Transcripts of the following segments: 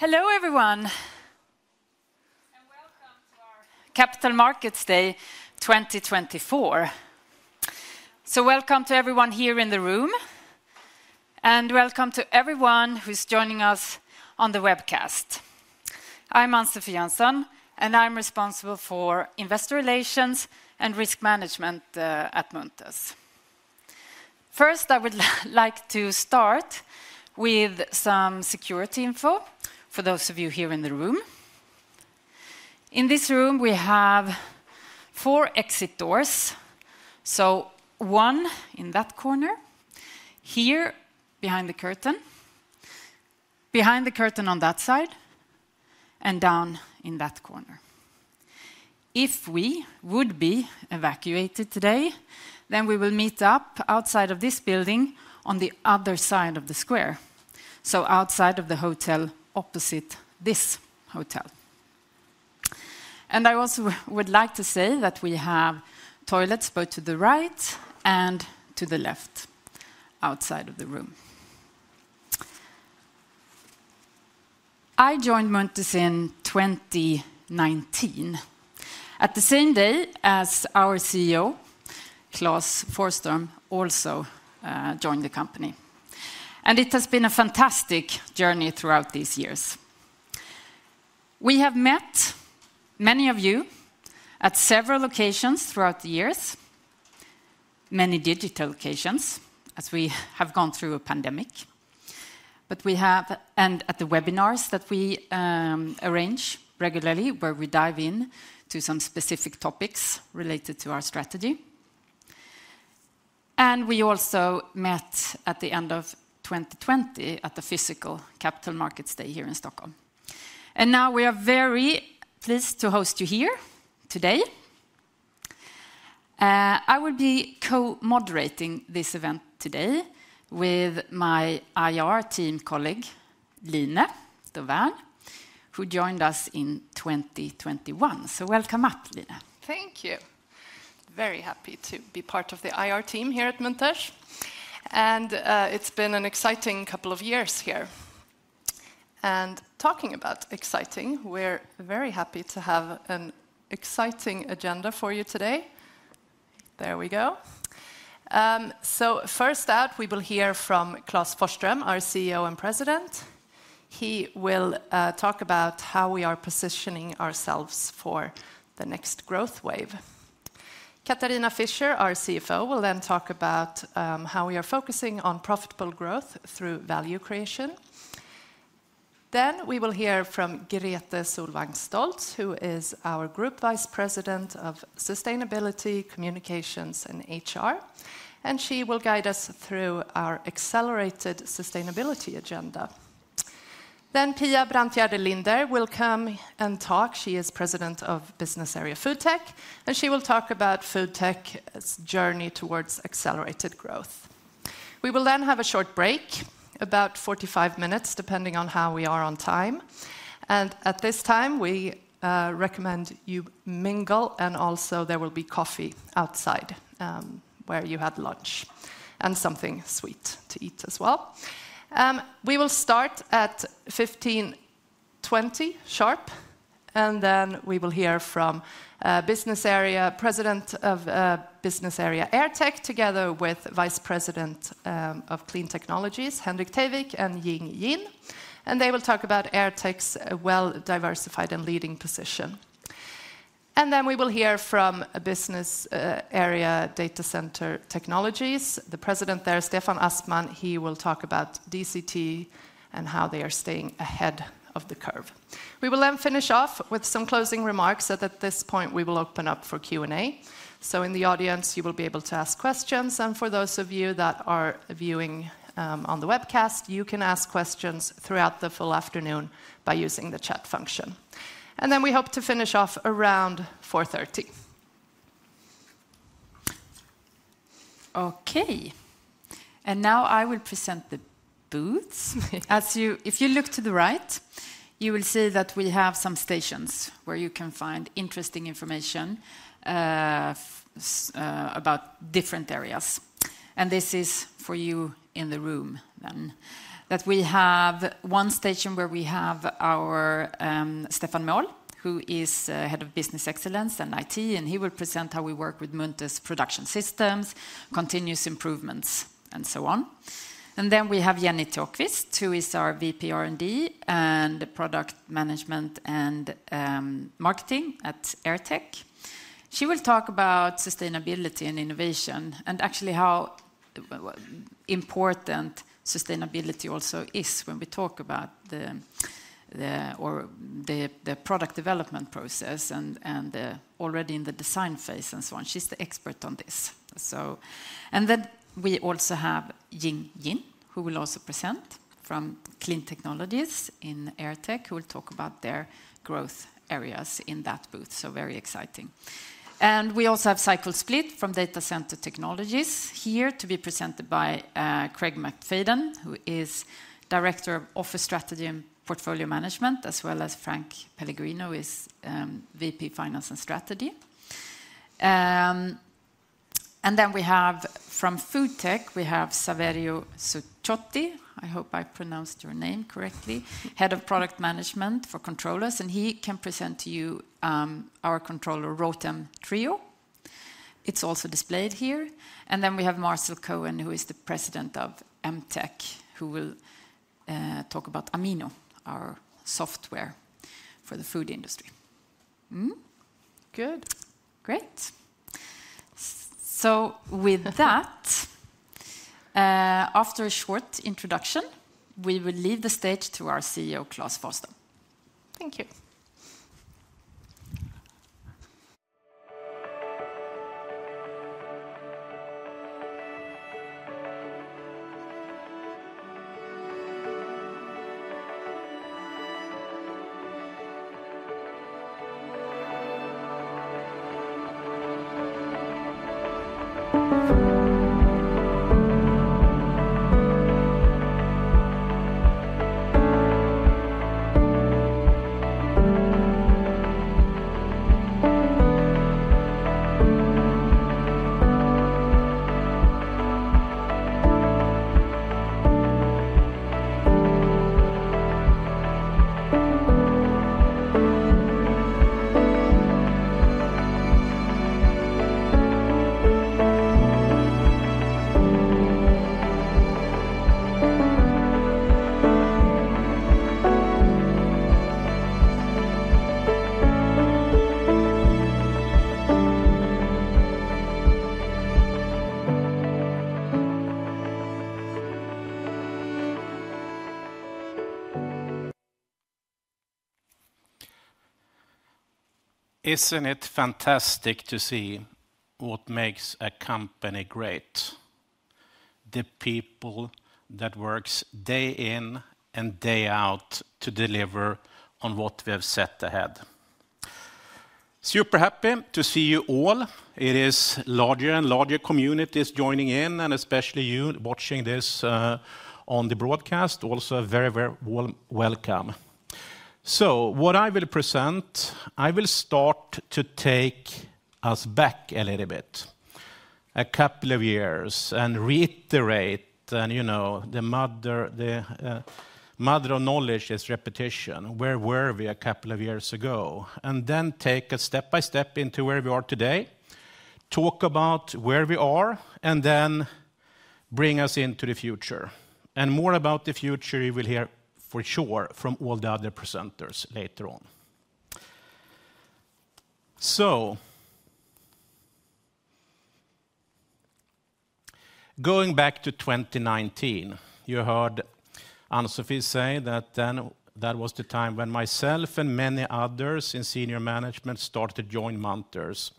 Hello, everyone, and welcome to our Capital Markets Day 2024. Welcome to everyone here in the room, and welcome to everyone who's joining us on the webcast. I'm Ann-Sofi Jönsson, and I'm responsible for investor relations and risk management at Munters. First, I would like to start with some security info for those of you here in the room. In this room, we have four exit doors. One in that corner, here behind the curtain, behind the curtain on that side, and down in that corner. If we would be evacuated today, then we will meet up outside of this building on the other side of the square. Outside of the hotel, opposite this hotel. And I also would like to say that we have toilets both to the right and to the left, outside of the room. I joined Munters in 2019, at the same day as our CEO, Klas Forsström, also joined the company. It has been a fantastic journey throughout these years. We have met many of you at several occasions throughout the years, many digital occasions, as we have gone through a pandemic. At the webinars that we arrange regularly, where we dive in to some specific topics related to our strategy. We also met at the end of 2020 at the physical Capital Markets Day here in Stockholm. Now we are very pleased to host you here today. I will be co-moderating this event today with my IR team colleague, Line Dovärn, who joined us in 2021. Welcome up, Line. Thank you. Very happy to be part of the IR team here at Munters, and it's been an exciting couple of years here. And talking about exciting, we're very happy to have an exciting agenda for you today. There we go. So first out, we will hear from Klas Forsström, our CEO and president. He will talk about how we are positioning ourselves for the next growth wave. Katharina Fischer, our CFO, will then talk about how we are focusing on profitable growth through value creation. Then, we will hear from Grete Solvang Stolt, who is our Group Vice President of Sustainability, Communications, and HR, and she will guide us through our accelerated sustainability agenda. Then Pia Brantgärde Linder will come and talk. She is President of Business Area FoodTech, and she will talk about FoodTech's journey towards accelerated growth. We will then have a short break, about 45 minutes, depending on how we are on time. And at this time, we recommend you mingle, and also there will be coffee outside, where you had lunch, and something sweet to eat as well. We will start at 3:20 P.M. sharp, and then we will hear from Business Area President of Business Area AirTech, together with Vice President of Clean Technologies, Henrik Teiwik and Ying Yin. And they will talk about AirTech's well-diversified and leading position. And then we will hear from a Business Area Data Center Technologies. The president there, Stefan Aspman, he will talk about DCT and how they are staying ahead of the curve. We will then finish off with some closing remarks, and at this point, we will open up for Q&A. So in the audience, you will be able to ask questions, and for those of you that are viewing on the webcast, you can ask questions throughout the full afternoon by using the chat function. Then we hope to finish off around 4:30 P.M. Okay, and now I will present the booths. As you if you look to the right, you will see that we have some stations where you can find interesting information about different areas. And this is for you in the room, then. That we have one station where we have our Stefan Måhl, who is Head of Business Excellence and IT, and he will present how we work with Munters Production Systems, continuous improvements, and so on. And then we have Jennie Torkvist, who is our VP R&D and Product Management and Marketing at AirTech. She will talk about sustainability and innovation, and actually how important sustainability also is when we talk about the product development process and already in the design phase and so on. She's the expert on this. So... And then we also have Ying Yin, who will also present from Clean Technologies in AirTech, who will talk about their growth areas in that booth, so very exciting. And we also have SyCool Split from Data Center Technologies, here to be presented by Craig McFadden, who is Director of Offer Strategy and Portfolio Management, as well as Frank Pellegrino, who is VP, Finance and Strategy. And then we have, from FoodTech, we have Saverio Ricciotti. I hope I pronounced your name correctly, Head of Product Management for Controllers, and he can present to you our controller, Rotem Trio. It's also displayed here. And then we have Marcel Cohen, who is the president of MTech, who will talk about Amino, our software for the food industry. Mm-hmm, good. Great. With that, after a short introduction, we will leave the stage to our CEO, Klas Forsström. Thank you. Isn't it fantastic to see what makes a company great? The people that works day in and day out to deliver on what we have set ahead. Super happy to see you all. It is larger and larger communities joining in, and especially you watching this on the broadcast, also very, very welcome. So what I will present, I will start to take us back a little bit, a couple of years, and reiterate, and, you know, the mother of knowledge is repetition. Where were we a couple of years ago? And then take a step by step into where we are today, talk about where we are, and then bring us into the future. And more about the future you will hear for sure from all the other presenters later on. So going back to 2019, you heard Ann-Sofi say that then that was the time when myself and many others in senior management started to join Munters.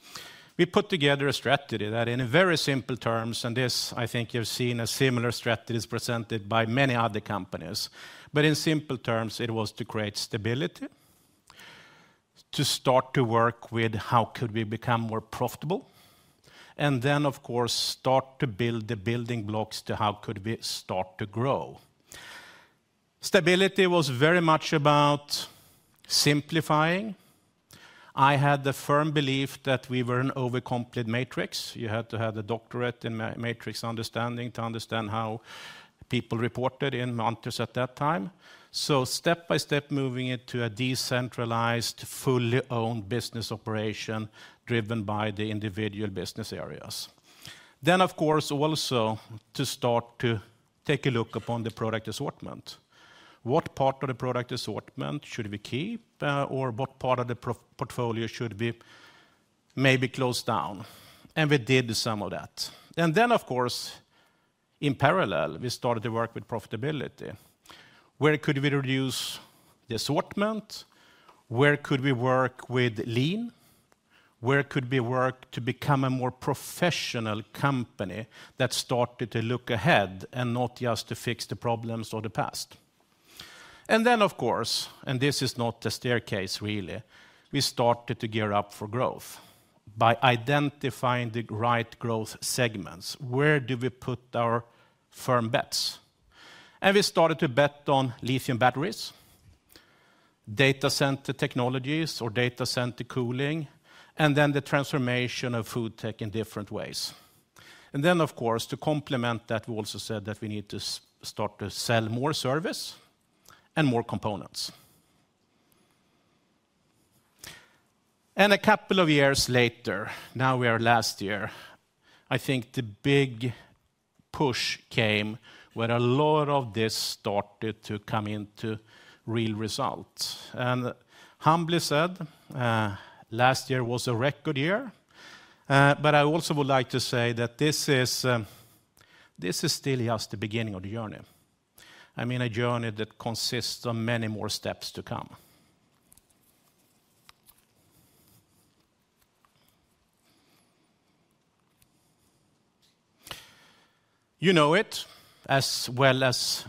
We put together a strategy that in a very simple terms, and this, I think you've seen a similar strategies presented by many other companies, but in simple terms, it was to create stability, to start to work with how could we become more profitable, and then, of course, start to build the building blocks to how could we start to grow. Stability was very much about simplifying. I had the firm belief that we were an overcomplex matrix. You had to have a doctorate in matrix understanding to understand how people reported in Munters at that time. So step by step, moving it to a decentralized, fully owned business operation, driven by the individual business areas. Then, of course, also to start to take a look upon the product assortment. What part of the product assortment should we keep, or what part of the portfolio should we maybe close down? And we did some of that. And then, of course, in parallel, we started to work with profitability. Where could we reduce the assortment? Where could we work with lean? Where could we work to become a more professional company that started to look ahead and not just to fix the problems of the past? And then, of course, and this is not the staircase, really, we started to gear up for growth by identifying the right growth segments. Where do we put our firm bets? And we started to bet on lithium batteries, Data Center Technologies or data center cooling, and then the transformation of FoodTech in different ways. And then, of course, to complement that, we also said that we need to start to sell more service and more components. A couple of years later, now we are last year, I think the big push came when a lot of this started to come into real results. And humbly said, last year was a record year, but I also would like to say that this is, this is still just the beginning of the journey. I mean, a journey that consists of many more steps to come. You know it as well as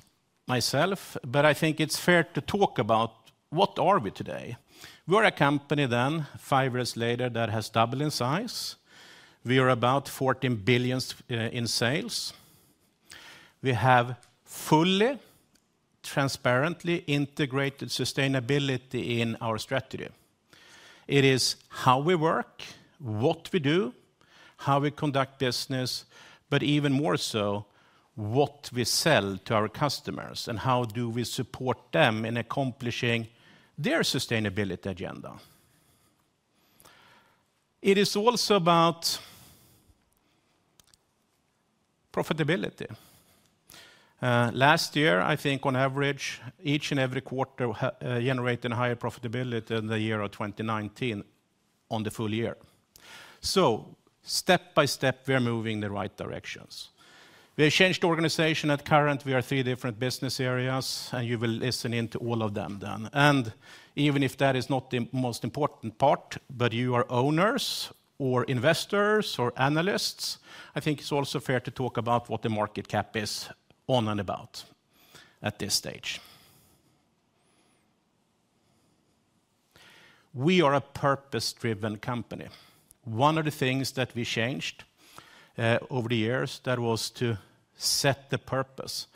myself, but I think it's fair to talk about what are we today? We are a company then, five years later, that has doubled in size. We are about 14 billion in sales. We have fully, transparently integrated sustainability in our strategy. It is how we work, what we do, how we conduct business, but even more so, what we sell to our customers, and how do we support them in accomplishing their sustainability agenda? It is also about profitability. Last year, I think on average, each and every quarter generated higher profitability than the year of 2019 on the full year. So step by step, we are moving in the right directions. We have changed the organization. At current, we are three different business areas, and you will listen in to all of them then. And even if that is not the most important part, but you are owners, or investors, or analysts, I think it's also fair to talk about what the market cap is on and about at this stage. We are a purpose-driven company. One of the things that we changed, over the years, that was to set the purpose,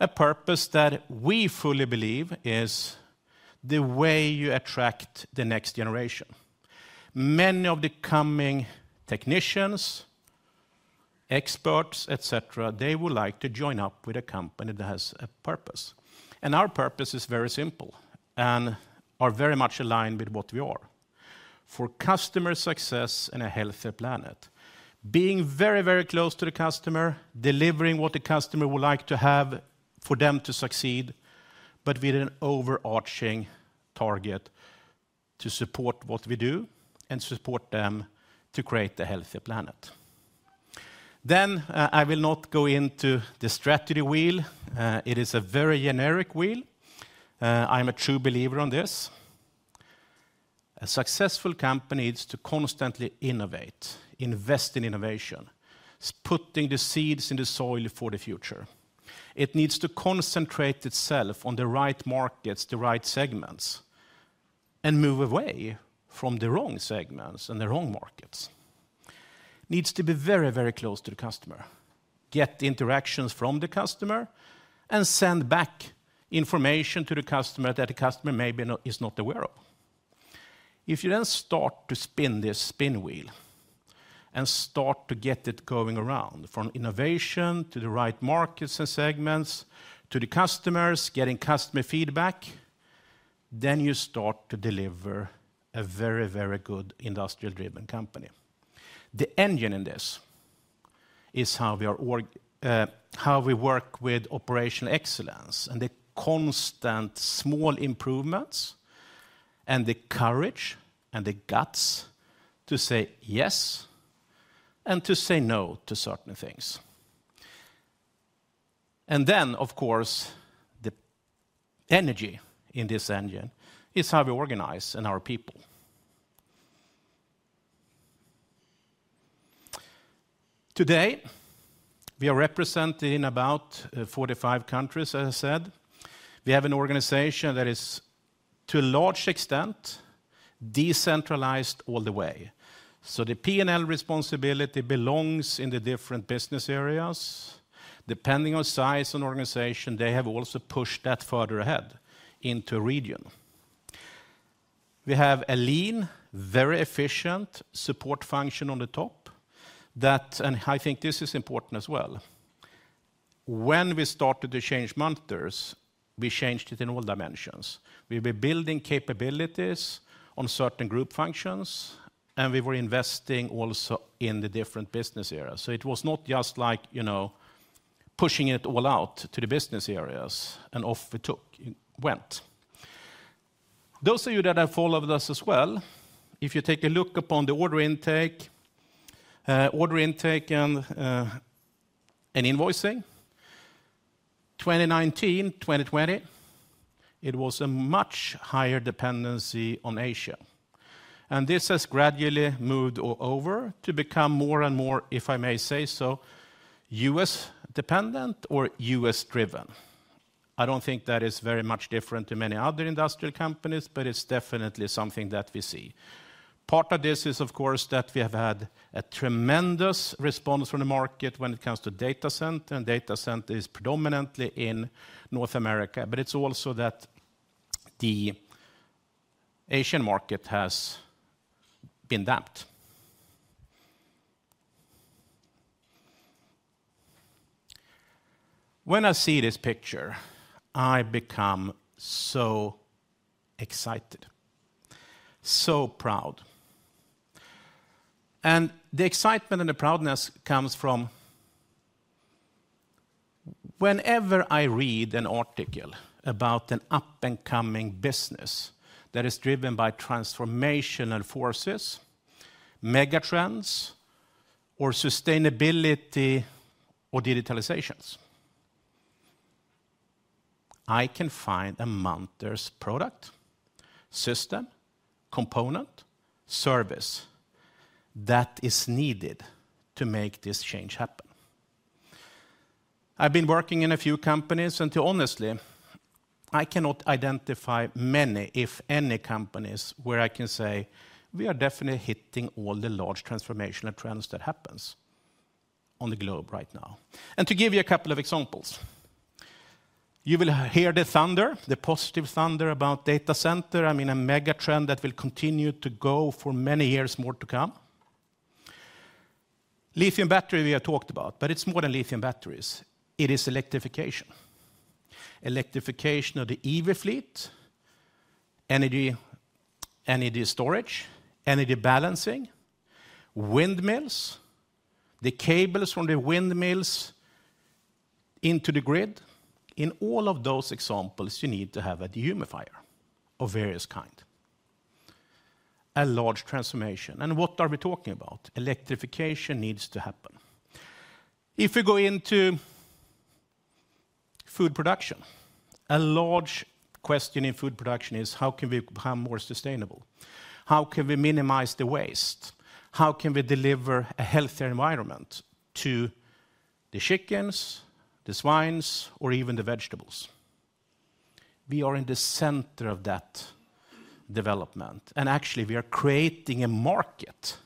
a purpose that we fully believe is the way you attract the next generation. Many of the coming technicians, experts, et cetera, they would like to join up with a company that has a purpose, and our purpose is very simple and are very much aligned with what we are: for customer success and a healthier planet. Being very, very close to the customer, delivering what the customer would like to have for them to succeed, but with an overarching target to support what we do and support them to create a healthier planet. Then, I will not go into the strategy wheel. It is a very generic wheel. I'm a true believer on this. A successful company needs to constantly innovate, invest in innovation, putting the seeds in the soil for the future. It needs to concentrate itself on the right markets, the right segments, and move away from the wrong segments and the wrong markets. Needs to be very, very close to the customer, get the interactions from the customer, and send back information to the customer that the customer maybe not, is not aware of. If you then start to spin this spin wheel and start to get it going around, from innovation, to the right markets and segments, to the customers, getting customer feedback, then you start to deliver a very, very good industrial-driven company. The engine in this is how we are organized, how we work with operational excellence and the constant small improvements, and the courage, and the guts to say yes, and to say no to certain things. Then, of course, the energy in this engine is how we organize and our people. Today, we are represented in about 45 countries, as I said. We have an organization that is, to a large extent, decentralized all the way. So the P&L responsibility belongs in the different business areas. Depending on size and organization, they have also pushed that further ahead into region. We have a lean, very efficient support function on the top, that. And I think this is important as well, when we started to change Munters, we changed it in all dimensions. We were building capabilities on certain group functions, and we were investing also in the different business areas. So it was not just like, you know, pushing it all out to the business areas, and off it took, it went. Those of you that have followed us as well, if you take a look upon the order intake, order intake and invoicing, 2019, 2020, it was a much higher dependency on Asia, and this has gradually moved over to become more and more, if I may say so, U.S.-dependent or U.S.-driven. I don't think that is very much different to many other industrial companies, but it's definitely something that we see. Part of this is, of course, that we have had a tremendous response from the market when it comes to data center, and data center is predominantly in North America, but it's also that the Asian market has been damped. When I see this picture, I become so excited, so proud, and the excitement and the proudness comes from... Whenever I read an article about an up-and-coming business that is driven by transformational forces, mega trends, or sustainability, or digitalizations, I can find a Munters product, system, component, service that is needed to make this change happen. I've been working in a few companies, and to honestly. I cannot identify many, if any, companies where I can say we are definitely hitting all the large transformational trends that happens on the globe right now. And to give you a couple of examples, you will hear the thunder, the positive thunder about data center. I mean, a mega trend that will continue to go for many years more to come. Lithium battery, we have talked about, but it's more than lithium batteries. It is electrification. Electrification of the EV fleet, energy, energy storage, energy balancing, windmills, the cables from the windmills into the grid. In all of those examples, you need to have a dehumidifier of various kind. A large transformation, and what are we talking about? Electrification needs to happen. If we go into food production, a large question in food production is: how can we become more sustainable? How can we minimize the waste? How can we deliver a healthier environment to the chickens, the swines, or even the vegetables? We are in the center of that development, and actually, we are creating a market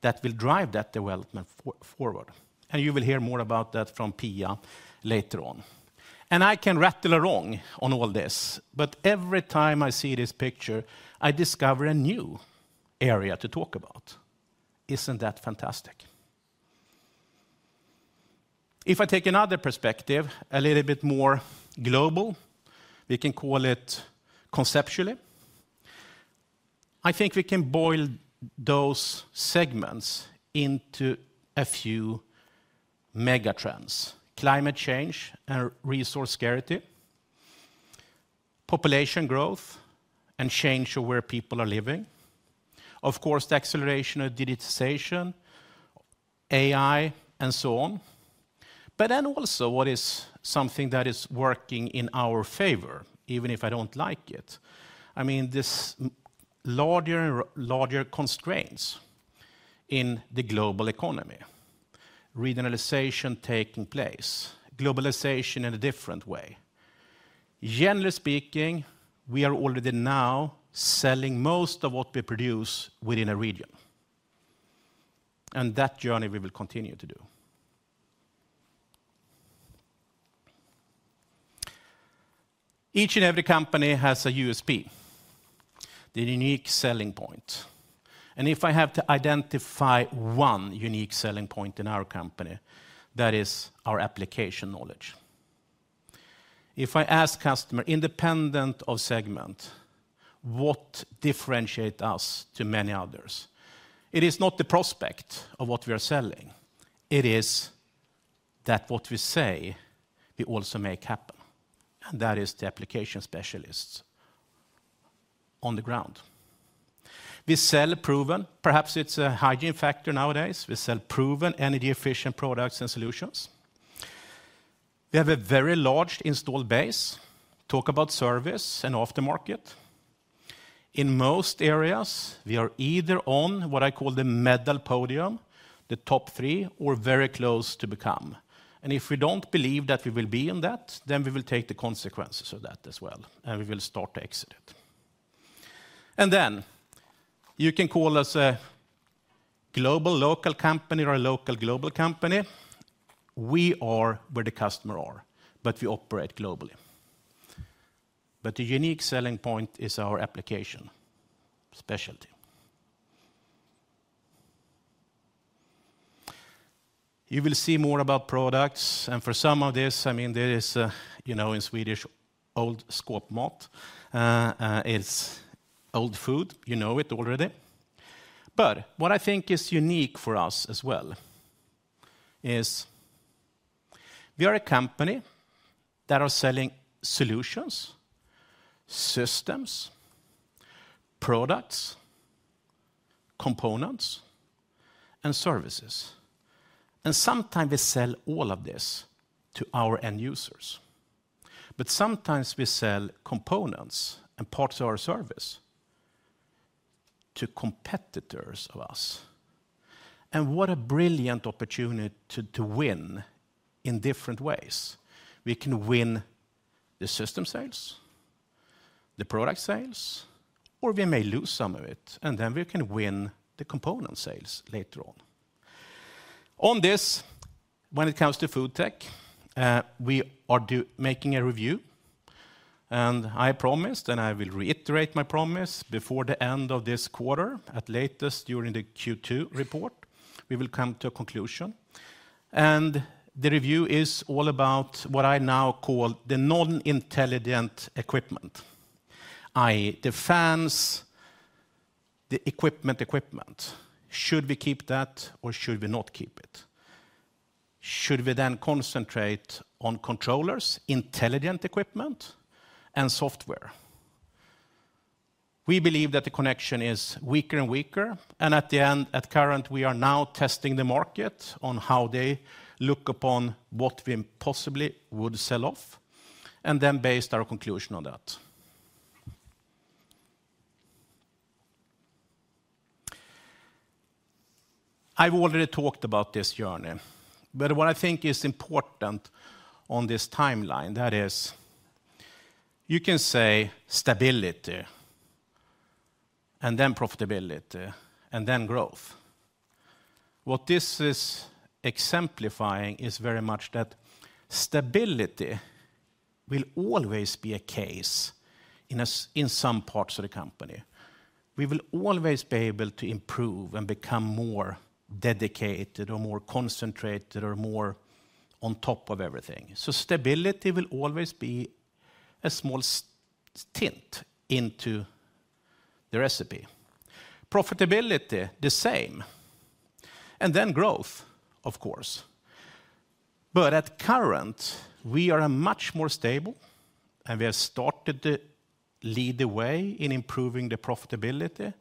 that will drive that development forward. And you will hear more about that from Pia later on. And I can rattle along on all this, but every time I see this picture, I discover a new area to talk about. Isn't that fantastic? If I take another perspective, a little bit more global, we can call it conceptually. I think we can boil those segments into a few mega trends: climate change and resource scarcity, population growth, and change of where people are living. Of course, the acceleration of digitization, AI, and so on. But then also, what is something that is working in our favor, even if I don't like it? I mean, these larger constraints in the global economy, regionalization taking place, globalization in a different way. Generally speaking, we are already now selling most of what we produce within a region, and that journey we will continue to do. Each and every company has a USP, the unique selling point, and if I have to identify one unique selling point in our company, that is our application knowledge. If I ask customer, independent of segment, what differentiate us from many others, it is not the product of what we are selling, it is that what we say, we also make happen, and that is the application specialists on the ground. We sell proven, perhaps it's a hygiene factor nowadays. We sell proven, energy-efficient products and solutions. We have a very large installed base, talk about service and aftermarket. In most areas, we are either on what I call the medal podium, the top three, or very close to become. And if we don't believe that we will be in that, then we will take the consequences of that as well, and we will start to exit it. And then, you can call us a global local company or a local global company. We are where the customer are, but we operate globally. But the unique selling point is our application specialty. You will see more about products, and for some of this, I mean, there is, you know, in Swedish, old skåp mat. It's old food, you know it already. But what I think is unique for us as well is we are a company that are selling solutions, systems, products, components, and services, and sometimes we sell all of this to our end users. But sometimes we sell components and parts of our service to competitors of us. What a brilliant opportunity to win in different ways. We can win the system sales, the product sales, or we may lose some of it, and then we can win the component sales later on. On this, when it comes to FoodTech, we are making a review, and I promised, and I will reiterate my promise, before the end of this quarter, at latest during the Q2 report, we will come to a conclusion. The review is all about what I now call the non-intelligent equipment, i.e., the fans, the equipment. Should we keep that, or should we not keep it? Should we then concentrate on controllers, intelligent equipment, and software? We believe that the connection is weaker and weaker, and at the end, at current, we are now testing the market on how they look upon what we possibly would sell off, and then base our conclusion on that. I've already talked about this journey, but what I think is important on this timeline, that is, you can say stability, and then profitability, and then growth. What this is exemplifying is very much that stability will always be a case in a in some parts of the company. We will always be able to improve and become more dedicated, or more concentrated, or more on top of everything. So stability will always be a small tint into the recipe. Profitability, the same, and then growth, of course. But currently, we are much more stable, and we have started to lead the way in improving the profitability,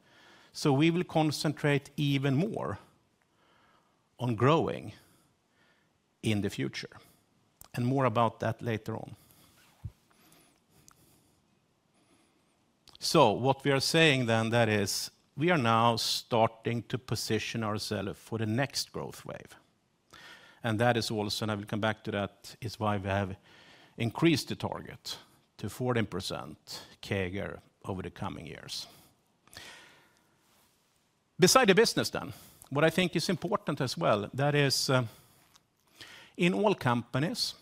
so we will concentrate even more on growing in the future. And more about that later on. So what we are saying then, that is, we are now starting to position ourselves for the next growth wave. And that is also, and I will come back to that, is why we have increased the target to 14% CAGR over the coming years. Besides the business then, what I think is important as well, that is, in all companies,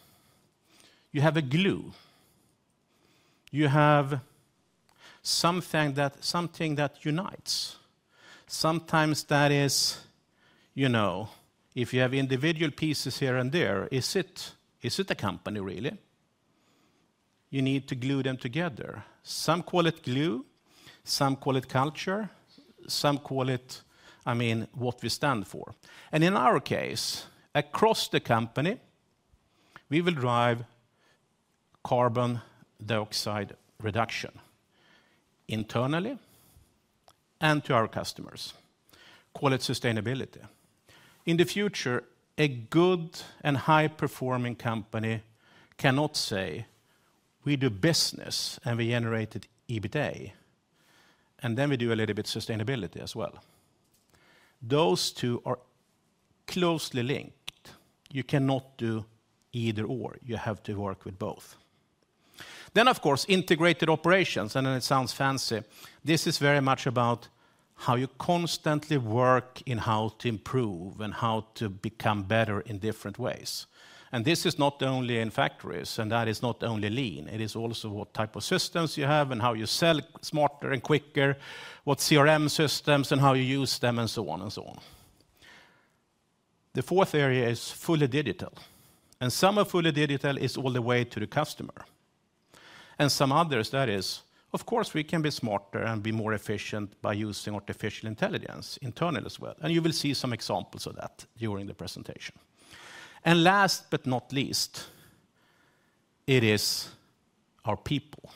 you have a glue. You have something that, something that unites. Sometimes that is, you know, if you have individual pieces here and there, is it, is it a company, really? You need to glue them together. Some call it glue, some call it culture, some call it, I mean, what we stand for. In our case, across the company, we will drive carbon dioxide reduction internally and to our customers. Call it sustainability. In the future, a good and high-performing company cannot say, "We do business, and we generated EBITA, and then we do a little bit sustainability as well." Those two are closely linked. You cannot do either or, you have to work with both. Of course, integrated operations, I know it sounds fancy. This is very much about how you constantly work in how to improve and how to become better in different ways. And this is not only in factories, and that is not only lean, it is also what type of systems you have and how you sell smarter and quicker, what CRM systems and how you use them, and so on and so on. The fourth area is fully digital, and some are fully digital is all the way to the customer. And some others, that is, of course, we can be smarter and be more efficient by using artificial intelligence, internal as well, and you will see some examples of that during the presentation. And last but not least, it is our people,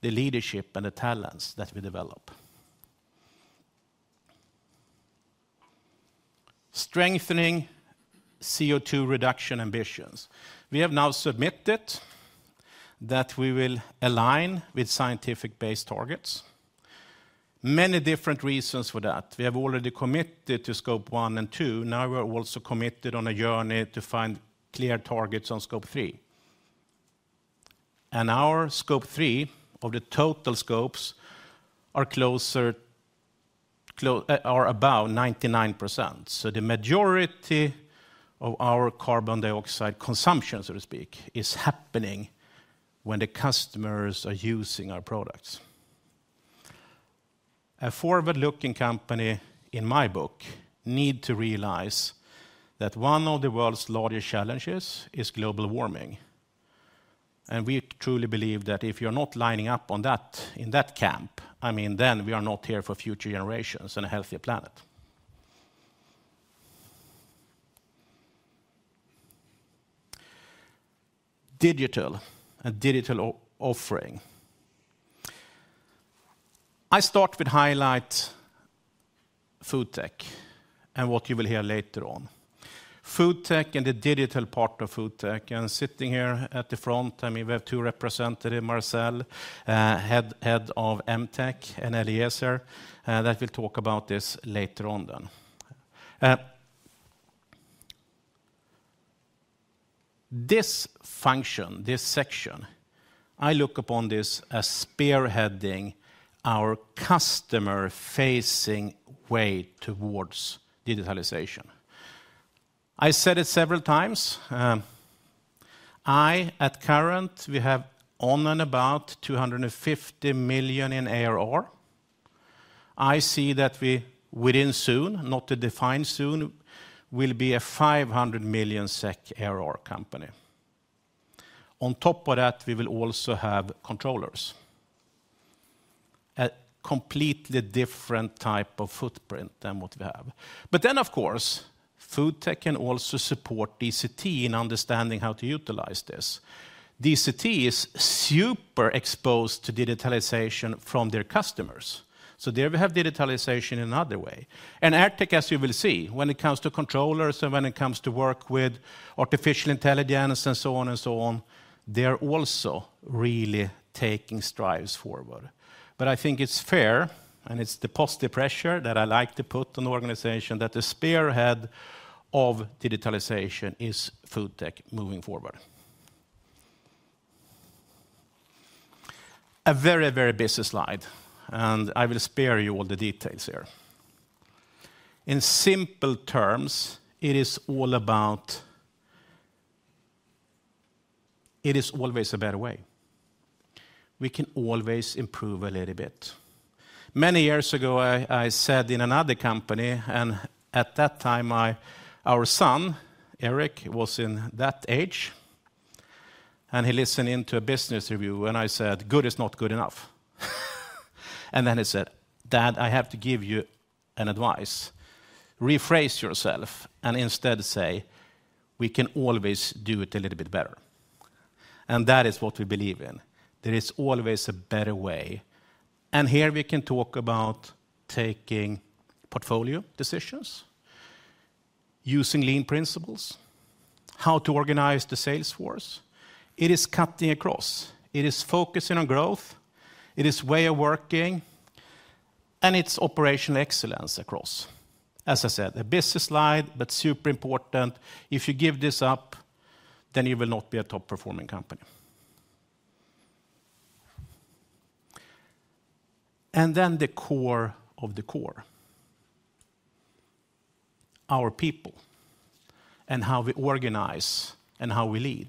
the leadership and the talents that we develop. Strengthening CO2 reduction ambitions. We have now submitted that we will align with science-based targets. Many different reasons for that. We have already committed to Scope 1 and 2. Now, we are also committed on a journey to find clear targets on Scope 3. And our Scope 3 of the total scopes are closer, are about 99%. So the majority of our carbon dioxide consumption, so to speak, is happening when the customers are using our products. A forward-looking company, in my book, need to realize that one of the world's largest challenges is global warming, and we truly believe that if you're not lining up on that, in that camp, I mean, then we are not here for future generations and a healthier planet. Digital, a digital offering. I start with highlight FoodTech and what you will hear later on. FoodTech and the digital part of FoodTech, and sitting here at the front, I mean, we have two representative, Marcel, head of MTech, and Eliezer, that will talk about this later on then. This function, this section, I look upon this as spearheading our customer-facing way towards digitalization. I said it several times, at current, we have on and about 250 million in ARR. I see that we, within soon, not to define soon, will be a 500 million SEK ARR company. On top of that, we will also have controllers, a completely different type of footprint than what we have. But then, of course, FoodTech can also support DCT in understanding how to utilize this. DCT is super exposed to digitalization from their customers, so there we have digitalization in another way. And AirTech, as you will see, when it comes to controllers and when it comes to work with artificial intelligence and so on and so on, they're also really taking strides forward. But I think it's fair, and it's the positive pressure that I like to put on the organization, that the spearhead of digitalization is FoodTech moving forward. A very, very busy slide, and I will spare you all the details here. In simple terms, it is all about, it is always a better way. We can always improve a little bit. Many years ago, I, I sat in another company, and at that time, I, our son, Eric, was in that age, and he listened in to a business review, and I said, "Good is not good enough." And then he said, "Dad, I have to give you an advice. Rephrase yourself, and instead say, 'We can always do it a little bit better.' That is what we believe in. There is always a better way, and here we can talk about taking portfolio decisions, using lean principles, how to organize the sales force. It is cutting across. It is focusing on growth, it is way of working, and it's operational excellence across. As I said, a busy slide, but super important. If you give this up, you will not be a top-performing company. Then the core of the core, our people, and how we organize, and how we lead.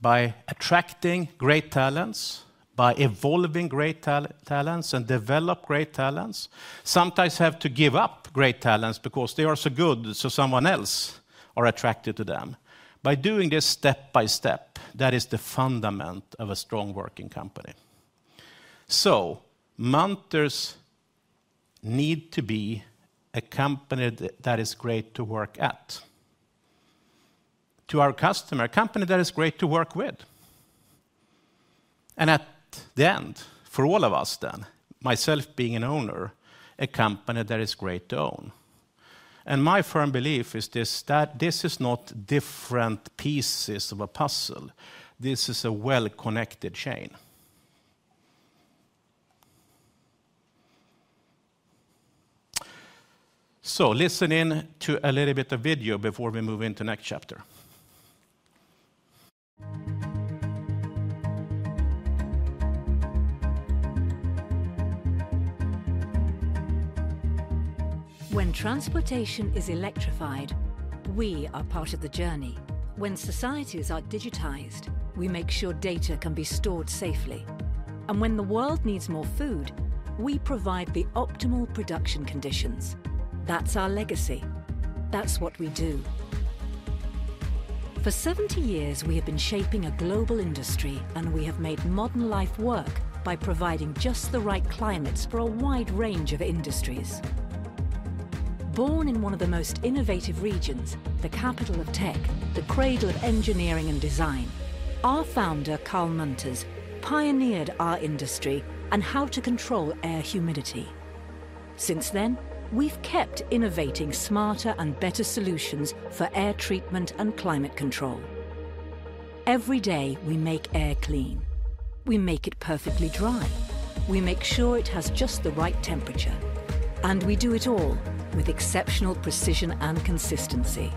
By attracting great talents, by evolving great talents, and develop great talents, sometimes have to give up great talents because they are so good, so someone else are attracted to them. By doing this step by step, that is the foundation of a strong working company. Munters need to be a company that, that is great to work at, to our customer, a company that is great to work with, and at the end, for all of us then, myself being an owner, a company that is great to own. My firm belief is this, that this is not different pieces of a puzzle, this is a well-connected chain. Listen in to a little bit of video before we move into next chapter. When transportation is electrified, we are part of the journey. When societies are digitized, we make sure data can be stored safely. And when the world needs more food, we provide the optimal production conditions. That's our legacy. That's what we do. For 70 years, we have been shaping a global industry, and we have made modern life work by providing just the right climates for a wide range of industries. Born in one of the most innovative regions, the capital of tech, the cradle of engineering and design, our founder, Carl Munters, pioneered our industry and how to control air humidity. Since then, we've kept innovating smarter and better solutions for air treatment and climate control. Every day, we make air clean, we make it perfectly dry, we make sure it has just the right temperature, and we do it all with exceptional precision and consistency.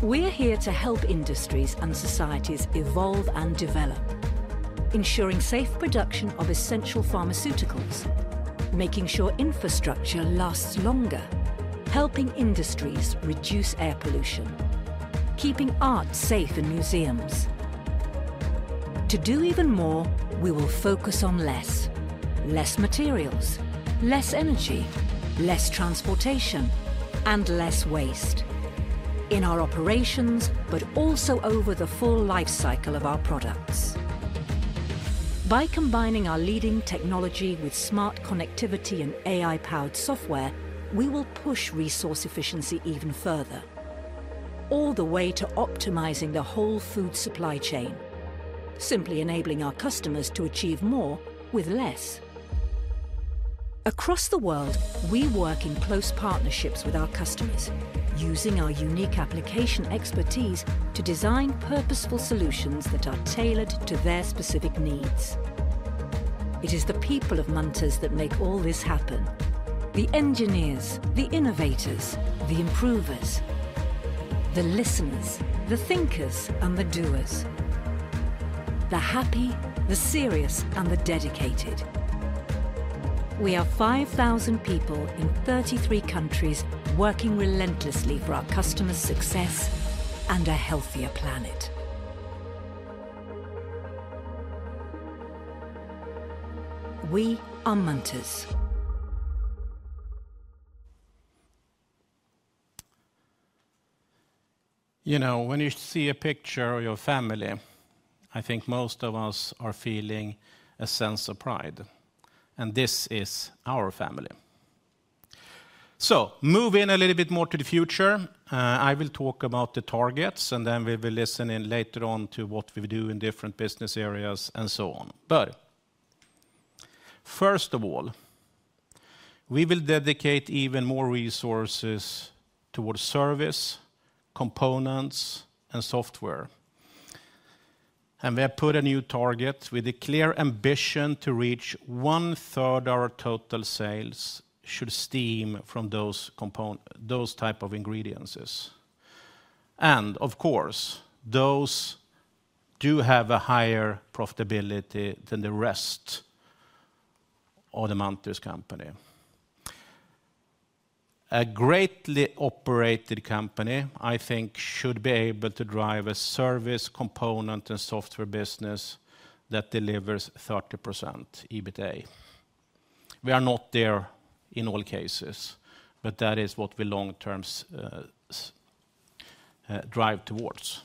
We're here to help industries and societies evolve and develop, ensuring safe production of essential pharmaceuticals, making sure infrastructure lasts longer, helping industries reduce air pollution, keeping art safe in museums. To do even more, we will focus on less: less materials, less energy, less transportation, and less waste in our operations, but also over the full life SyCool of our products. By combining our leading technology with smart connectivity and AI-powered software, we will push resource efficiency even further, all the way to optimizing the whole food supply chain, simply enabling our customers to achieve more with less. Across the world, we work in close partnerships with our customers, using our unique application expertise to design purposeful solutions that are tailored to their specific needs. It is the people of Munters that make all this happen: the engineers, the innovators, the improvers, the listeners, the thinkers, and the doers, the happy, the serious, and the dedicated. We are 5,000 people in 33 countries, working relentlessly for our customers' success and a healthier planet. We are Munters. You know, when you see a picture of your family, I think most of us are feeling a sense of pride, and this is our family. So moving a little bit more to the future, I will talk about the targets, and then we will listen in later on to what we do in different business areas, and so on. But first of all, we will dedicate even more resources towards service, components, and software... and we have put a new target with a clear ambition to reach one third our total sales should stem from those compon- those type of ingredients. And of course, those do have a higher profitability than the rest of the Munters company. A well operated company, I think, should be able to drive a service component and software business that delivers 30% EBITA. We are not there in all cases, but that is what we long-term drive towards.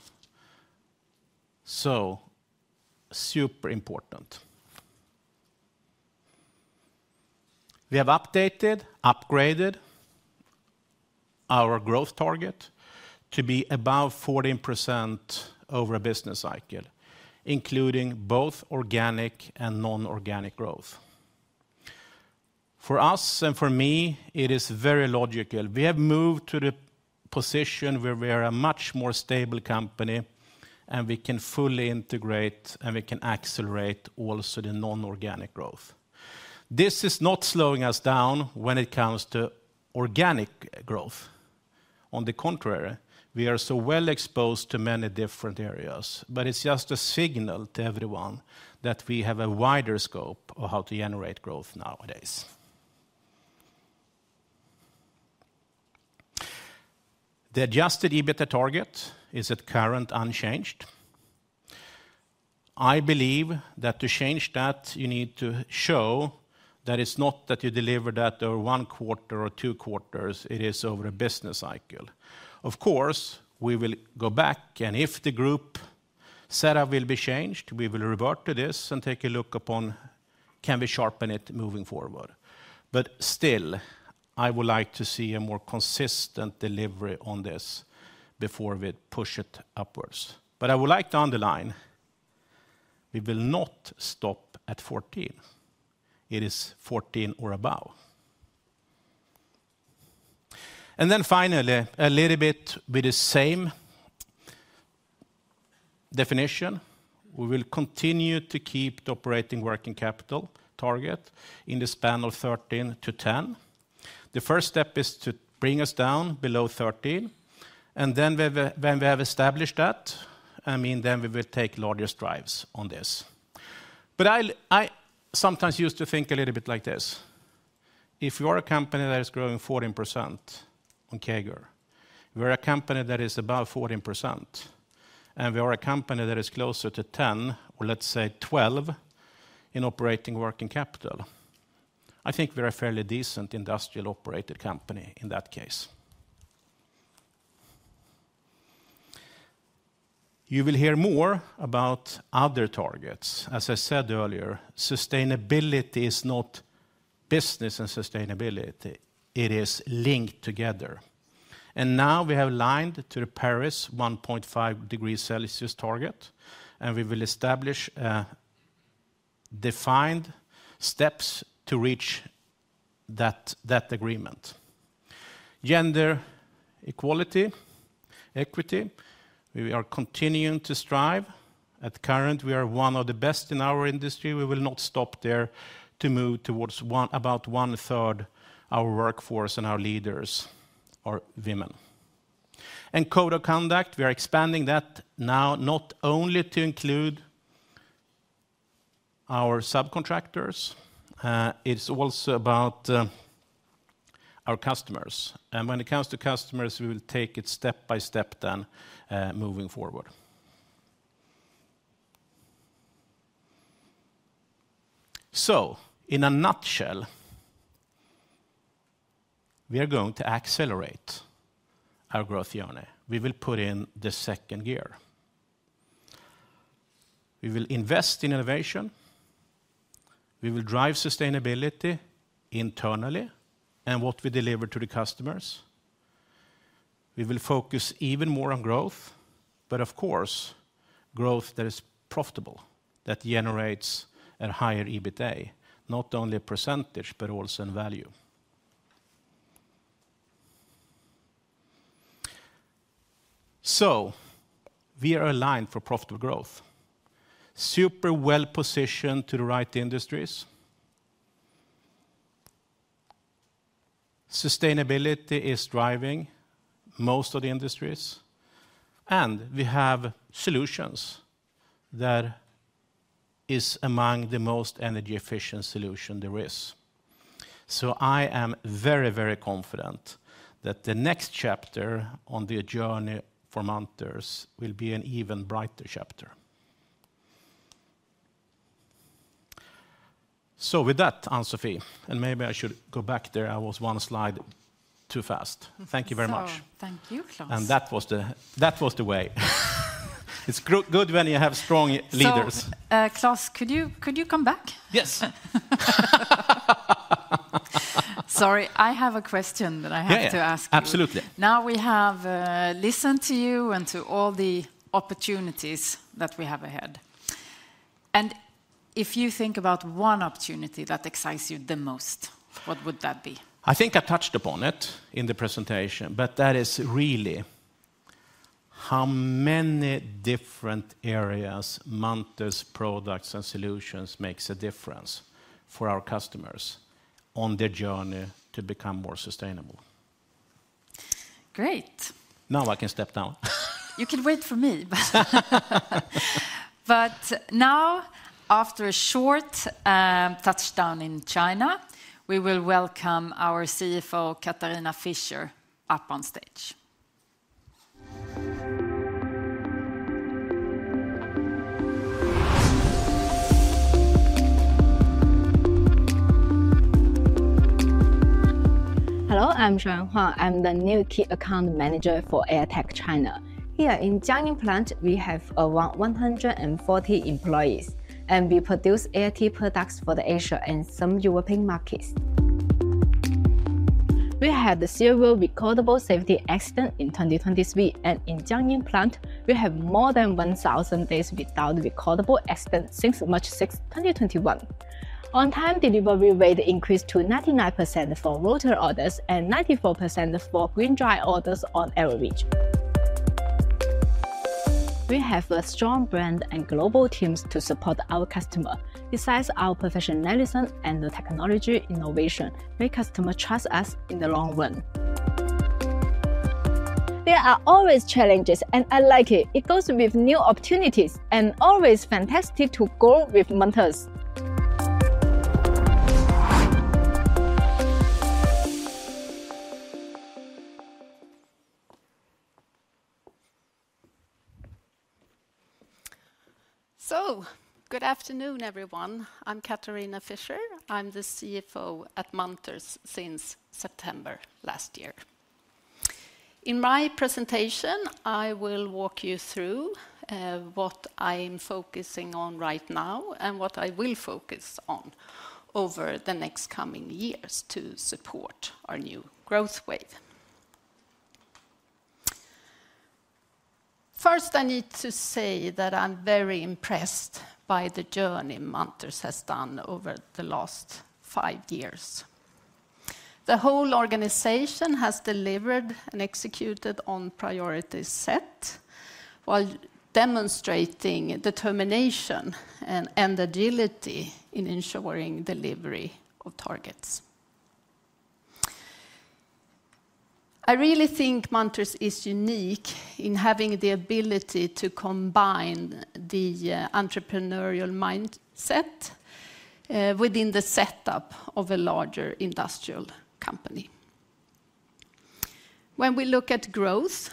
So super important. We have updated, upgraded our growth target to be above 14% over a business SyCool, including both organic and non-organic growth. For us, and for me, it is very logical. We have moved to the position where we are a much more stable company, and we can fully integrate, and we can accelerate also the non-organic growth. This is not slowing us down when it comes to organic growth. On the contrary, we are so well exposed to many different areas, but it's just a signal to everyone that we have a wider scope of how to generate growth nowadays. The adjusted EBITA target is currently unchanged. I believe that to change that, you need to show that it's not that you deliver that over one quarter or two quarters, it is over a business SyCool. Of course, we will go back, and if the group setup will be changed, we will revert to this and take a look upon, can we sharpen it moving forward? But still, I would like to see a more consistent delivery on this before we push it upwards. But I would like to underline, we will not stop at 14. It is 14 or above. And then finally, a little bit with the same definition, we will continue to keep the operating working capital target in the span of 13-10. The first step is to bring us down below 13, and then we have, when we have established that, I mean, then we will take larger strides on this. But I sometimes used to think a little bit like this: If you are a company that is growing 14% on CAGR, we're a company that is above 14%, and we are a company that is closer to 10, or let's say 12, in operating working capital, I think we're a fairly decent industrial operated company in that case. You will hear more about other targets. As I said earlier, sustainability is not business and sustainability, it is linked together. And now we have aligned to the Paris 1.5 degrees Celsius target, and we will establish defined steps to reach that agreement. Gender equality, equity, we are continuing to strive. Currently, we are one of the best in our industry. We will not stop there to move towards about one-third our workforce and our leaders are women. Code of conduct, we are expanding that now, not only to include our subcontractors, it's also about our customers. When it comes to customers, we will take it step by step then, moving forward. In a nutshell, we are going to accelerate our growth journey. We will put in the ZECOnd gear. We will invest in innovation, we will drive sustainability internally and what we deliver to the customers. We will focus even more on growth, but of course, growth that is profitable, that generates a higher EBITA, not only percentage, but also in value. We are aligned for profitable growth, super well-positioned to the right industries. Sustainability is driving most of the industries, and we have solutions that is among the most energy-efficient solution there is. So, I am very, very confident that the next chapter on the journey for Munters will be an even brighter chapter. So with that, Ann-Sofi, and maybe I should go back there. I was one slide too fast. Thank you very much. Thank you, Klas. That was the way. It's good when you have strong leaders. Klas, could you, could you come back? Yes. Sorry, I have a question that I have to ask you. Yeah, yeah. Absolutely. Now, we have listened to you and to all the opportunities that we have ahead. And if you think about one opportunity that excites you the most, what would that be? I think I touched upon it in the presentation, but that is really how many different areas Munters products and solutions makes a difference for our customers on their journey to become more sustainable. Great! Now I can step down. You can wait for me. Now, after a short touch down in China, we will welcome our CFO, Katharina Fischer, up on stage. Hello, I'm Xuan Huang. I'm the new key account manager for AirTech China. Here in Jiangyin plant, we have around 140 employees, and we produce air products for the Asia and some European markets. We had the zero recordable safety accident in 2023, and in Jiangyin plant, we have more than 1,000 days without recordable accident since March sixth, 2021. On-time delivery rate increased to 99% for rotor orders and 94% for GreenDry orders on average. We have a strong brand and global teams to support our customer. Besides our professionalism and the technology innovation, make customer trust us in the long run. There are always challenges, and I like it. It goes with new opportunities, and always fantastic to grow with Munters. Good afternoon, everyone. I'm Katharina Fischer. I'm the CFO at Munters since September last year. In my presentation, I will walk you through what I'm focusing on right now and what I will focus on over the next coming years to support our new growth wave. First, I need to say that I'm very impressed by the journey Munters has done over the last 5 years. The whole organization has delivered and executed on priorities set, while demonstrating determination and agility in ensuring delivery of targets. I really think Munters is unique in having the ability to combine the entrepreneurial mindset within the setup of a larger industrial company. When we look at growth,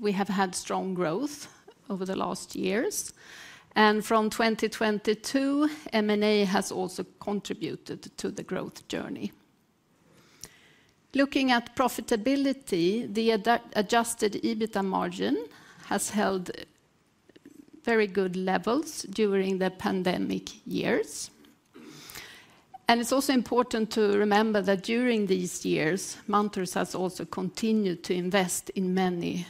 we have had strong growth over the last years, and from 2022, M&A has also contributed to the growth journey. Looking at profitability, the adjusted EBITDA margin has held very good levels during the pandemic years. It's also important to remember that during these years, Munters has also continued to invest in many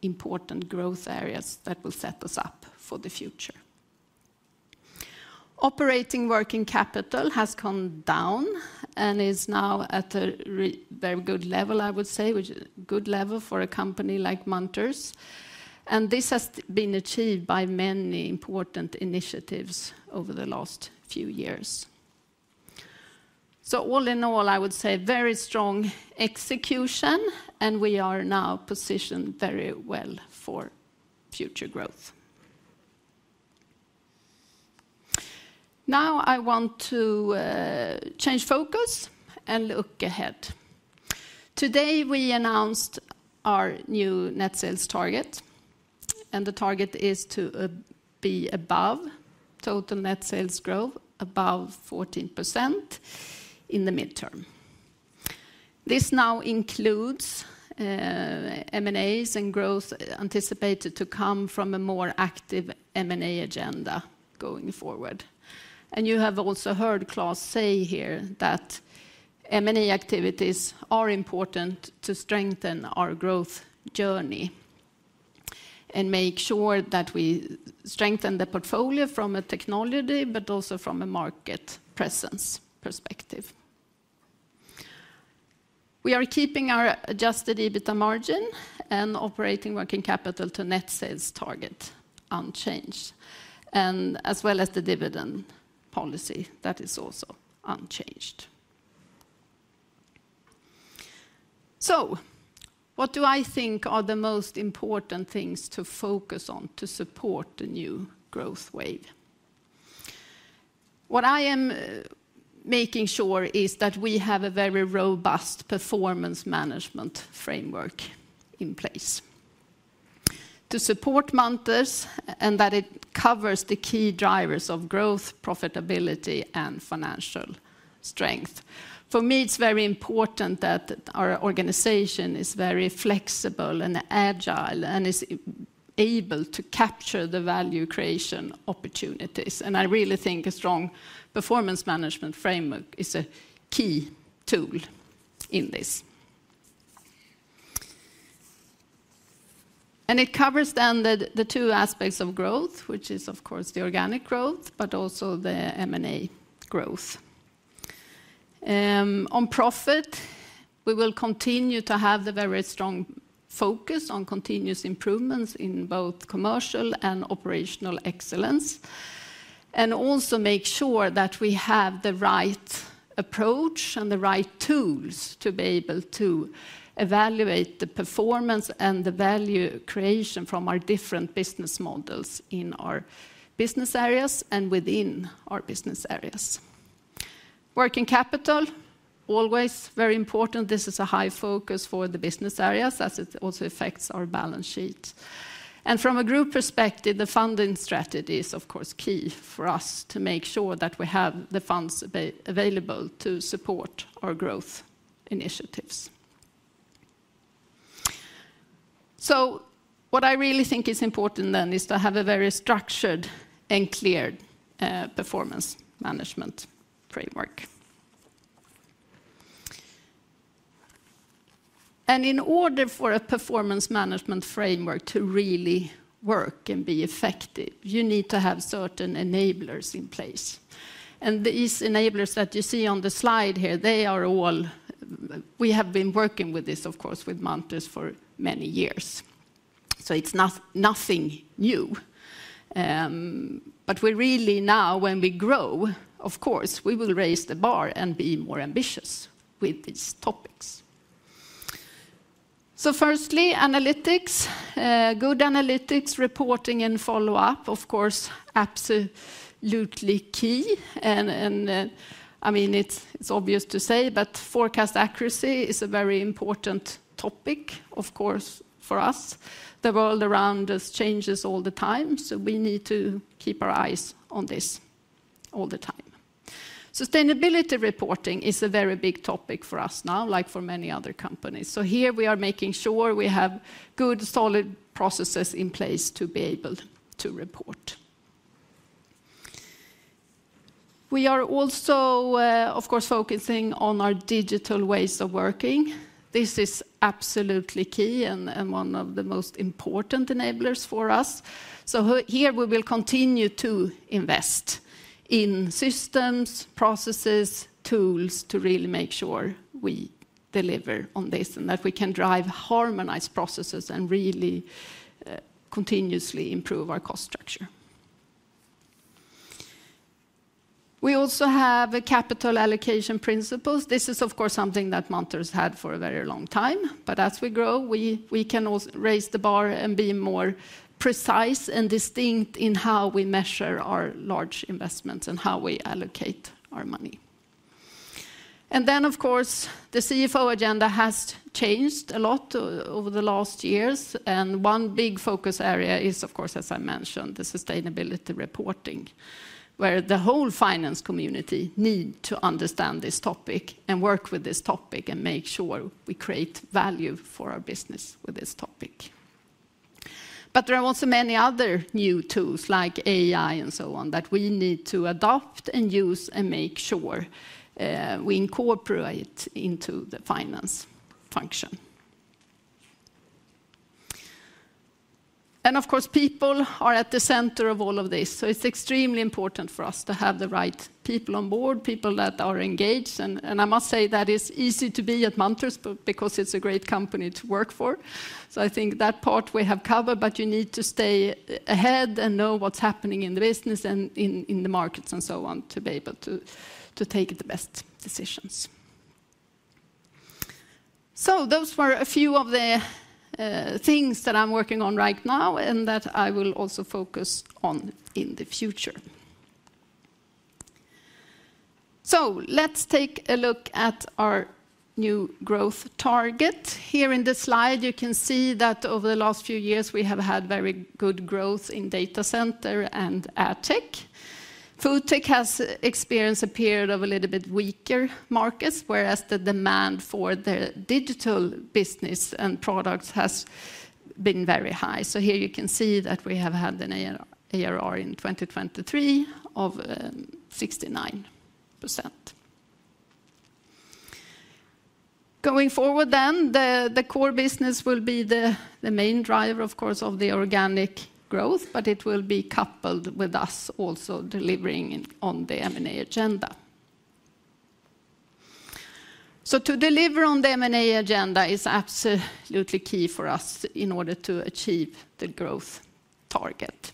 important growth areas that will set us up for the future. Operating working capital has come down and is now at a very good level, I would say, a good level for a company like Munters, and this has been achieved by many important initiatives over the last few years. So all in all, I would say very strong execution, and we are now positioned very well for future growth. Now, I want to change focus and look ahead. Today, we announced our new net sales target, and the target is to be above total net sales growth, above 14% in the midterm. This now includes M&As and growth anticipated to come from a more active M&A agenda going forward. And you have also heard Klas say here that M&A activities are important to strengthen our growth journey and make sure that we strengthen the portfolio from a technology, but also from a market presence perspective. We are keeping our adjusted EBITDA margin and operating working capital to net sales target unchanged, and as well as the dividend policy, that is also unchanged. So what do I think are the most important things to focus on to support the new growth wave? What I am making sure is that we have a very robust performance management framework in place to support Munters, and that it covers the key drivers of growth, profitability, and financial strength. For me, it's very important that our organization is very flexible and agile and is able to capture the value creation opportunities. I really think a strong performance management framework is a key tool in this. It covers then the two aspects of growth, which is, of course, the organic growth, but also the M&A growth. On profit, we will continue to have the very strong focus on continuous improvements in both commercial and operational excellence, and also make sure that we have the right approach and the right tools to be able to evaluate the performance and the value creation from our different business models in our business areas and within our business areas. Working capital, always very important. This is a high focus for the business areas, as it also affects our balance sheet. And from a group perspective, the funding strategy is, of course, key for us to make sure that we have the funds available to support our growth initiatives. So what I really think is important then is to have a very structured and clear performance management framework. And in order for a performance management framework to really work and be effective, you need to have certain enablers in place. And these enablers that you see on the slide here, they are all we have been working with this, of course, with Munters for many years, so it's nothing new. But we're really now, when we grow, of course, we will raise the bar and be more ambitious with these topics. So firstly, analytics. Good analytics, reporting, and follow-up, of course, absolutely key. I mean, it's obvious to say, but forecast accuracy is a very important topic, of course, for us. The world around us changes all the time, so we need to keep our eyes on this all the time. Sustainability reporting is a very big topic for us now, like for many other companies. So here, we are making sure we have good, solid processes in place to be able to report. We are also, of course, focusing on our digital ways of working. This is absolutely key and one of the most important enablers for us. So here, we will continue to invest in systems, processes, tools to really make sure we deliver on this, and that we can drive harmonized processes and really continuously improve our cost structure. We also have a capital allocation principles. This is, of course, something that Munters had for a very long time, but as we grow, we can raise the bar and be more precise and distinct in how we measure our large investments and how we allocate our money. And then, of course, the CFO agenda has changed a lot over the last years, and one big focus area is, of course, as I mentioned, the sustainability reporting, where the whole finance community need to understand this topic and work with this topic and make sure we create value for our business with this topic. But there are also many other new tools, like AI and so on, that we need to adopt and use and make sure we incorporate into the finance function. And of course, people are at the center of all of this, so it's extremely important for us to have the right people on board, people that are engaged. And I must say that it's easy to be at Munters because it's a great company to work for. So I think that part we have covered, but you need to stay ahead and know what's happening in the business and in the markets and so on, to be able to take the best decisions. So those were a few of the things that I'm working on right now and that I will also focus on in the future. So let's take a look at our new growth target. Here in this slide, you can see that over the last few years, we have had very good growth in data center and AirTech. FoodTech has experienced a period of a little bit weaker markets, whereas the demand for the digital business and products has been very high. So here you can see that we have had an ARR in 2023 of 69%. Going forward then, the core business will be the main driver, of course, of the organic growth, but it will be coupled with us also delivering on the M&A agenda. So to deliver on the M&A agenda is absolutely key for us in order to achieve the growth target.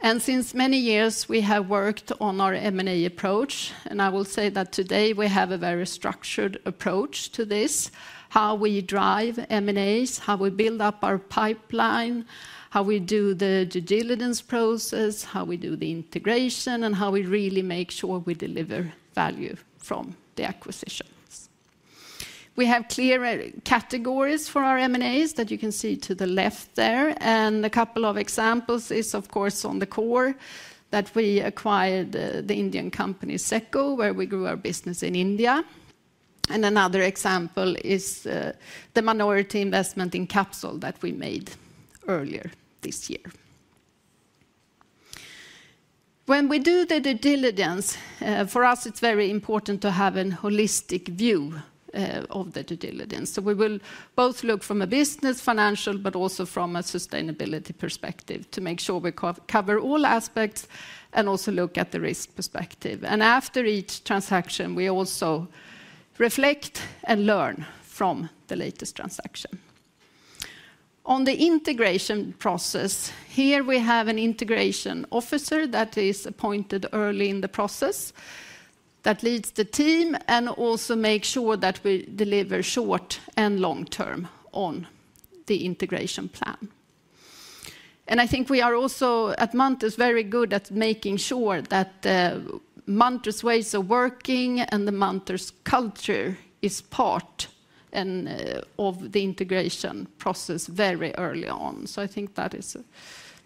And since many years, we have worked on our M&A approach, and I will say that today, we have a very structured approach to this: how we drive M&As, how we build up our pipeline, how we do the due diligence process, how we do the integration, and how we really make sure we deliver value from the acquisitions. We have clear categories for our M&As that you can see to the left there. And a couple of examples is, of course, on the core, that we acquired the Indian company, Zeco, where we grew our business in India. And another example is, the minority investment in Capsol that we made earlier this year. When we do the due diligence, for us, it's very important to have a holistic view of the due diligence. So we will both look from a business, financial, but also from a sustainability perspective to make sure we cover all aspects and also look at the risk perspective. And after each transaction, we also reflect and learn from the latest transaction. On the integration process, here we have an integration officer that is appointed early in the process, that leads the team and also makes sure that we deliver short and long term on the integration plan. And I think we are also, at Munters, very good at making sure that, Munters' ways of working and the Munters culture is part and, of the integration process very early on. So I think that is a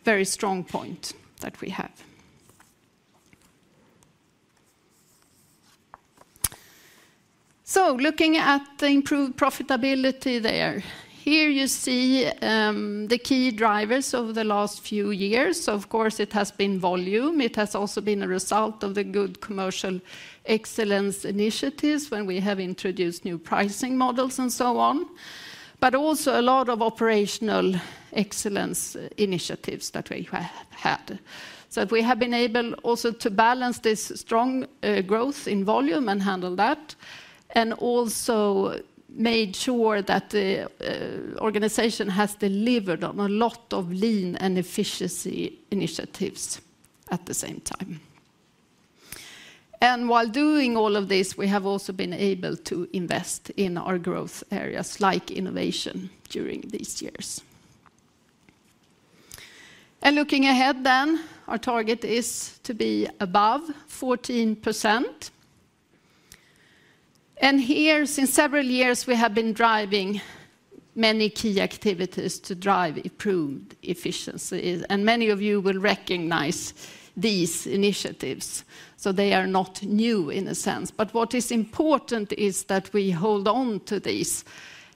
very strong point that we have. So looking at the improved profitability there. Here you see, the key drivers over the last few years. Of course, it has been volume. It has also been a result of the good commercial excellence initiatives when we have introduced new pricing models and so on, but also a lot of operational excellence initiatives that we have had. So we have been able also to balance this strong growth in volume and handle that, and also made sure that the organization has delivered on a lot of lean and efficiency initiatives at the same time. And while doing all of this, we have also been able to invest in our growth areas, like innovation, during these years. And looking ahead then, our target is to be above 14%. And here, since several years, we have been driving many key activities to drive improved efficiency, and many of you will recognize these initiatives, so they are not new in a sense. But what is important is that we hold on to this,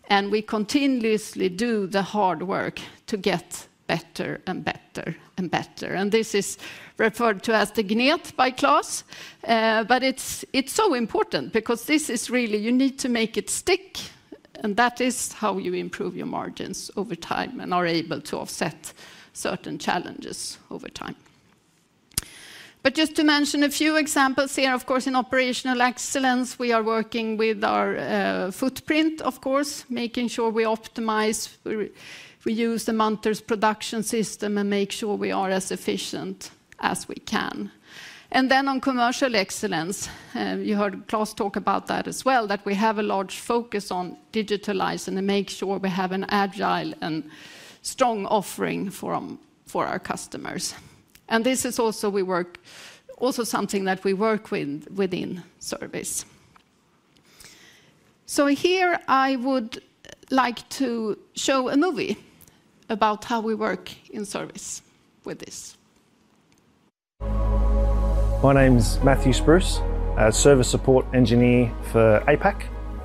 and we continuously do the hard work to get better, and better, and better. And this is referred to as the Gnat by Klas. But it's so important because this is really... you need to make it stick, and that is how you improve your margins over time and are able to offset certain challenges over time. But just to mention a few examples here, of course, in operational excellence, we are working with our footprint, of course, making sure we optimize, we use the Munters Production System and make sure we are as efficient as we can. And then on commercial excellence, you heard Klas talk about that as well, that we have a large focus on digitalizing and make sure we have an agile and strong offering form for our customers. This is also something that we work with within service. So here, I would like to show a movie about how we work in service with this. My name is Matthew Spruce, a service support engineer for APAC,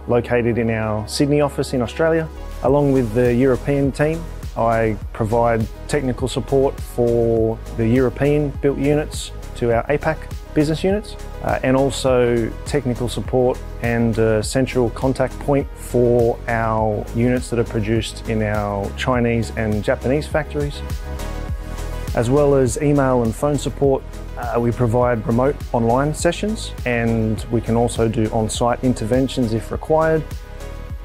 located in our Sydney office in Australia. Along with the European team, I provide technical support for the European-built units to our APAC business units, and also technical support and central contact point for our units that are produced in our Chinese and Japanese factories. As well as email and phone support, we provide remote online sessions, and we can also do on-site interventions if required,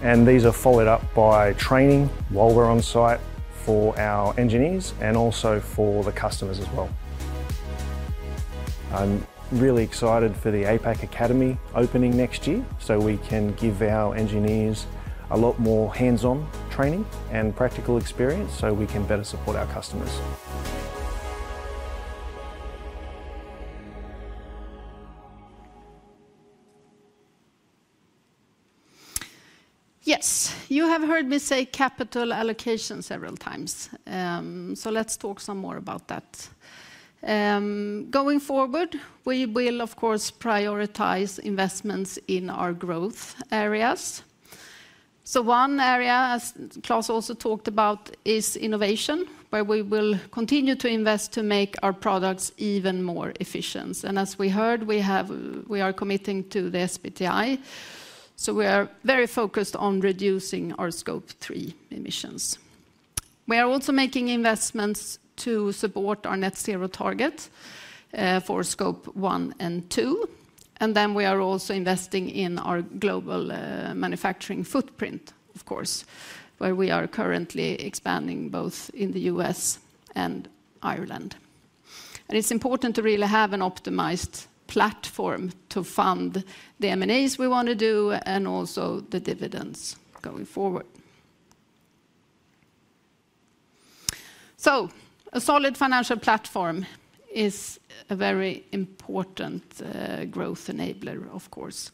and these are followed up by training while we're on site for our engineers and also for the customers as well. I'm really excited for the APAC Academy opening next year, so we can give our engineers a lot more hands-on training and practical experience, so we can better support our customers. Yes, you have heard me say capital allocation several times, so let's talk some more about that. Going forward, we will, of course, prioritize investments in our growth areas. So one area, as Klas also talked about, is innovation, where we will continue to invest to make our products even more efficient. And as we heard, we have- we are committing to the SBTi, so we are very focused on reducing our Scope 3 emissions. We are also making investments to support our Net Zero target for Scope 1 and 2. And then we are also investing in our global manufacturing footprint, of course, where we are currently expanding both in the U.S. and Ireland. And it's important to really have an optimized platform to fund the M&As we want to do and also the dividends going forward. So a solid financial platform is a very important growth enabler, of course.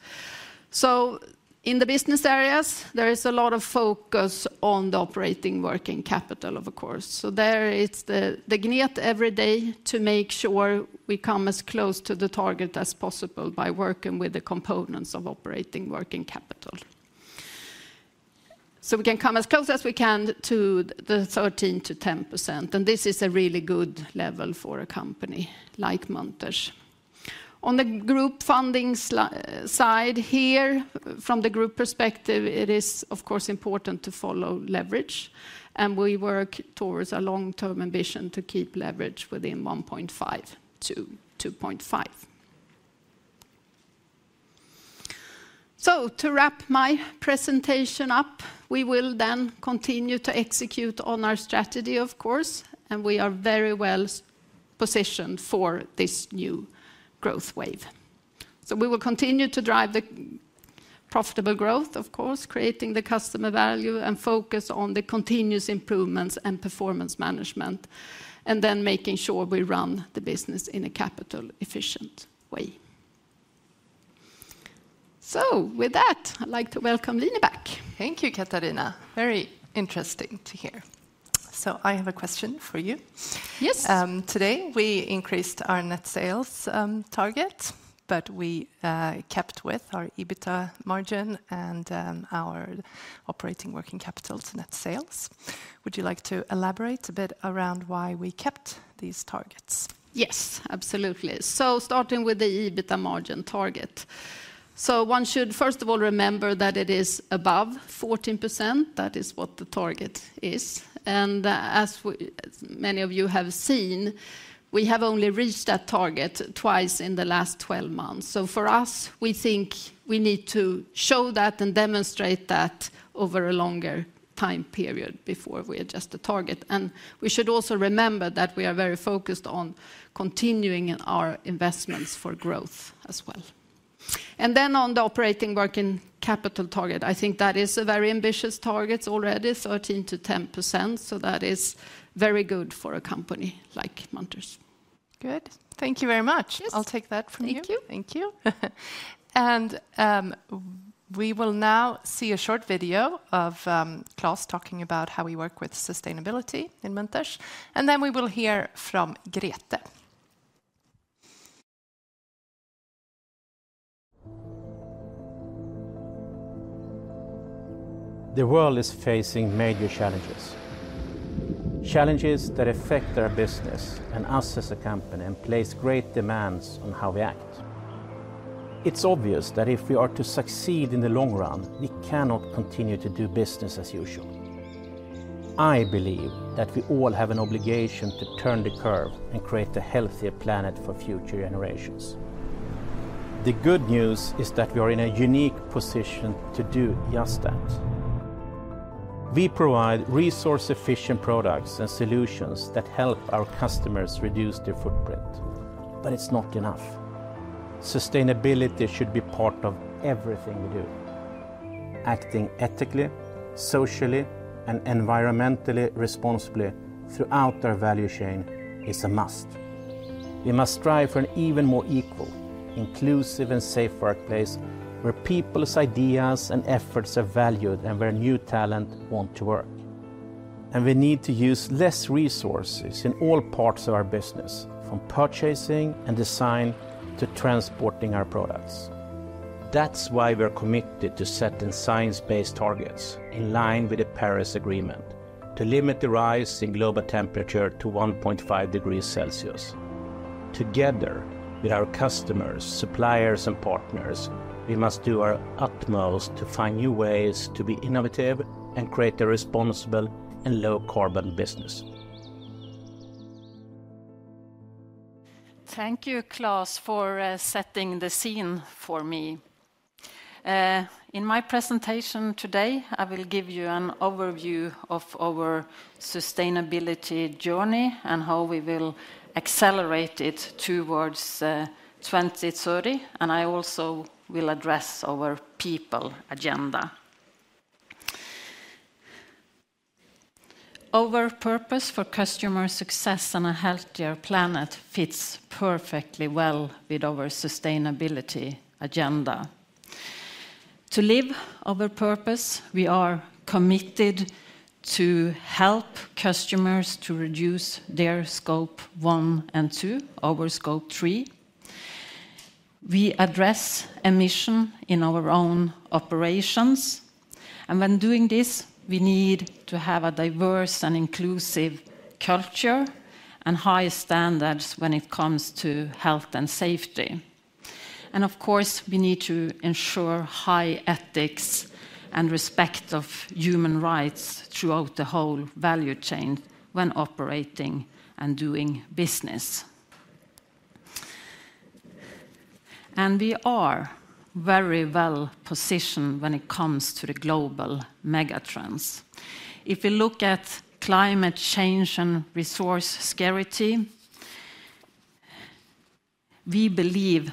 So in the business areas, there is a lot of focus on the operating working capital, of course. So there, it's the grind every day to make sure we come as close to the target as possible by working with the components of operating working capital. So we can come as close as we can to the 13%-10%, and this is a really good level for a company like Munters. On the group funding side here, from the group perspective, it is, of course, important to follow leverage, and we work towards a long-term ambition to keep leverage within 1.5-2.5. So to wrap my presentation up, we will then continue to execute on our strategy, of course, and we are very well positioned for this new growth wave. So we will continue to drive the profitable growth, of course, creating the customer value, and focus on the continuous improvements and performance management, and then making sure we run the business in a capital efficient way. So with that, I'd like to welcome Line back. Thank you, Katharina. Very interesting to hear. So I have a question for you. Yes. Today, we increased our net sales target, but we kept with our EBITDA margin and our operating working capital to net sales. Would you like to elaborate a bit around why we kept these targets? Yes, absolutely. So starting with the EBITDA margin target. So one should, first of all, remember that it is above 14%, that is what the target is, and as many of you have seen, we have only reached that target twice in the last 12 months. So for us, we think we need to show that and demonstrate that over a longer time period before we adjust the target. And we should also remember that we are very focused on continuing in our investments for growth as well. And then on the operating working capital target, I think that is a very ambitious target already, 13%-10%, so that is very good for a company like Munters. Good. Thank you very much. Yes. I'll take that from you. Thank you. Thank you. We will now see a short video of Klas talking about how we work with sustainability in Munters, and then we will hear from Grete. The world is facing major challenges, challenges that affect our business and us as a company, and place great demands on how we act. It's obvious that if we are to succeed in the long run, we cannot continue to do business as usual. I believe that we all have an obligation to turn the curve and create a healthier planet for future generations. The good news is that we are in a unique position to do just that. We provide resource-efficient products and solutions that help our customers reduce their footprint, but it's not enough. Sustainability should be part of everything we do. Acting ethically, socially, and environmentally responsibly throughout our value chain is a must. We must strive for an even more equal, inclusive, and safe workplace, where people's ideas and efforts are valued, and where new talent want to work. We need to use less resources in all parts of our business, from purchasing and design to transporting our products. That's why we're committed to setting science-based targets in line with the Paris Agreement, to limit the rise in global temperature to 1.5 degrees Celsius. Together with our customers, suppliers, and partners, we must do our utmost to find new ways to be innovative and create a responsible and low-carbon business. Thank you, Klas, for setting the scene for me. In my presentation today, I will give you an overview of our sustainability journey and how we will accelerate it towards 2030, and I also will address our people agenda. Our purpose for customer success and a healthier planet fits perfectly well with our sustainability agenda. To live our purpose, we are committed to help customers to reduce their Scope 1 and 2, our Scope 3. We address emission in our own operations, and when doing this, we need to have a diverse and inclusive culture and high standards when it comes to health and safety. And of course, we need to ensure high ethics and respect of human rights throughout the whole value chain when operating and doing business. And we are very well positioned when it comes to the global megatrends. If you look at climate change and resource scarcity, we believe,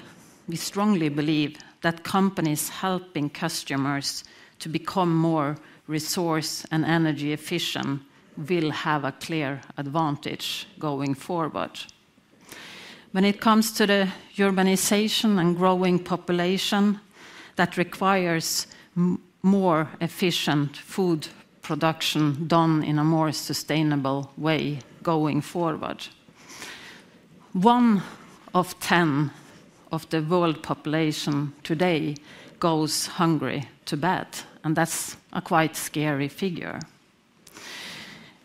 we strongly believe, that companies helping customers to become more resource and energy efficient will have a clear advantage going forward. When it comes to the urbanization and growing population, that requires more efficient food production done in a more sustainable way going forward. One of 10 of the world population today goes hungry to bed, and that's a quite scary figure.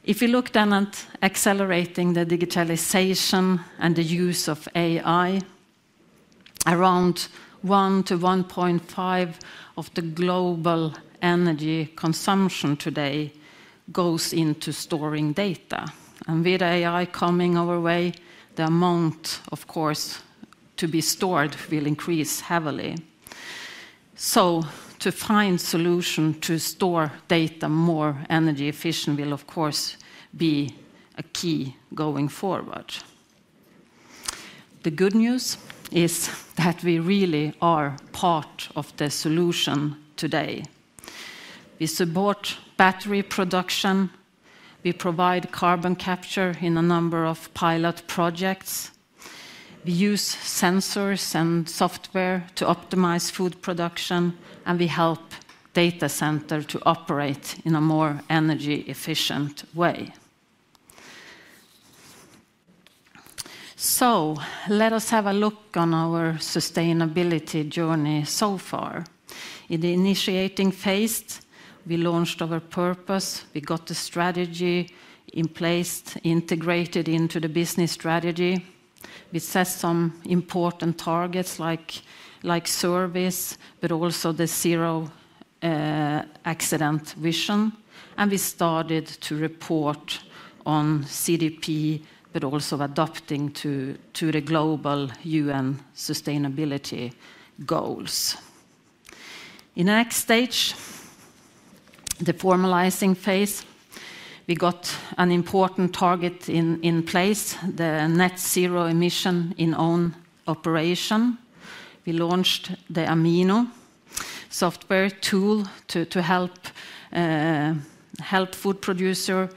If you look then at accelerating the digitalization and the use of AI, around 1 to 1.5 of the global energy consumption today goes into storing data. And with AI coming our way, the amount, of course, to be stored will increase heavily. So to find solution to store data, more energy efficient will, of course, be a key going forward. The good news is that we really are part of the solution today. We support battery production, we provide Carbon Capture in a number of pilot projects, we use sensors and software to optimize food production, and we help data center to operate in a more energy-efficient way. So let us have a look on our sustainability journey so far. In the initiating phase, we launched our purpose, we got the strategy in place, integrated into the business strategy. We set some important targets, like service, but also the zero accident vision, and we started to report on CDP, but also adapting to the global UN sustainability goals. In the next stage, the formalizing phase, we got an important target in place, the Net Zero emission in own operation. We launched the Amino software tool to help food producer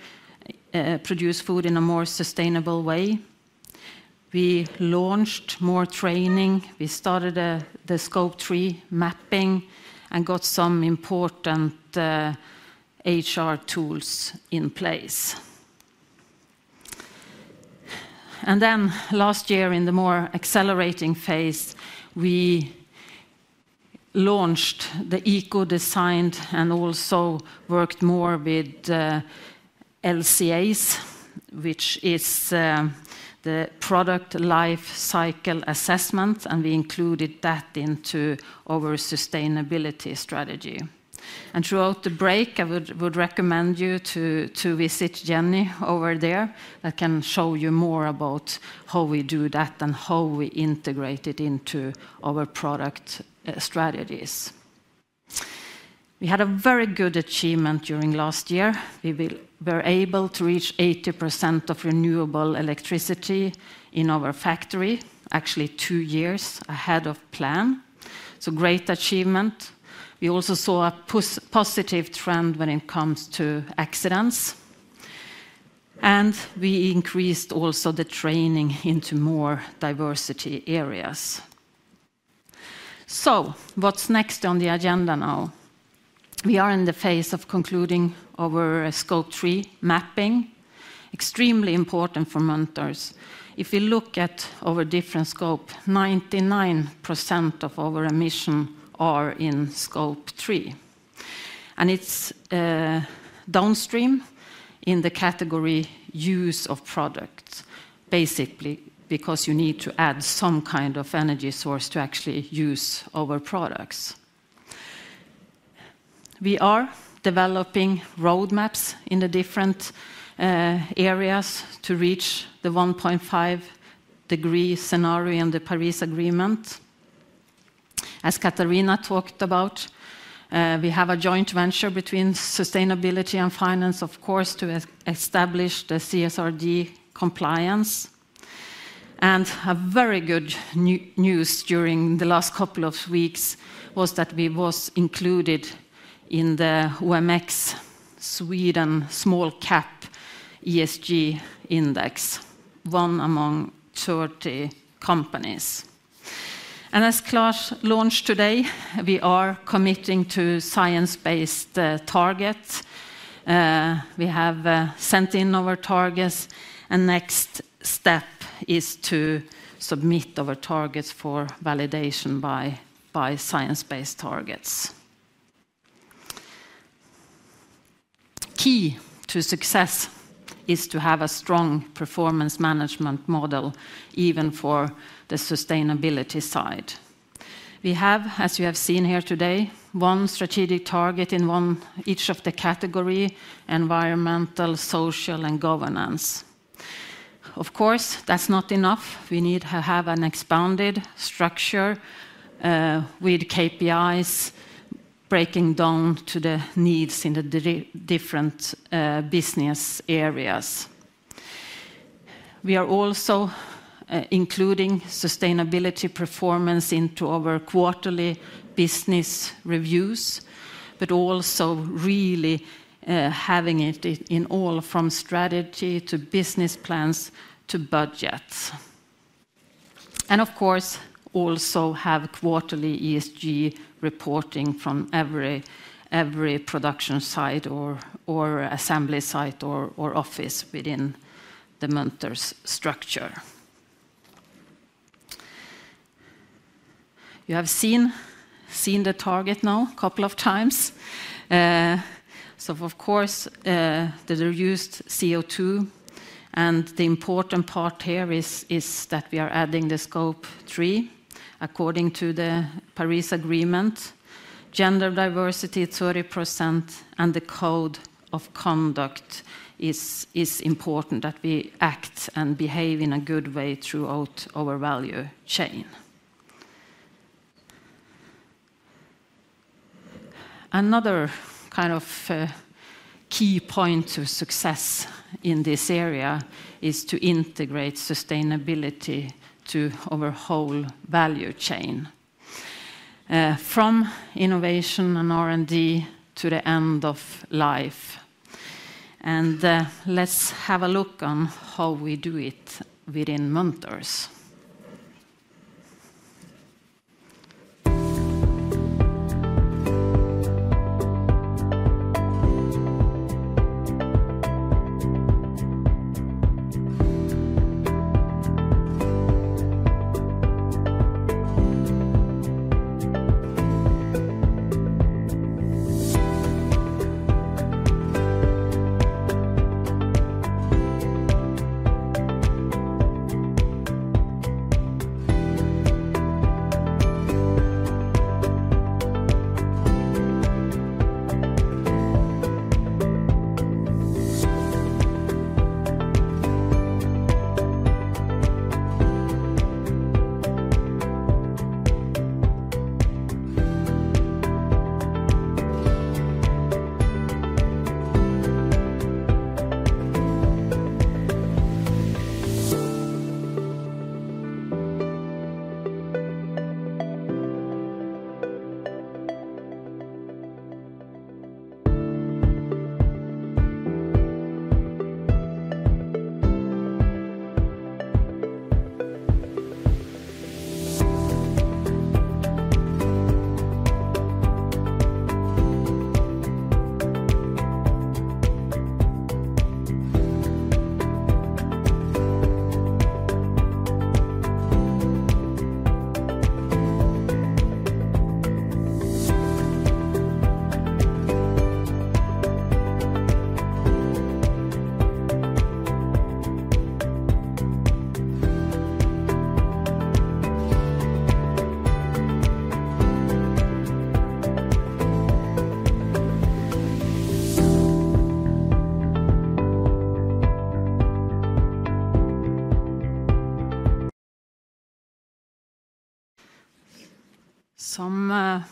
produce food in a more sustainable way. We launched more training, we started the Scope 3 mapping, and got some important HR tools in place. Then last year, in the more accelerating phase, we launched the eco design and also worked more with LCAs, which is the product life SyCool assessment, and we included that into our sustainability strategy. Throughout the break, I would recommend you to visit Jennie over there, that can show you more about how we do that and how we integrate it into our product strategies. We had a very good achievement during last year. We were able to reach 80% of renewable electricity in our factory, actually two years ahead of plan. Great achievement. We also saw a positive trend when it comes to accidents, and we increased also the training into more diversity areas. So what's next on the agenda now? We are in the phase of concluding our scope three mapping, extremely important for Munters. If you look at our different scope, 99% of our emissions are in scope three, and it's downstream in the category use of products. Basically, because you need to add some kind of energy source to actually use our products. We are developing roadmaps in the different areas to reach the 1.5-degree scenario in the Paris Agreement. As Katharina talked about, we have a joint venture between sustainability and finance, of course, to establish the CSRD compliance. And a very good news during the last couple of weeks was that we were included in the OMX Sweden Small Cap ESG Index, one among 30 companies. And as Klas launched today, we are committing to science-based targets. We have sent in our targets, and next step is to submit our targets for validation by science-based targets. Key to success is to have a strong performance management model, even for the sustainability side. We have, as you have seen here today, one strategic target in one each of the category, environmental, social, and governance. Of course, that's not enough. We need to have an expanded structure with KPIs breaking down to the needs in the different business areas. We are also including sustainability performance into our quarterly business reviews, but also really having it in all, from strategy to business plans to budgets, and of course, also have quarterly ESG reporting from every production site or assembly site or office within the Munters structure. You have seen the target now a couple of times. So of course, the reduced CO2, and the important part here is that we are adding the Scope 3, according to the Paris Agreement. Gender diversity, 30%, and the code of conduct is important, that we act and behave in a good way throughout our value chain. Another kind of key point to success in this area is to integrate sustainability to our whole value chain, from innovation and R&D to the end of life. And let's have a look on how we do it within Munters.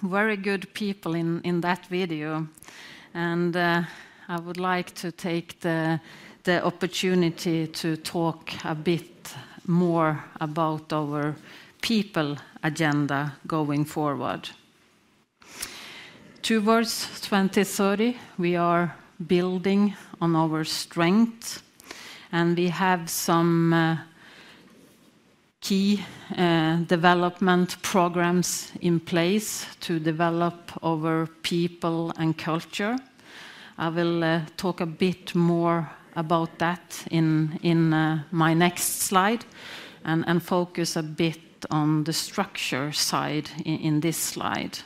Some very good people in that video, and I would like to take the opportunity to talk a bit more about our people agenda going forward. Towards 2030, we are building on our strength, and we have some key development programs in place to develop our people and culture. I will talk a bit more about that in my next slide, and focus a bit on the structure side in this slide.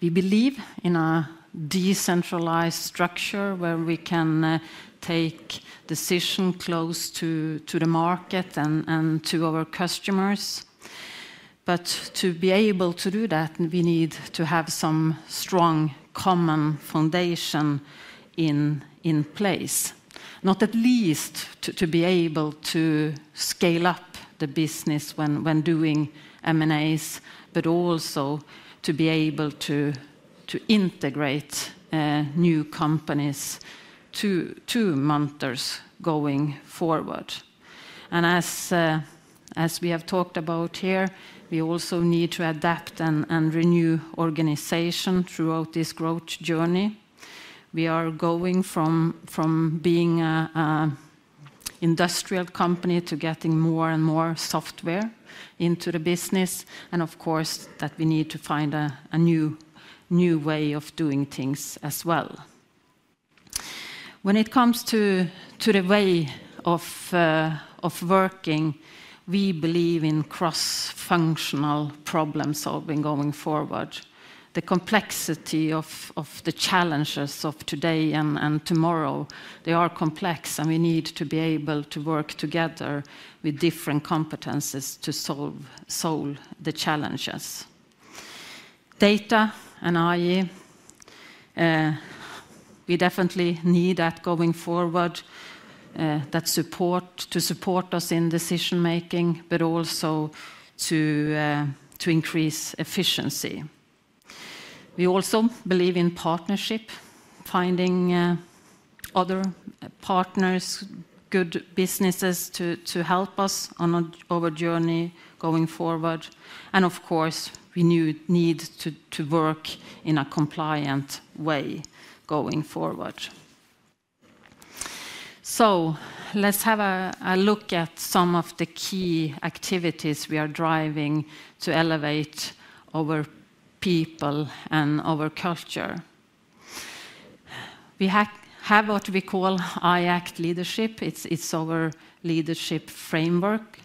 We believe in a decentralized structure, where we can take decision close to the market and to our customers. But to be able to do that, we need to have some strong common foundation in place. Not least to be able to scale up the business when doing M&As, but also to be able to integrate new companies to Munters going forward. And as we have talked about here, we also need to adapt and renew organization throughout this growth journey. We are going from being a industrial company to getting more and more software into the business, and of course, that we need to find a new way of doing things as well. When it comes to the way of working, we believe in CRAHs-functional problem-solving going forward. The complexity of the challenges of today and tomorrow, they are complex, and we need to be able to work together with different competencies to solve the challenges. Data and IE, we definitely need that going forward, that support, to support us in decision-making, but also to increase efficiency. We also believe in partnership, finding other partners, good businesses to help us on our journey going forward, and of course, we need to work in a compliant way going forward. So let's have a look at some of the key activities we are driving to elevate our people and our culture. We have what we call iAct Leadership. It's our leadership framework.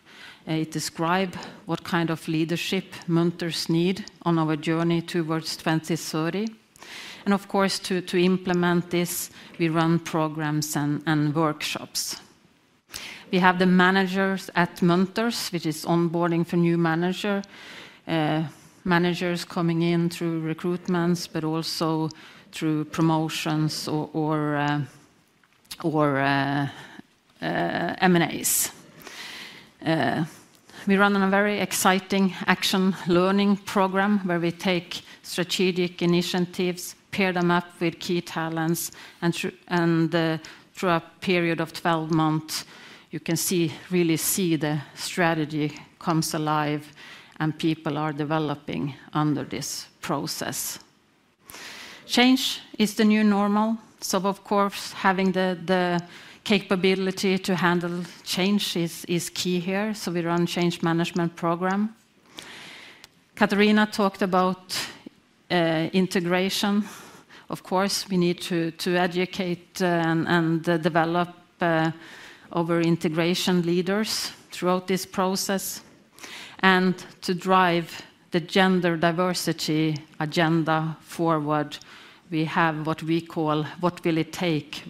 It describe what kind of leadership Munters need on our journey towards 2030, and of course, to implement this, we run programs and workshops. We have the managers at Munters, which is onboarding for new manager, managers coming in through recruitments, but also through promotions or M&As. We run on a very exciting action learning program where we take strategic initiatives, pair them up with key talents, and through a period of 12 months, you can see, really see the strategy comes alive and people are developing under this process. Change is the new normal, so of course, having the capability to handle change is key here, so we run change management program. Katharina talked about integration. Of course, we need to educate and develop our integration leaders throughout this process, and to drive the gender diversity agenda forward, we have what we call, what will it take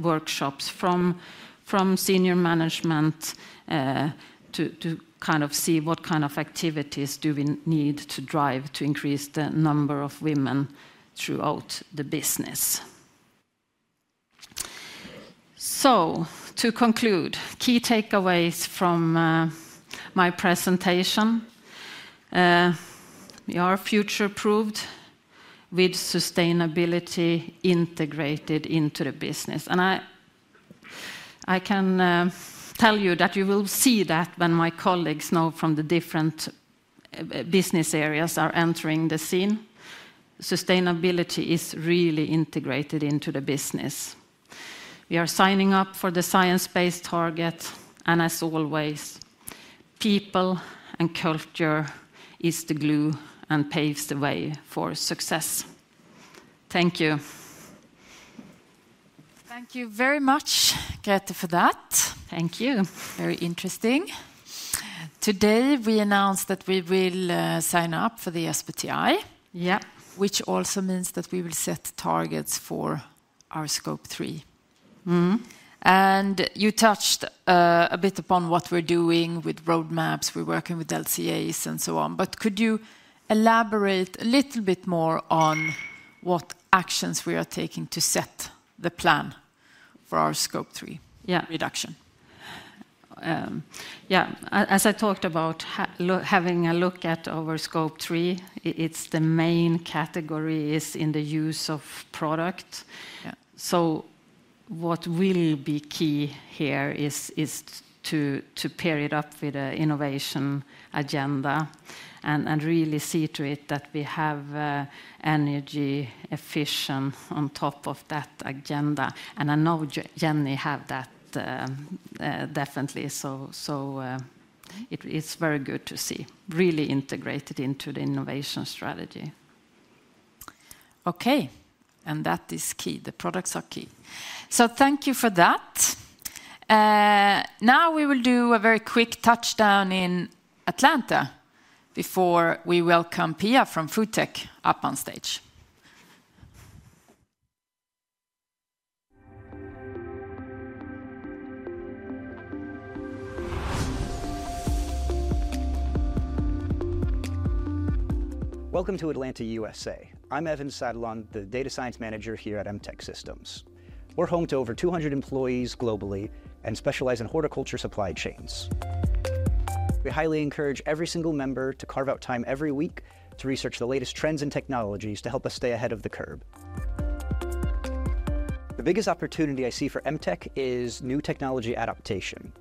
workshops from senior management, to kind of see what kind of activities do we need to drive to increase the number of women throughout the business. So to conclude, key takeaways from my presentation. We are future-approved with sustainability integrated into the business, and I can tell you that you will see that when my colleagues now from the different business areas are entering the scene. Sustainability is really integrated into the business. We are signing up for the science-based target, and as always, people and culture is the glue and paves the way for success. Thank you. Thank you very much, Grete, for that. Thank you. Very interesting. Today, we announced that we will sign up for the SBTI. Yeah which also means that we will set targets for our Scope 3. You touched a bit upon what we're doing with roadmaps. We're working with LCAs and so on, but could you elaborate a little bit more on what actions we are taking to set the plan for our Scope 3 Yeah reduction? As I talked about, have a look at our Scope 3. It's the main category in the use of product. Yeah. So what will be key here is to pair it up with an innovation agenda and really see to it that we have energy-efficient on top of that agenda, and I know Jennie have that definitely, so it's very good to see, really integrated into the innovation strategy. Okay, and that is key. The products are key. So thank you for that. Now we will do a very quick touchdown in Atlanta before we welcome Pia from FoodTech up on stage. Welcome to Atlanta, USA. I'm Evan Sadlon, the data science manager here at MTech Systems. We're home to over 200 employees globally and specialize in horticulture supply chains. We highly encourage every single member to carve out time every week to research the latest trends and technologies to help us stay ahead of the curve. The biggest opportunity I see for MTech Systems is new technology adaptation.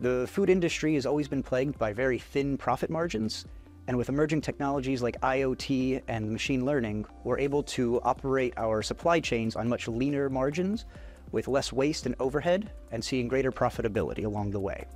The food industry has always been plagued by very thin profit margins and with emerging technologies like IoT and machine learning, we're able to operate our supply chains on much leaner margins with less waste and overhead and seeing greater profitability along the way.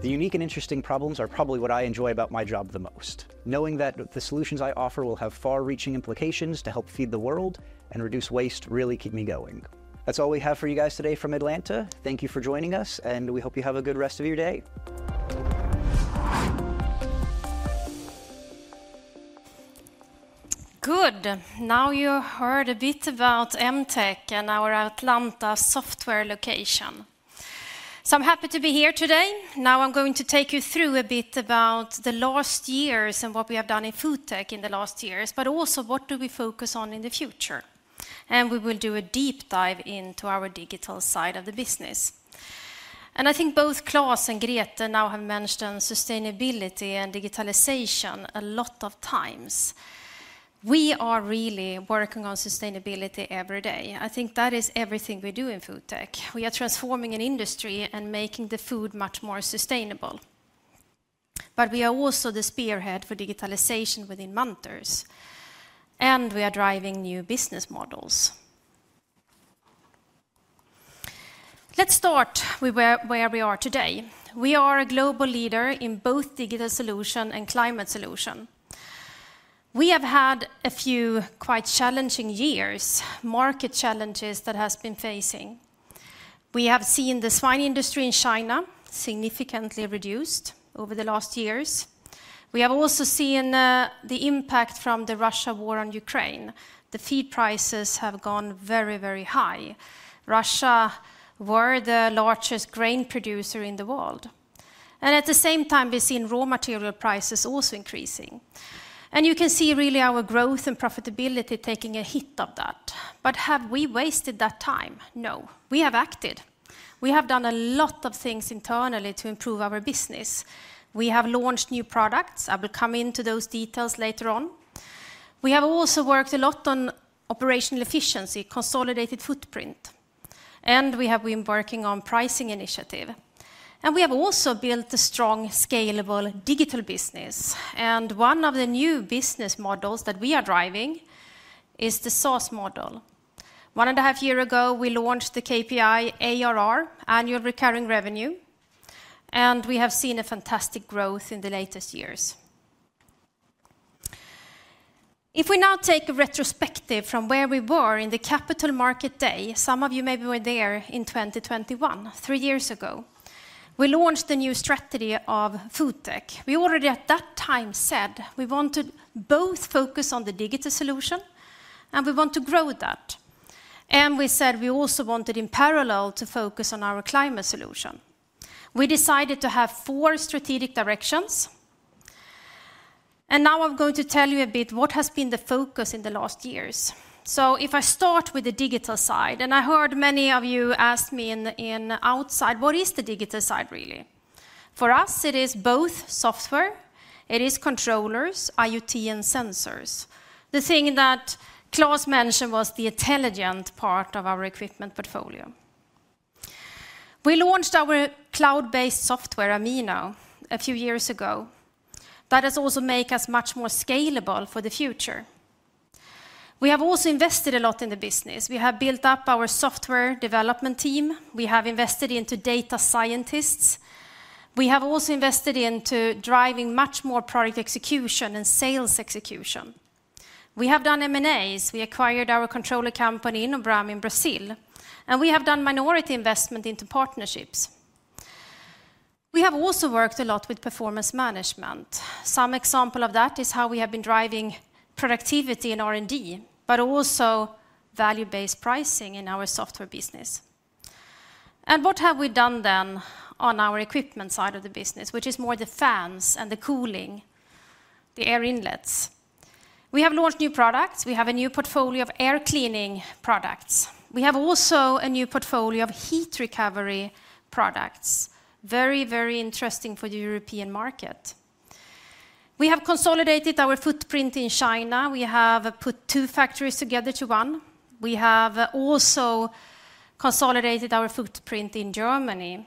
The unique and interesting problems are probably what I enjoy about my job the most. Knowing that the solutions I offer will have far-reaching implications to help feed the world and reduce waste really keep me going. That's all we have for you guys today from Atlanta. Thank you for joining us, and we hope you have a good rest of your day. Good. Now, you heard a bit about MTech and our Atlanta software location. So I'm happy to be here today. Now, I'm going to take you through a bit about the last years and what we have done in FoodTech in the last years, but also, what do we focus on in the future? And we will do a deep dive into our digital side of the business. And I think both Klas and Grete now have mentioned sustainability and digitalization a lot of times. We are really working on sustainability every day. I think that is everything we do in FoodTech. We are transforming an industry and making the food much more sustainable... but we are also the spearhead for digitalization within Munters, and we are driving new business models. Let's start with where we are today. We are a global leader in both digital solution and climate solution. We have had a few quite challenging years, market challenges that has been facing. We have seen the swine industry in China significantly reduced over the last years. We have also seen the impact from the Russian war on Ukraine. The feed prices have gone very, very high. Russia were the largest grain producer in the world, and at the same time, we've seen raw material prices also increasing. And you can see really our growth and profitability taking a hit of that. But have we wasted that time? No. We have acted. We have done a lot of things internally to improve our business. We have launched new products. I will come into those details later on. We have also worked a lot on operational efficiency, consolidated footprint, and we have been working on pricing initiative. We have also built a strong, scalable digital business, and one of the new business models that we are driving is the SaaS model. 1.5 years ago, we launched the KPI ARR, annual recurring revenue, and we have seen a fantastic growth in the latest years. If we now take a retrospective from where we were in the Capital Markets Day, some of you maybe were there in 2021, 3 years ago, we launched the new strategy of FoodTech. We already at that time said we wanted both focus on the digital solution, and we want to grow that. We said we also wanted, in parallel, to focus on our climate solution. We decided to have four strategic directions, and now I'm going to tell you a bit what has been the focus in the last years. So if I start with the digital side, and I heard many of you ask me in outside, "What is the digital side, really?" For us, it is both software, it is controllers, IoT, and sensors. The thing that Claus mentioned was the intelligent part of our equipment portfolio. We launched our cloud-based software, Amino, a few years ago. That has also make us much more scalable for the future. We have also invested a lot in the business. We have built up our software development team. We have invested into data scientists. We have also invested into driving much more product execution and sales execution. We have done M&As. We acquired our controller company, Inobram, in Brazil, and we have done minority investment into partnerships. We have also worked a lot with performance management. Some example of that is how we have been driving productivity in R&D, but also value-based pricing in our software business. What have we done then on our equipment side of the business, which is more the fans and the cooling, the air inlets? We have launched new products. We have a new portfolio of air cleaning products. We have also a new portfolio of heat recovery products, very, very interesting for the European market. We have consolidated our footprint in China. We have put two factories together to one. We have also consolidated our footprint in Germany.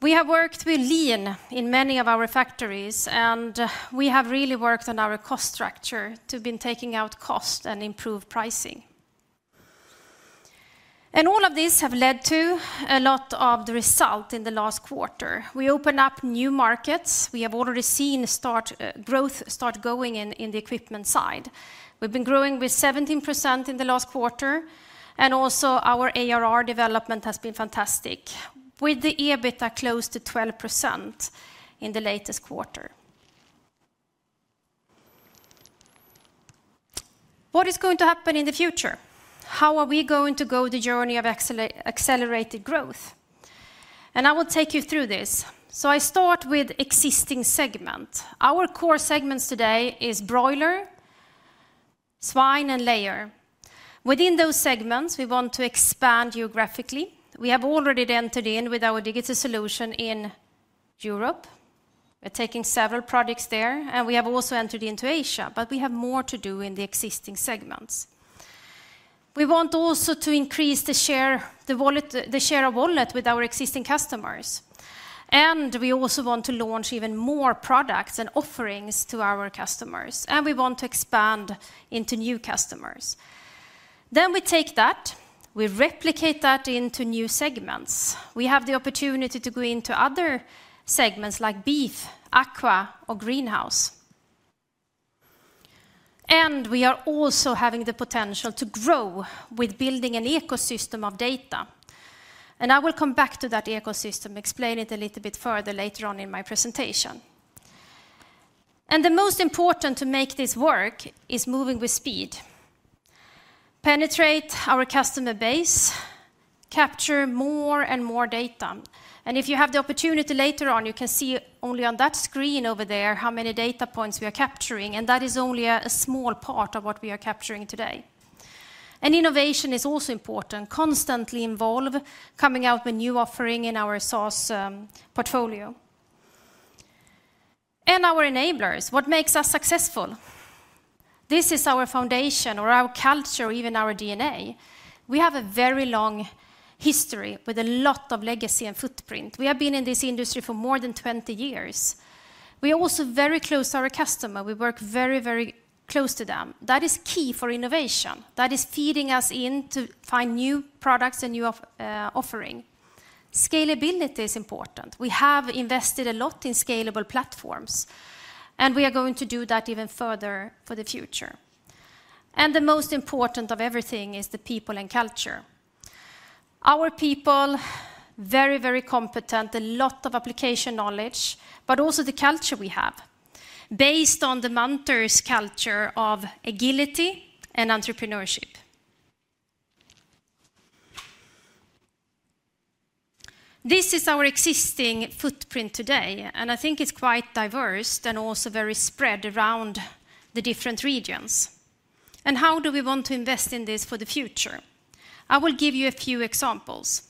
We have worked with Lean in many of our factories, and we have really worked on our cost structure to been taking out cost and improve pricing. All of these have led to a lot of the result in the last quarter. We opened up new markets. We have already seen growth start going in the equipment side. We've been growing with 17% in the last quarter, and also our ARR development has been fantastic, with the EBITA close to 12% in the latest quarter. What is going to happen in the future? How are we going to go the journey of accelerated growth? And I will take you through this. So I start with existing segment. Our core segments today is broiler, swine, and layer. Within those segments, we want to expand geographically. We have already entered in with our digital solution in Europe. We're taking several products there, and we have also entered into Asia, but we have more to do in the existing segments. We want also to increase the share, the wallet, the share of wallet with our existing customers, and we also want to launch even more products and offerings to our customers, and we want to expand into new customers. Then we take that, we replicate that into new segments. We have the opportunity to go into other segments, like beef, aqua, or greenhouse. And we are also having the potential to grow with building an ecosystem of data, and I will come back to that ecosystem, explain it a little bit further later on in my presentation. The most important to make this work is moving with speed, penetrate our customer base, capture more and more data, and if you have the opportunity later on, you can see only on that screen over there, how many data points we are capturing, and that is only a small part of what we are capturing today. Innovation is also important, constantly involve coming out with new offering in our SaaS portfolio. Our enablers, what makes us successful? This is our foundation, or our culture, or even our DNA. We have a very long history with a lot of legacy and footprint. We have been in this industry for more than 20 years. We are also very close to our customer. We work very, very close to them. That is key for innovation. That is feeding us in to find new products and new of, offering. Scalability is important. We have invested a lot in scalable platforms, and we are going to do that even further for the future. The most important of everything is the people and culture. Our people, very, very competent, a lot of application knowledge, but also the culture we have, based on the Munters culture of agility and entrepreneurship. This is our existing footprint today, and I think it's quite diverse and also very spread around the different regions. How do we want to invest in this for the future? I will give you a few examples.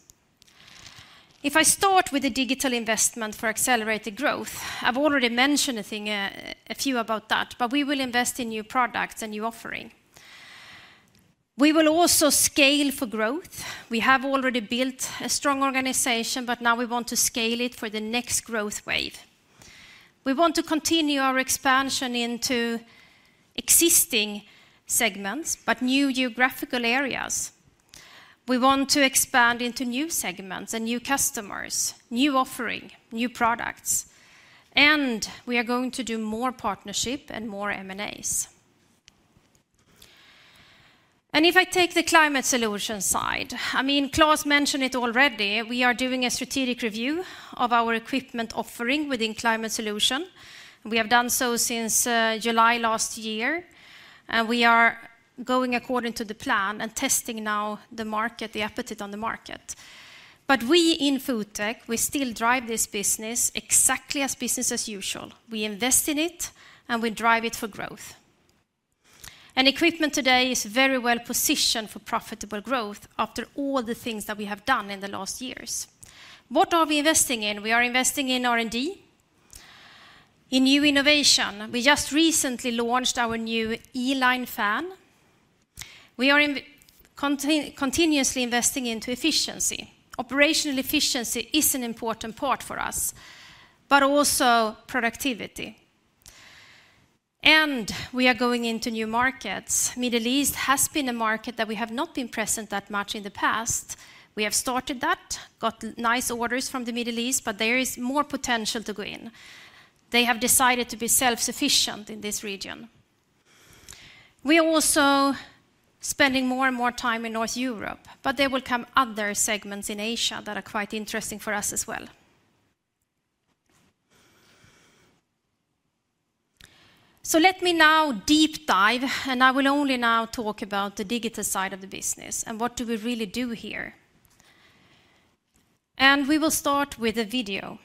If I start with a digital investment for accelerated growth, I've already mentioned a thing, a few about that, but we will invest in new products and new offering. We will also scale for growth. We have already built a strong organization, but now we want to scale it for the next growth wave. We want to continue our expansion into existing segments, but new geographical areas. We want to expand into new segments and new customers, new offering, new products, and we are going to do more partnership and more M&As. And if I take the climate solution side, I mean, Claus mentioned it already, we are doing a strategic review of our equipment offering within climate solution. We have done so since July last year, and we are going according to the plan and testing now the market, the appetite on the market. But we, in FoodTech, we still drive this business exactly as business as usual. We invest in it, and we drive it for growth. Equipment today is very well positioned for profitable growth after all the things that we have done in the last years. What are we investing in? We are investing in R&D, in new innovation. We just recently launched our new E-Line fan. We are continuously investing into efficiency. Operational efficiency is an important part for us, but also productivity. And we are going into new markets. Middle East has been a market that we have not been present that much in the past. We have started that, got nice orders from the Middle East, but there is more potential to go in. They have decided to be self-sufficient in this region. We are also spending more and more time in North Europe, but there will come other segments in Asia that are quite interesting for us as well. Let me now deep dive, and I will only now talk about the digital side of the business and what do we really do here. We will start with a video.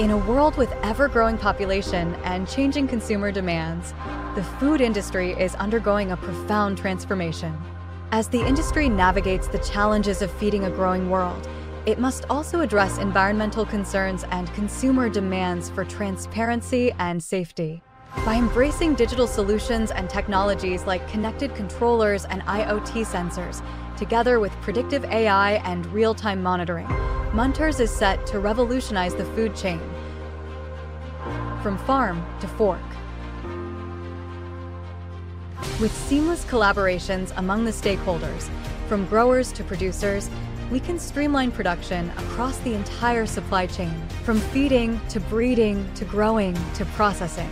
In a world with ever-growing population and changing consumer demands, the food industry is undergoing a profound transformation. As the industry navigates the challenges of feeding a growing world, it must also address environmental concerns and consumer demands for transparency and safety. By embracing digital solutions and technologies like connected controllers and IoT sensors, together with predictive AI and real-time monitoring, Munters is set to revolutionize the food chain from farm to fork. With seamless collaborations among the stakeholders, from growers to producers, we can streamline production across the entire supply chain, from feeding, to breeding, to growing, to processing.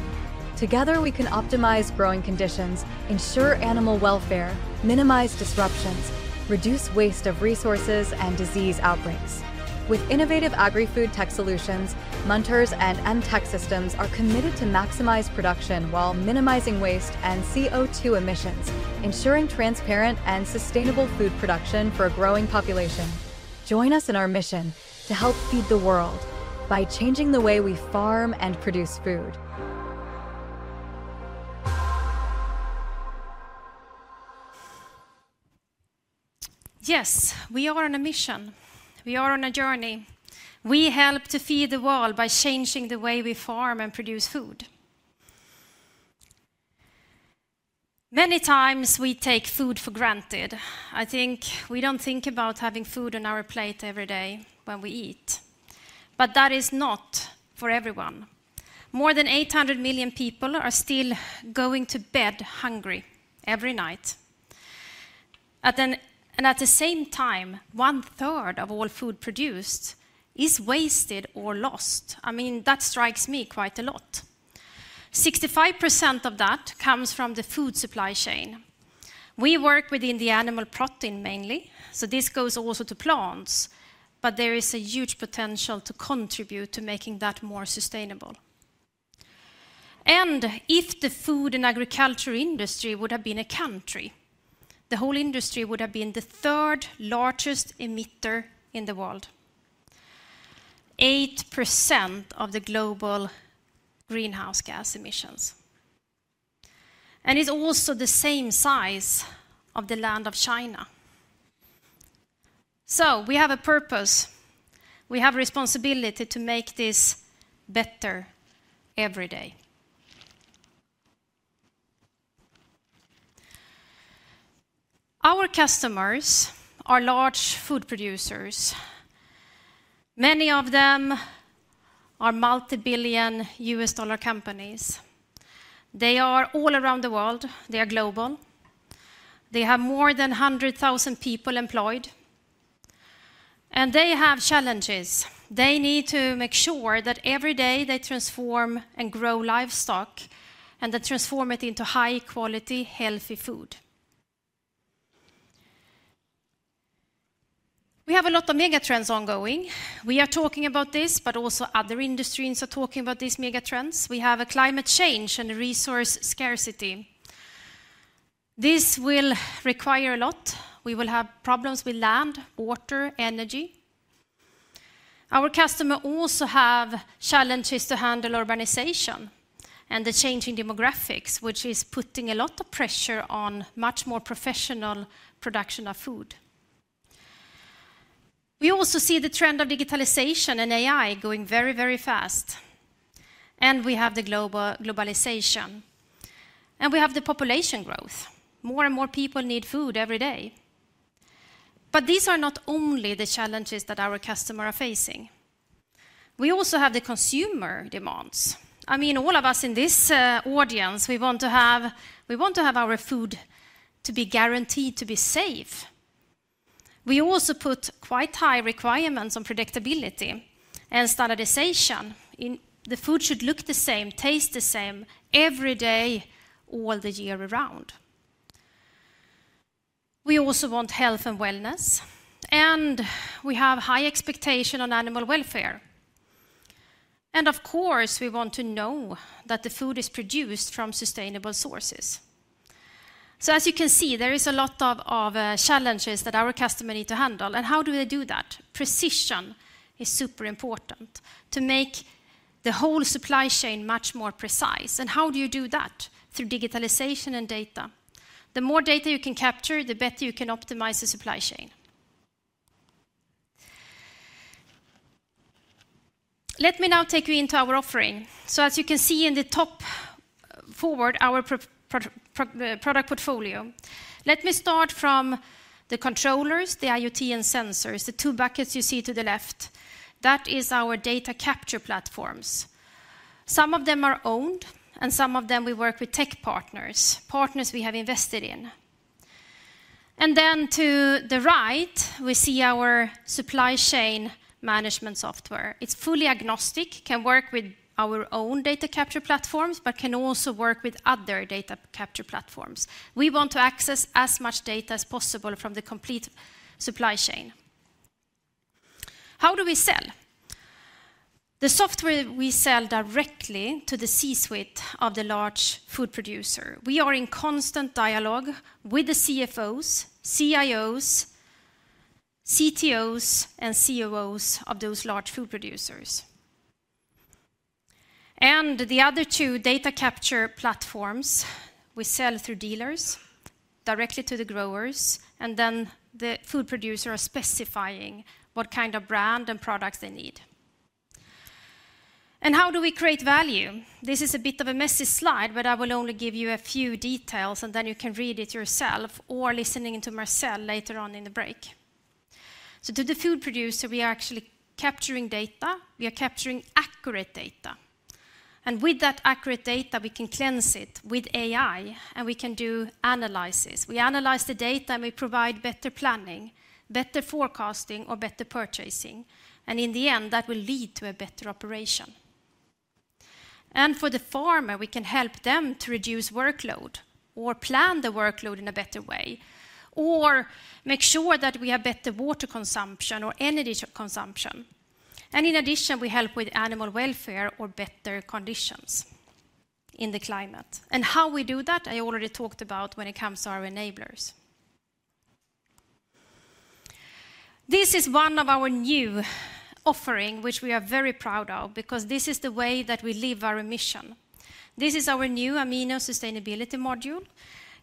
Together, we can optimize growing conditions, ensure animal welfare, minimize disruptions, reduce waste of resources and disease outbreaks. With innovative agri-FoodTech solutions, Munters and MTech Systems are committed to maximize production while minimizing waste and CO2 emissions, ensuring transparent and sustainable food production for a growing population. Join us in our mission to help feed the world by changing the way we farm and produce food. Yes, we are on a mission. We are on a journey. We help to feed the world by changing the way we farm and produce food. Many times, we take food for granted. I think we don't think about having food on our plate every day when we eat, but that is not for everyone. More than 800 million people are still going to bed hungry every night. And at the same time, one third of all food produced is wasted or lost. I mean, that strikes me quite a lot. 65% of that comes from the food supply chain. We work within the animal protein mainly, so this goes also to plants, but there is a huge potential to contribute to making that more sustainable. If the food and agriculture industry would have been a country, the whole industry would have been the third largest emitter in the world. 8% of the global greenhouse gas emissions... and it's also the same size of the land of China. We have a purpose. We have a responsibility to make this better every day. Our customers are large food producers. Many of them are multi-billion-dollar companies. They are all around the world, they are global. They have more than 100,000 people employed, and they have challenges. They need to make sure that every day they transform and grow livestock, and they transform it into high-quality, healthy food. We have a lot of mega trends ongoing. We are talking about this, but also other industries are talking about these mega trends. We have a climate change and resource scarcity. This will require a lot. We will have problems with land, water, energy. Our customer also have challenges to handle urbanization and the changing demographics, which is putting a lot of pressure on much more professional production of food. We also see the trend of digitalization and AI going very, very fast, and we have the globalization, and we have the population growth. More and more people need food every day. But these are not only the challenges that our customer are facing. We also have the consumer demands. I mean, all of us in this audience, we want to have, we want to have our food to be guaranteed to be safe. We also put quite high requirements on predictability and standardization in... The food should look the same, taste the same every day, all the year around. We also want health and wellness, and we have high expectation on animal welfare. And of course, we want to know that the food is produced from sustainable sources. So as you can see, there is a lot of, of, challenges that our customer need to handle. And how do they do that? Precision is super important to make the whole supply chain much more precise. And how do you do that? Through digitalization and data. The more data you can capture, the better you can optimize the supply chain. Let me now take you into our offering. So as you can see in the top forward, our product portfolio, let me start from the controllers, the IoT and sensors, the two buckets you see to the left. That is our data capture platforms. Some of them are owned, and some of them we work with tech partners, partners we have invested in. Then to the right, we see our supply chain management software. It's fully agnostic, can work with our own data capture platforms, but can also work with other data capture platforms. We want to access as much data as possible from the complete supply chain. How do we sell? The software we sell directly to the C-suite of the large food producer. We are in constant dialogue with the CFOs, CIOs, CTOs, and COOs of those large food producers. The other two data capture platforms, we sell through dealers directly to the growers, and then the food producer are specifying what kind of brand and products they need. How do we create value? This is a bit of a messy slide, but I will only give you a few details, and then you can read it yourself or listening to Marcel later on in the break. To the food producer, we are actually capturing data, we are capturing accurate data. With that accurate data, we can cleanse it with AI, and we can do analysis. We analyze the data, and we provide better planning, better forecasting, or better purchasing, and in the end, that will lead to a better operation. For the farmer, we can help them to reduce workload or plan the workload in a better way, or make sure that we have better water consumption or energy consumption. In addition, we help with animal welfare or better conditions in the climate. How we do that, I already talked about when it comes to our enablers. This is one of our new offering, which we are very proud of because this is the way that we live our mission. This is our new Amino Sustainability Module.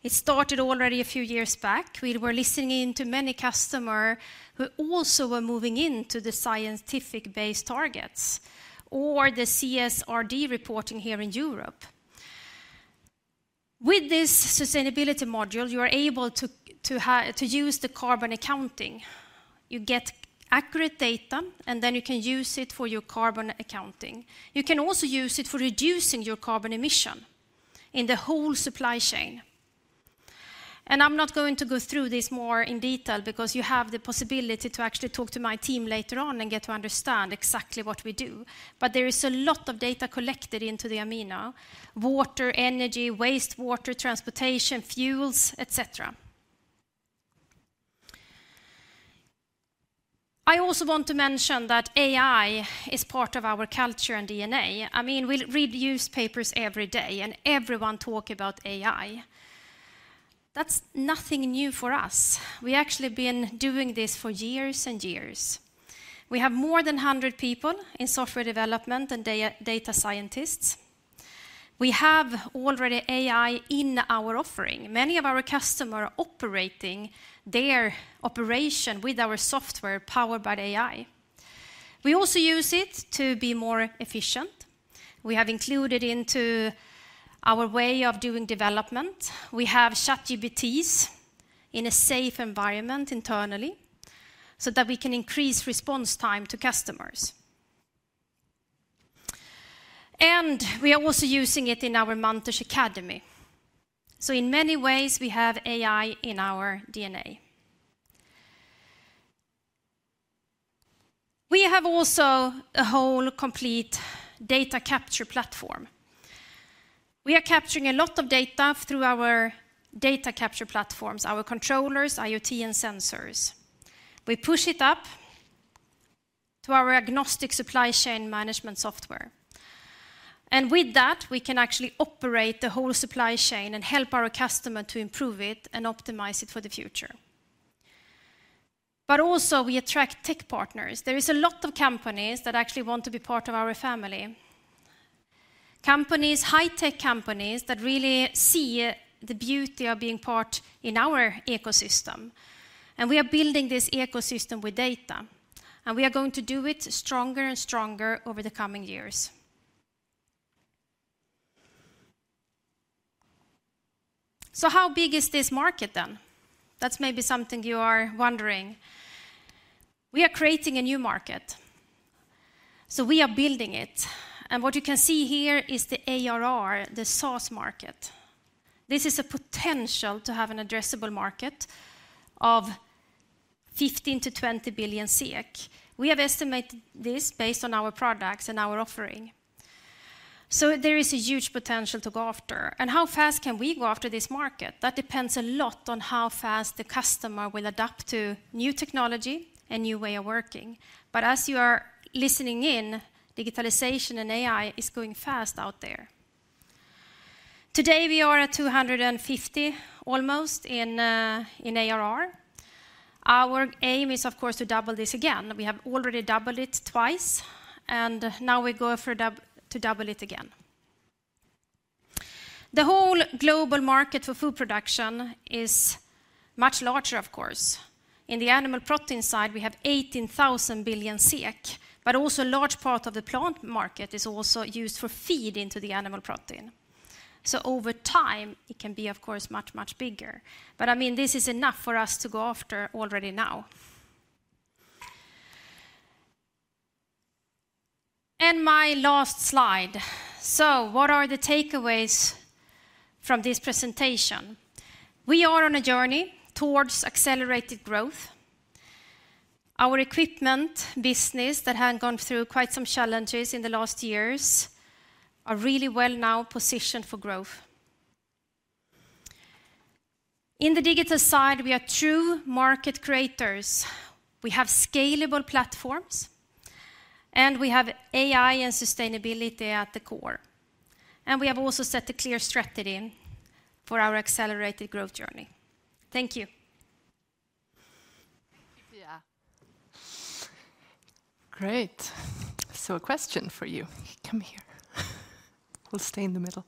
It started already a few years back. We were listening in to many customer who also were moving into the science-based targets or the CSRD reporting here in Europe. With this sustainability module, you are able to use the carbon accounting. You get accurate data, and then you can use it for your carbon accounting. You can also use it for reducing your carbon emission in the whole supply chain. And I'm not going to go through this more in detail because you have the possibility to actually talk to my team later on and get to understand exactly what we do. But there is a lot of data collected into the Amino: water, energy, wastewater, transportation, fuels, et cetera. I also want to mention that AI is part of our culture and DNA. I mean, we read newspapers every day, and everyone talk about AI.... That's nothing new for us. We actually been doing this for years and years. We have more than 100 people in software development and data scientists. We have already AI in our offering. Many of our customer are operating their operation with our software, powered by the AI. We also use it to be more efficient. We have included into our way of doing development. We have ChatGPT in a safe environment internally, so that we can increase response time to customers. And we are also using it in our Munters Academy. So in many ways, we have AI in our DNA. We have also a whole complete data capture platform. We are capturing a lot of data through our data capture platforms, our controllers, IoT, and sensors. We push it up to our agnostic supply chain management software, and with that, we can actually operate the whole supply chain and help our customer to improve it and optimize it for the future. But also, we attract tech partners. There is a lot of companies that actually want to be part of our family. Companies, high-tech companies, that really see the beauty of being part in our ecosystem, and we are building this ecosystem with data, and we are going to do it stronger and stronger over the coming years. So how big is this market, then? That's maybe something you are wondering. We are creating a new market, so we are building it, and what you can see here is the ARR, the SaaS market. This is a potential to have an addressable market of 15 billion-20 billion SEK. We have estimated this based on our products and our offering, so there is a huge potential to go after. How fast can we go after this market? That depends a lot on how fast the customer will adapt to new technology and new way of working. As you are listening in, digitalization and AI is going fast out there. Today, we are at 250, almost, in ARR. Our aim is, of course, to double this again. We have already doubled it twice, and now we go for to double it again. The whole global market for food production is much larger, of course. In the animal protein side, we have 18,000 billion SEK, but also a large part of the plant market is also used for feed into the animal protein. So over time, it can be, of course, much, much bigger. But, I mean, this is enough for us to go after already now. And my last slide. So what are the takeaways from this presentation? We are on a journey towards accelerated growth. Our equipment business, that had gone through quite some challenges in the last years, are really well now positioned for growth. In the digital side, we are true market creators. We have scalable platforms, and we have AI and sustainability at the core, and we have also set a clear strategy for our accelerated growth journey. Thank you. Great. So a question for you. Come here. We'll stay in the middle.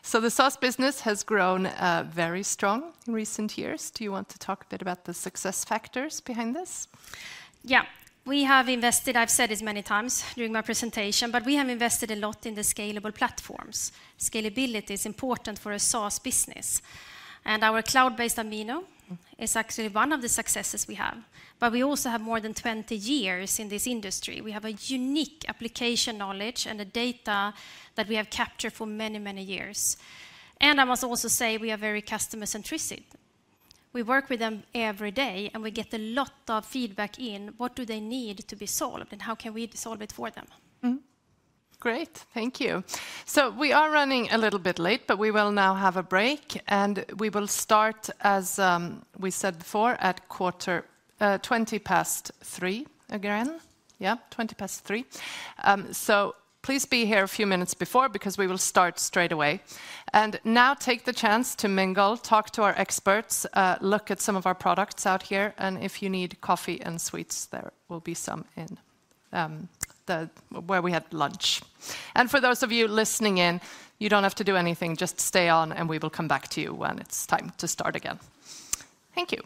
So the SaaS business has grown, very strong in recent years. Do you want to talk a bit about the success factors behind this? Yeah. We ave invested. I've said this many times during my presentation, but we have invested a lot in the scalable platforms. Scalability is important for a SaaS business, and our cloud-based Amino is actually one of the successes we have. But we also have more than 20 years in this industry. We have a unique application knowledge and the data that we have captured for many, many years. I must also say, we are very customer-centricity. We work with them every day, and we get a lot of feedback in what do they need to be solved, and how can we solve it for them? Great, thank you. So we are running a little bit late, but we will now have a break, and we will start as we said before, at 3:20 P.M. again. Yeah, 3:20 P.M. So please be here a few minutes before, because we will start straight away. And now, take the chance to mingle, talk to our experts, look at some of our products out here, and if you need coffee and sweets, there will be some in the where we had lunch. And for those of you listening in, you don't have to do anything, just stay on, and we will come back to you when it's time to start again. Thank you.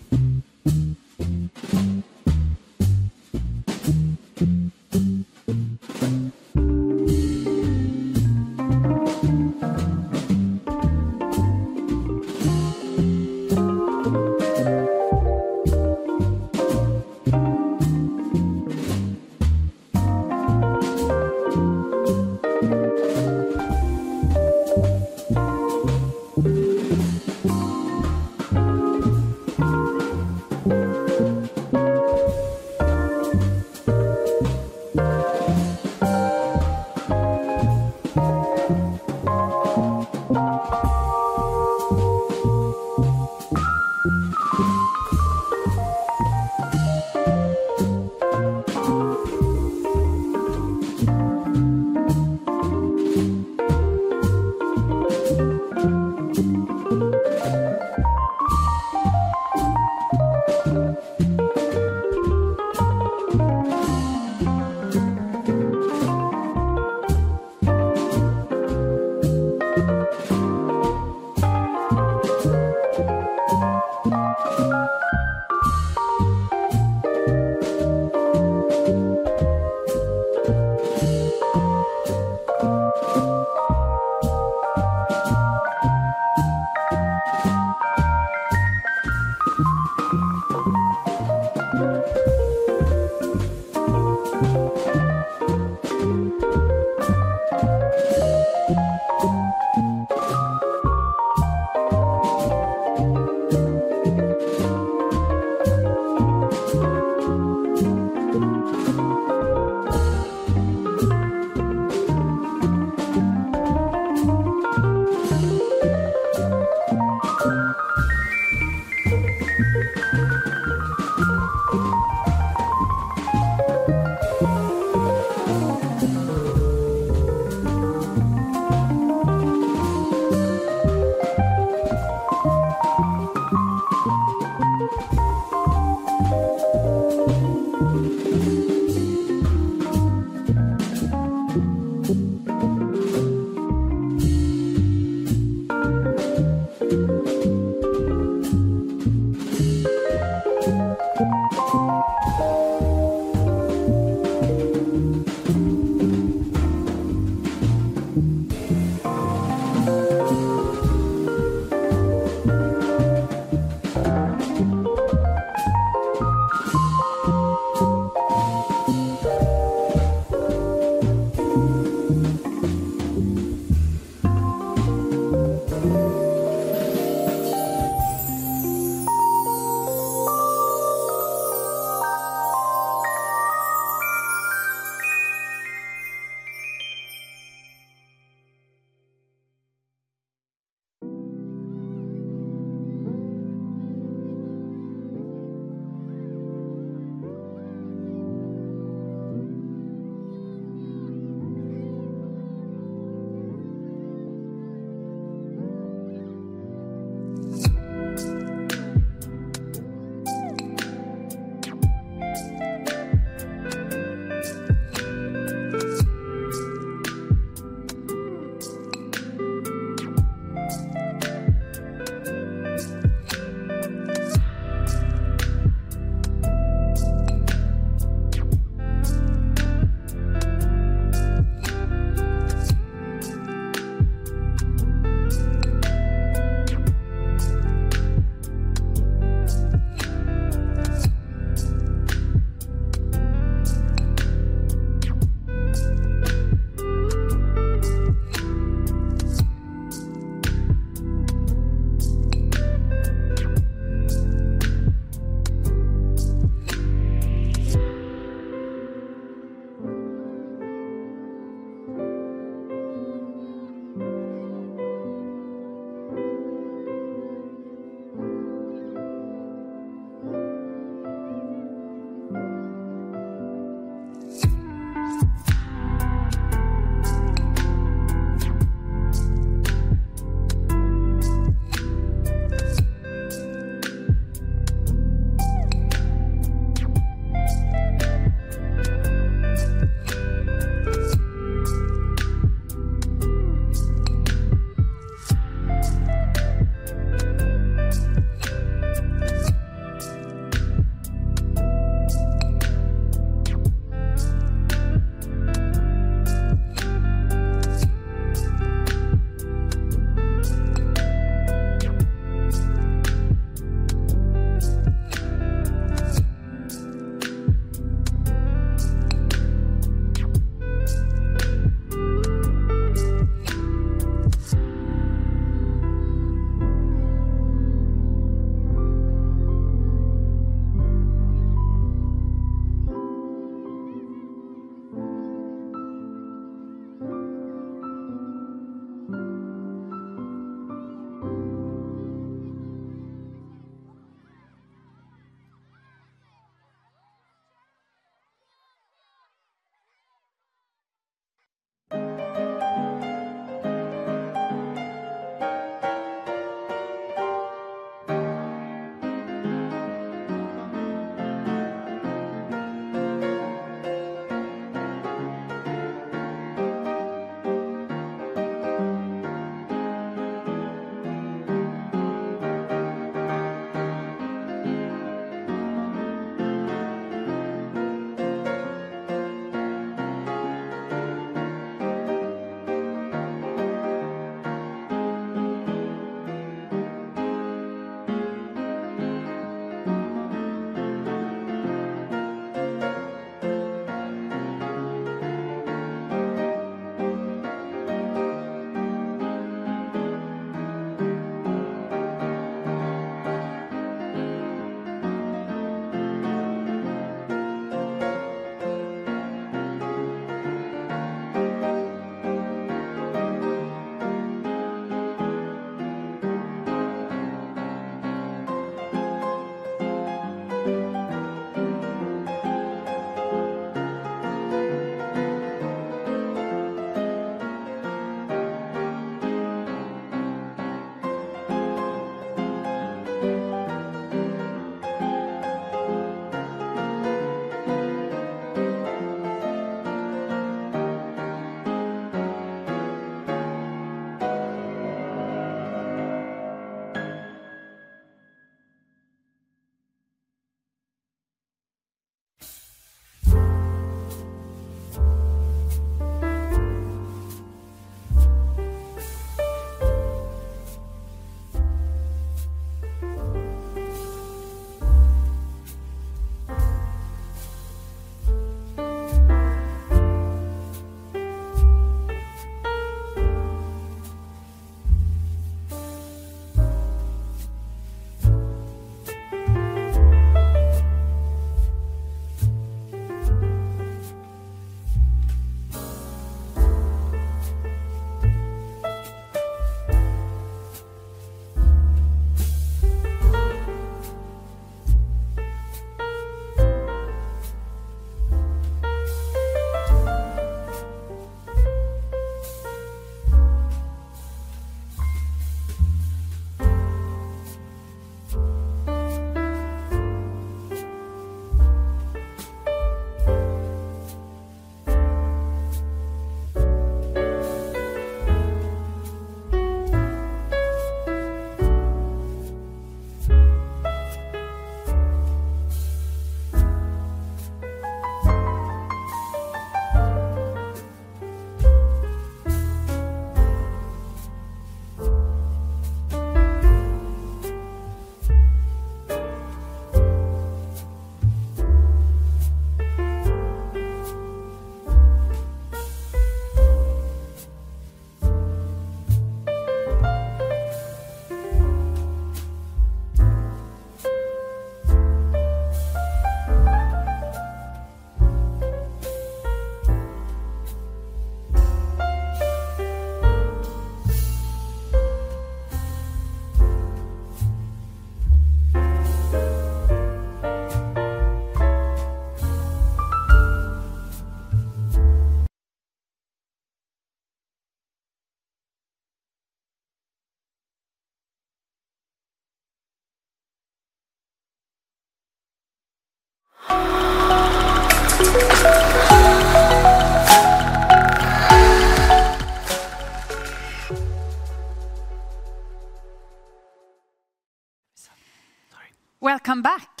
Welcome back!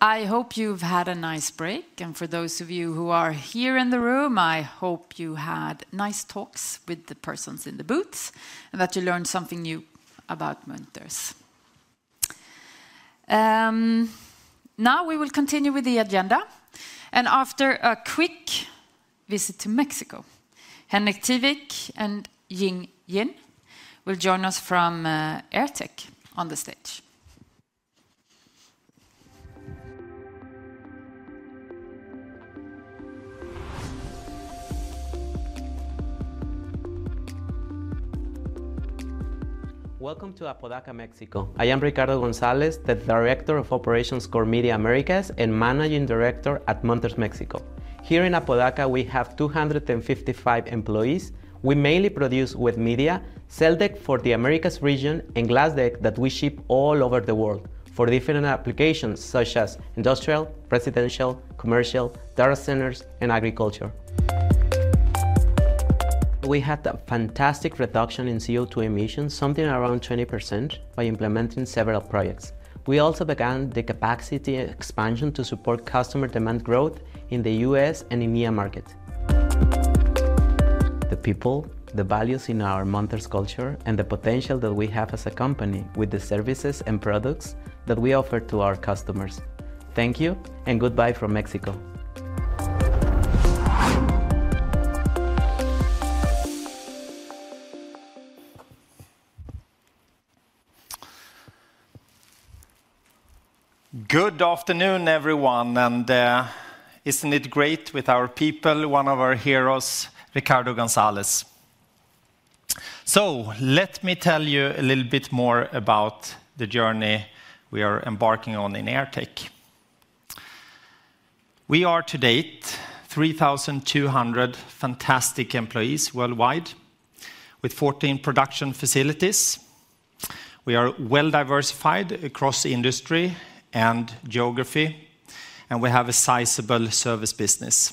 I hope you've had a nice break, and for those of you who are here in the room, I hope you had nice talks with the persons in the booths, and that you learned something new about Munters. Now we will continue with the agenda, and after a quick visit to Mexico, Henrik Teiwik and Ying Yin will join us from AirTech on the stage. Welcome to Apodaca, Mexico. I am Ricardo Gonzalez, the Director of Operations Core Media Americas, and Managing Director at Munters Mexico. Here in Apodaca, we have 255 employees. We mainly produce with media, CELdek for the Americas region, and GLASdek that we ship all over the world for different applications, such as industrial, residential, commercial, data centers, and agriculture. We had a fantastic reduction in CO2 emissions, something around 20%, by implementing several projects. We also began the capacity expansion to support customer demand growth in the US and EMEA market. The people, the values in our Munters culture, and the potential that we have as a company with the services and products that we offer to our customers. Thank you, and goodbye from Mexico. Good afternoon, everyone, and isn't it great with our people, one of our heroes, Ricardo Gonzalez? So let me tell you a little bit more about the journey we are embarking on in AirTech. We are, to date, 3,200 fantastic employees worldwide, with 14 production facilities. We are well diversified across industry and geography, and we have a sizable service business.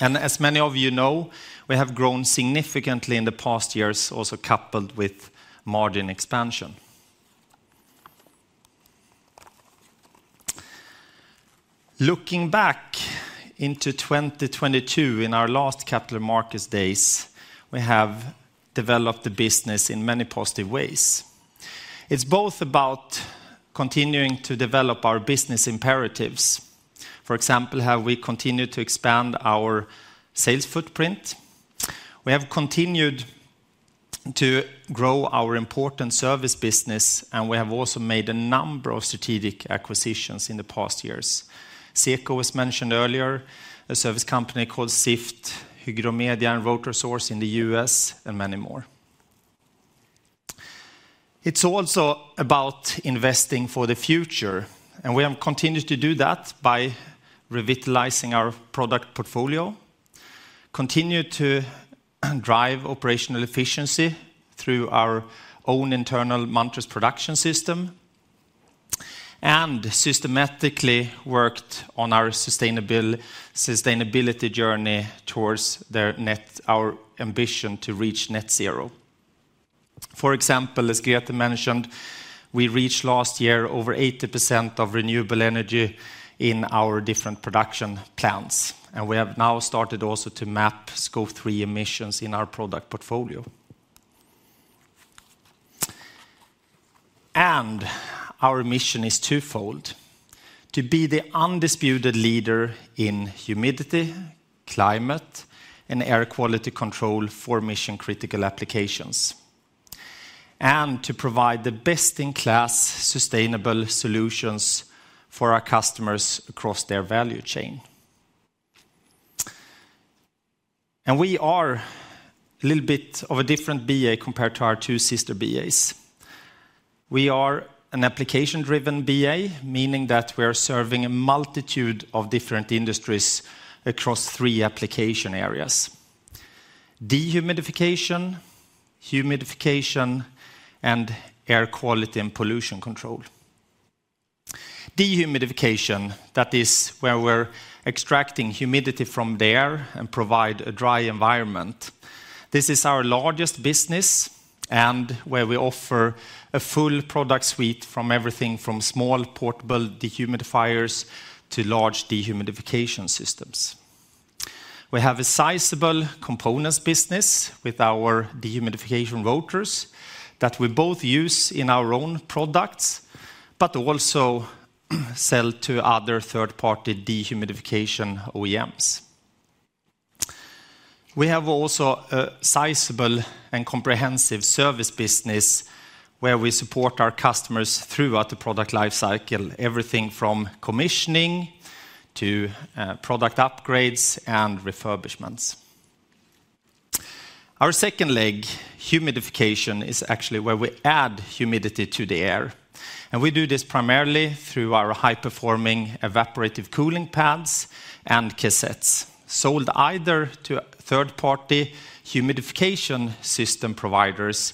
As many of you know, we have grown significantly in the past years, also coupled with margin expansion. Looking back into 2022, in our last Capital Markets Days, we have developed the business in many positive ways. It's both about continuing to develop our business imperatives. For example, how we continue to expand our sales footprint. We have continued to grow our important service business, and we have also made a number of strategic acquisitions in the past years. ZECO was mentioned earlier, a service company called Sift, Hygromedia, and Rotor Source in the US, and many more. It's also about investing for the future, and we have continued to do that by revitalizing our product portfolio, continued to drive operational efficiency through our own internal Munters Production System, and systematically worked on our sustainability journey towards net zero. Our ambition to reach net zero. For example, as Grete mentioned, we reached last year over 80% of renewable energy in our different production plants, and we have now started also to map Scope 3 emissions in our product portfolio. Our mission is twofold: to be the undisputed leader in humidity, climate, and air quality control for mission-critical applications, and to provide the best-in-class sustainable solutions for our customers across their value chain. We are a little bit of a different BA compared to our two sister BAs. We are an application-driven BA, meaning that we are serving a multitude of different industries across three application areas: dehumidification, humidification, and air quality and pollution control. Dehumidification, that is where we're extracting humidity from the air and provide a dry environment. This is our largest business, and where we offer a full product suite from everything from small, portable dehumidifiers to large dehumidification systems. We have a sizable components business with our dehumidification rotors that we both use in our own products, but also sell to other third-party dehumidification OEMs. We have also a sizable and comprehensive service business, where we support our customers throughout the product life SyCool, everything from commissioning to product upgrades and refurbishments. Our ZECOnd leg, humidification, is actually where we add humidity to the air, and we do this primarily through our high-performing evaporative cooling pads and cassettes, sold either to third-party humidification system providers,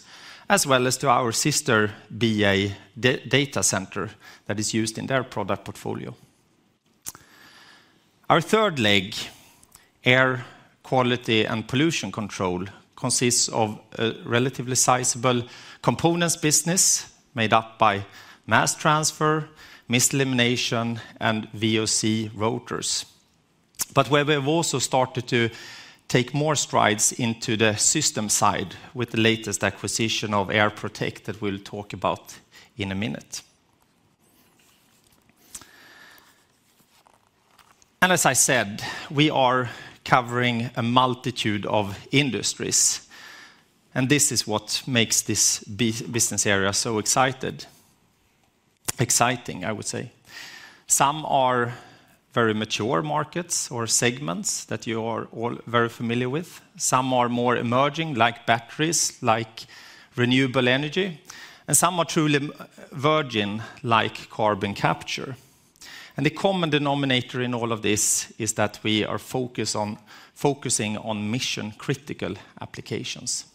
as well as to our sister BA data center that is used in their product portfolio. Our third leg, air quality and pollution control, consists of a relatively sizable components business made up by mass transfer, mist elimination, and VOC rotors. But where we've also started to take more strides into the system side with the latest acquisition of Airprotech that we'll talk about in a minute. And as I said, we are covering a multitude of industries, and this is what makes this business area so exciting, I would say. Some are very mature markets or segments that you are all very familiar with, some are more emerging, like batteries, like renewable energy, and some are truly virgin, like carbon capture. The common denominator in all of this is that we are focused on focusing on mission-critical applications.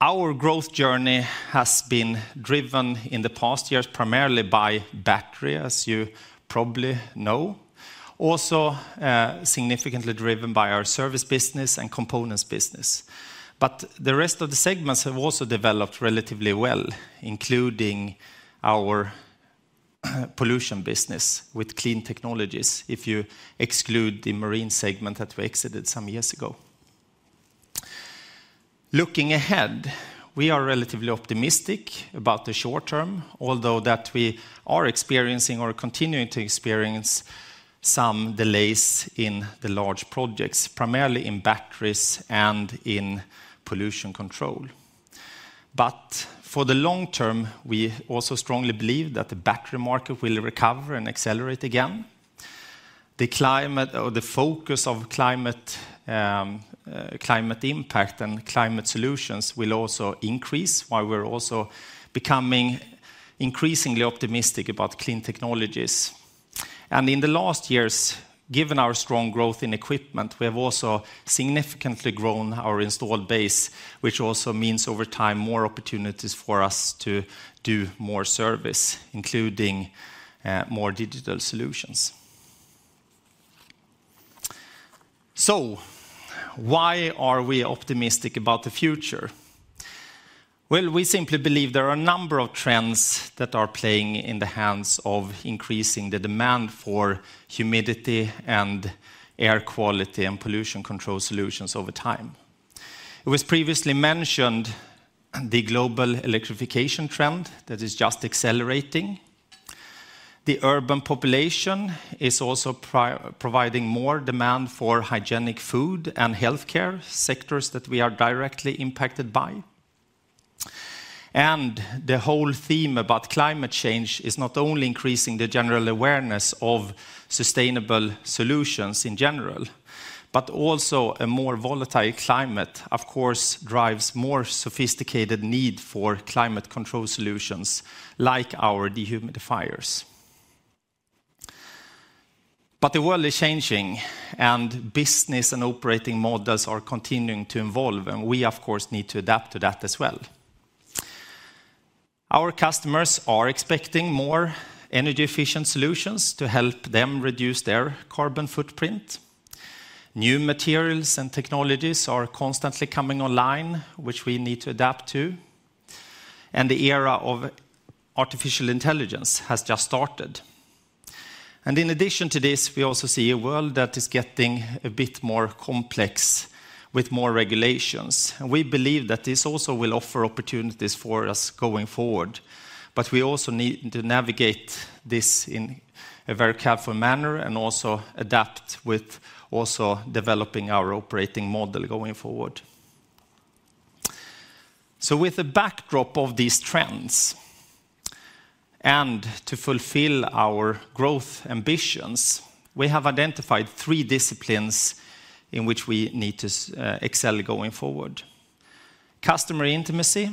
Our growth journey has been driven in the past years, primarily by battery, as you probably know. Also, significantly driven by our service business and components business. But the rest of the segments have also developed relatively well, including our pollution business with Clean Technologies, if you exclude the marine segment that we exited some years ago. Looking ahead, we are relatively optimistic about the short term, although that we are experiencing or continuing to experience some delays in the large projects, primarily in batteries and in pollution control. For the long term, we also strongly believe that the battery market will recover and accelerate again. The climate or the focus of climate, climate impact and climate solutions will also increase, while we're also becoming increasingly optimistic about Clean Technologies. In the last years, given our strong growth in equipment, we have also significantly grown our installed base, which also means over time, more opportunities for us to do more service, including, more digital solutions. So why are we optimistic about the future? Well, we simply believe there are a number of trends that are playing in the hands of increasing the demand for humidity and air quality and pollution control solutions over time. It was previously mentioned, the global electrification trend, that is just accelerating. The urban population is also providing more demand for hygienic food and healthcare sectors that we are directly impacted by. And the whole theme about climate change is not only increasing the general awareness of sustainable solutions in general, but also a more volatile climate, of course, drives more sophisticated need for climate control solutions, like our dehumidifiers. But the world is changing, and business and operating models are continuing to evolve, and we, of course, need to adapt to that as well. Our customers are expecting more energy-efficient solutions to help them reduce their carbon footprint. New materials and technologies are constantly coming online, which we need to adapt to, and the era of artificial intelligence has just started. And in addition to this, we also see a world that is getting a bit more complex, with more regulations. We believe that this also will offer opportunities for us going forward. We also need to navigate this in a very careful manner, and also adapt with also developing our operating model going forward. With the backdrop of these trends, and to fulfill our growth ambitions, we have identified three disciplines in which we need to excel going forward: customer intimacy,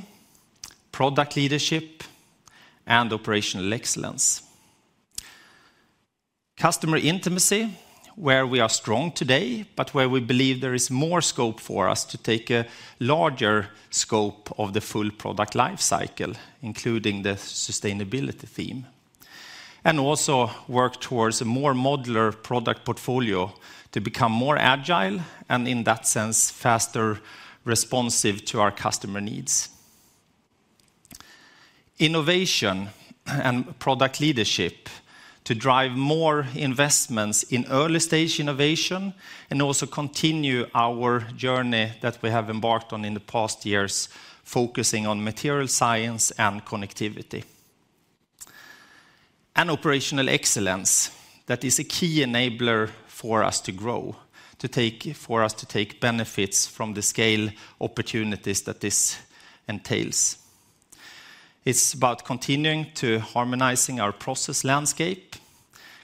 product leadership, and operational excellence. Customer intimacy, where we are strong today, but where we believe there is more scope for us to take a larger scope of the full product life SyCool, including the sustainability theme, and also work towards a more modular product portfolio to become more agile, and in that sense, faster responsive to our customer needs. Innovation and product leadership, to drive more investments in early-stage innovation, and also continue our journey that we have embarked on in the past years, focusing on material science and connectivity. Operational excellence, that is a key enabler for us to grow, to take benefits from the scale opportunities that this entails. It's about continuing to harmonize our process landscape,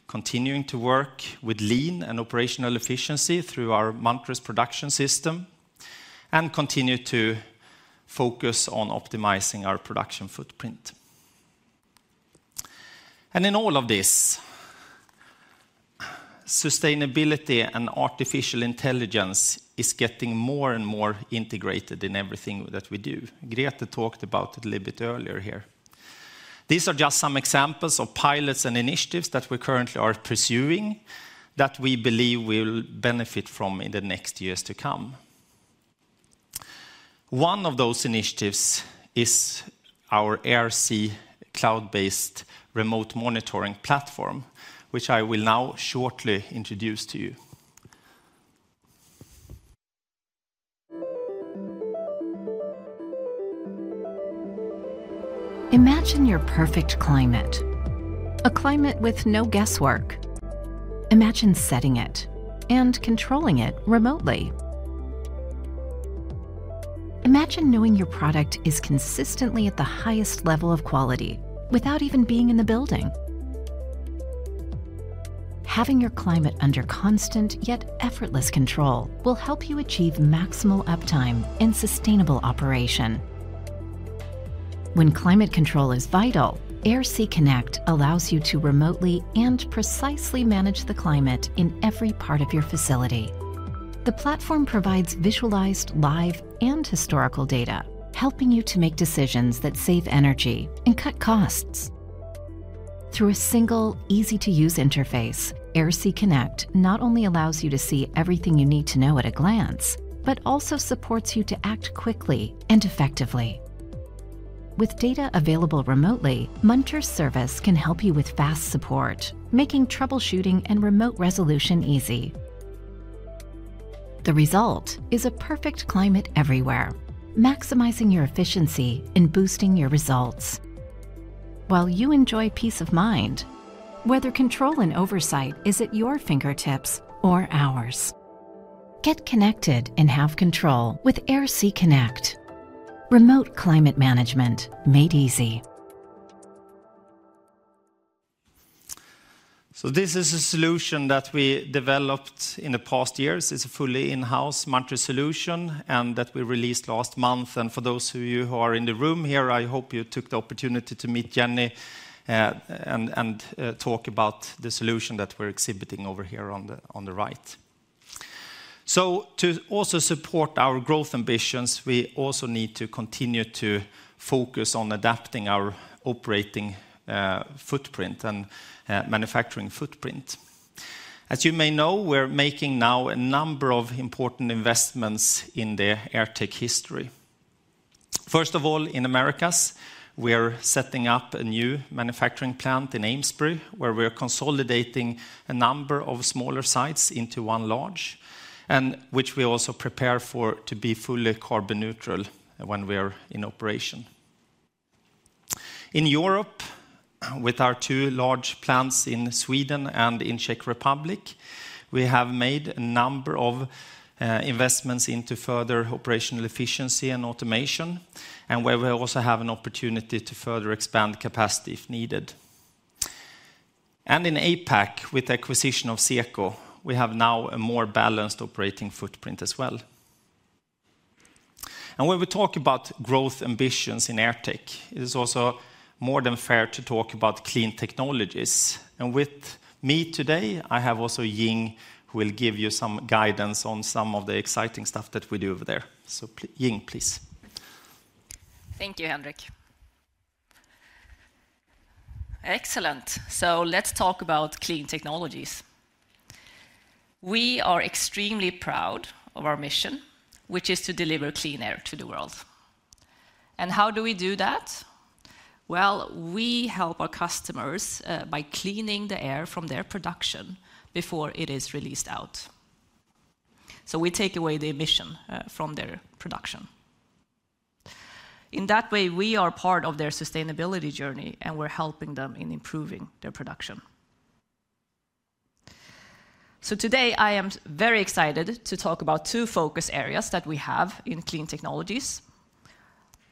continuing to work with lean and operational efficiency through our Munters Production System, and continue to focus on optimizing our production footprint. In all of this, sustainability and artificial intelligence is getting more and more integrated in everything that we do. Grete talked about it a little bit earlier here. These are just some examples of pilots and initiatives that we currently are pursuing, that we believe we'll benefit from in the next years to come. One of those initiatives is our AirC cloud-based remote monitoring platform, which I will now shortly introduce to you. Imagine your perfect climate, a climate with no guesswork. Imagine setting it and controlling it remotely. Imagine knowing your product is consistently at the highest level of quality, without even being in the building. Having your climate under constant, yet effortless control, will help you achieve maximal uptime and sustainable operation. When climate control is vital, AirC Connect allows you to remotely and precisely manage the climate in every part of your facility. The platform provides visualized, live, and historical data, helping you to make decisions that save energy and cut costs. Through a single, easy-to-use interface, AirC Connect not only allows you to see everything you need to know at a glance, but also supports you to act quickly and effectively. With data available remotely, Munters service can help you with fast support, making troubleshooting and remote resolution easy. The result is a perfect climate everywhere, maximizing your efficiency and boosting your results, while you enjoy peace of mind, whether control and oversight is at your fingertips or ours. Get connected and have control with AirC Connect. Remote climate management made easy. So this is a solution that we developed in the past years. It's a fully in-house Munters solution, and that we released last month. For those of you who are in the room here, I hope you took the opportunity to meet Jennie, and talk about the solution that we're exhibiting over here on the right. To also support our growth ambitions, we also need to continue to focus on adapting our operating footprint and manufacturing footprint. As you may know, we're making now a number of important investments in the AirTech history. First of all, in Americas, we are setting up a new manufacturing plant in Amesbury, where we are consolidating a number of smaller sites into one large, and which we also prepare for to be fully carbon neutral when we are in operation. In Europe, with our two large plants in Sweden and in Czech Republic, we have made a number of investments into further operational efficiency and automation, and where we also have an opportunity to further expand capacity if needed. In APAC, with the acquisition of Zeco, we have now a more balanced operating footprint as well. When we talk about growth ambitions in AirTech, it is also more than fair to talk about Clean Technologies. With me today, I have also Ying, who will give you some guidance on some of the exciting stuff that we do over there. So Ying, please. Thank you, Henrik. Excellent! So let's talk about Clean Technologies. We are extremely proud of our mission, which is to deliver clean air to the world. And how do we do that? Well, we help our customers by cleaning the air from their production before it is released out. So we take away the emission from their production. In that way, we are part of their sustainability journey, and we're helping them in improving their production. So today, I am very excited to talk about two focus areas that we have in Clean Technologies.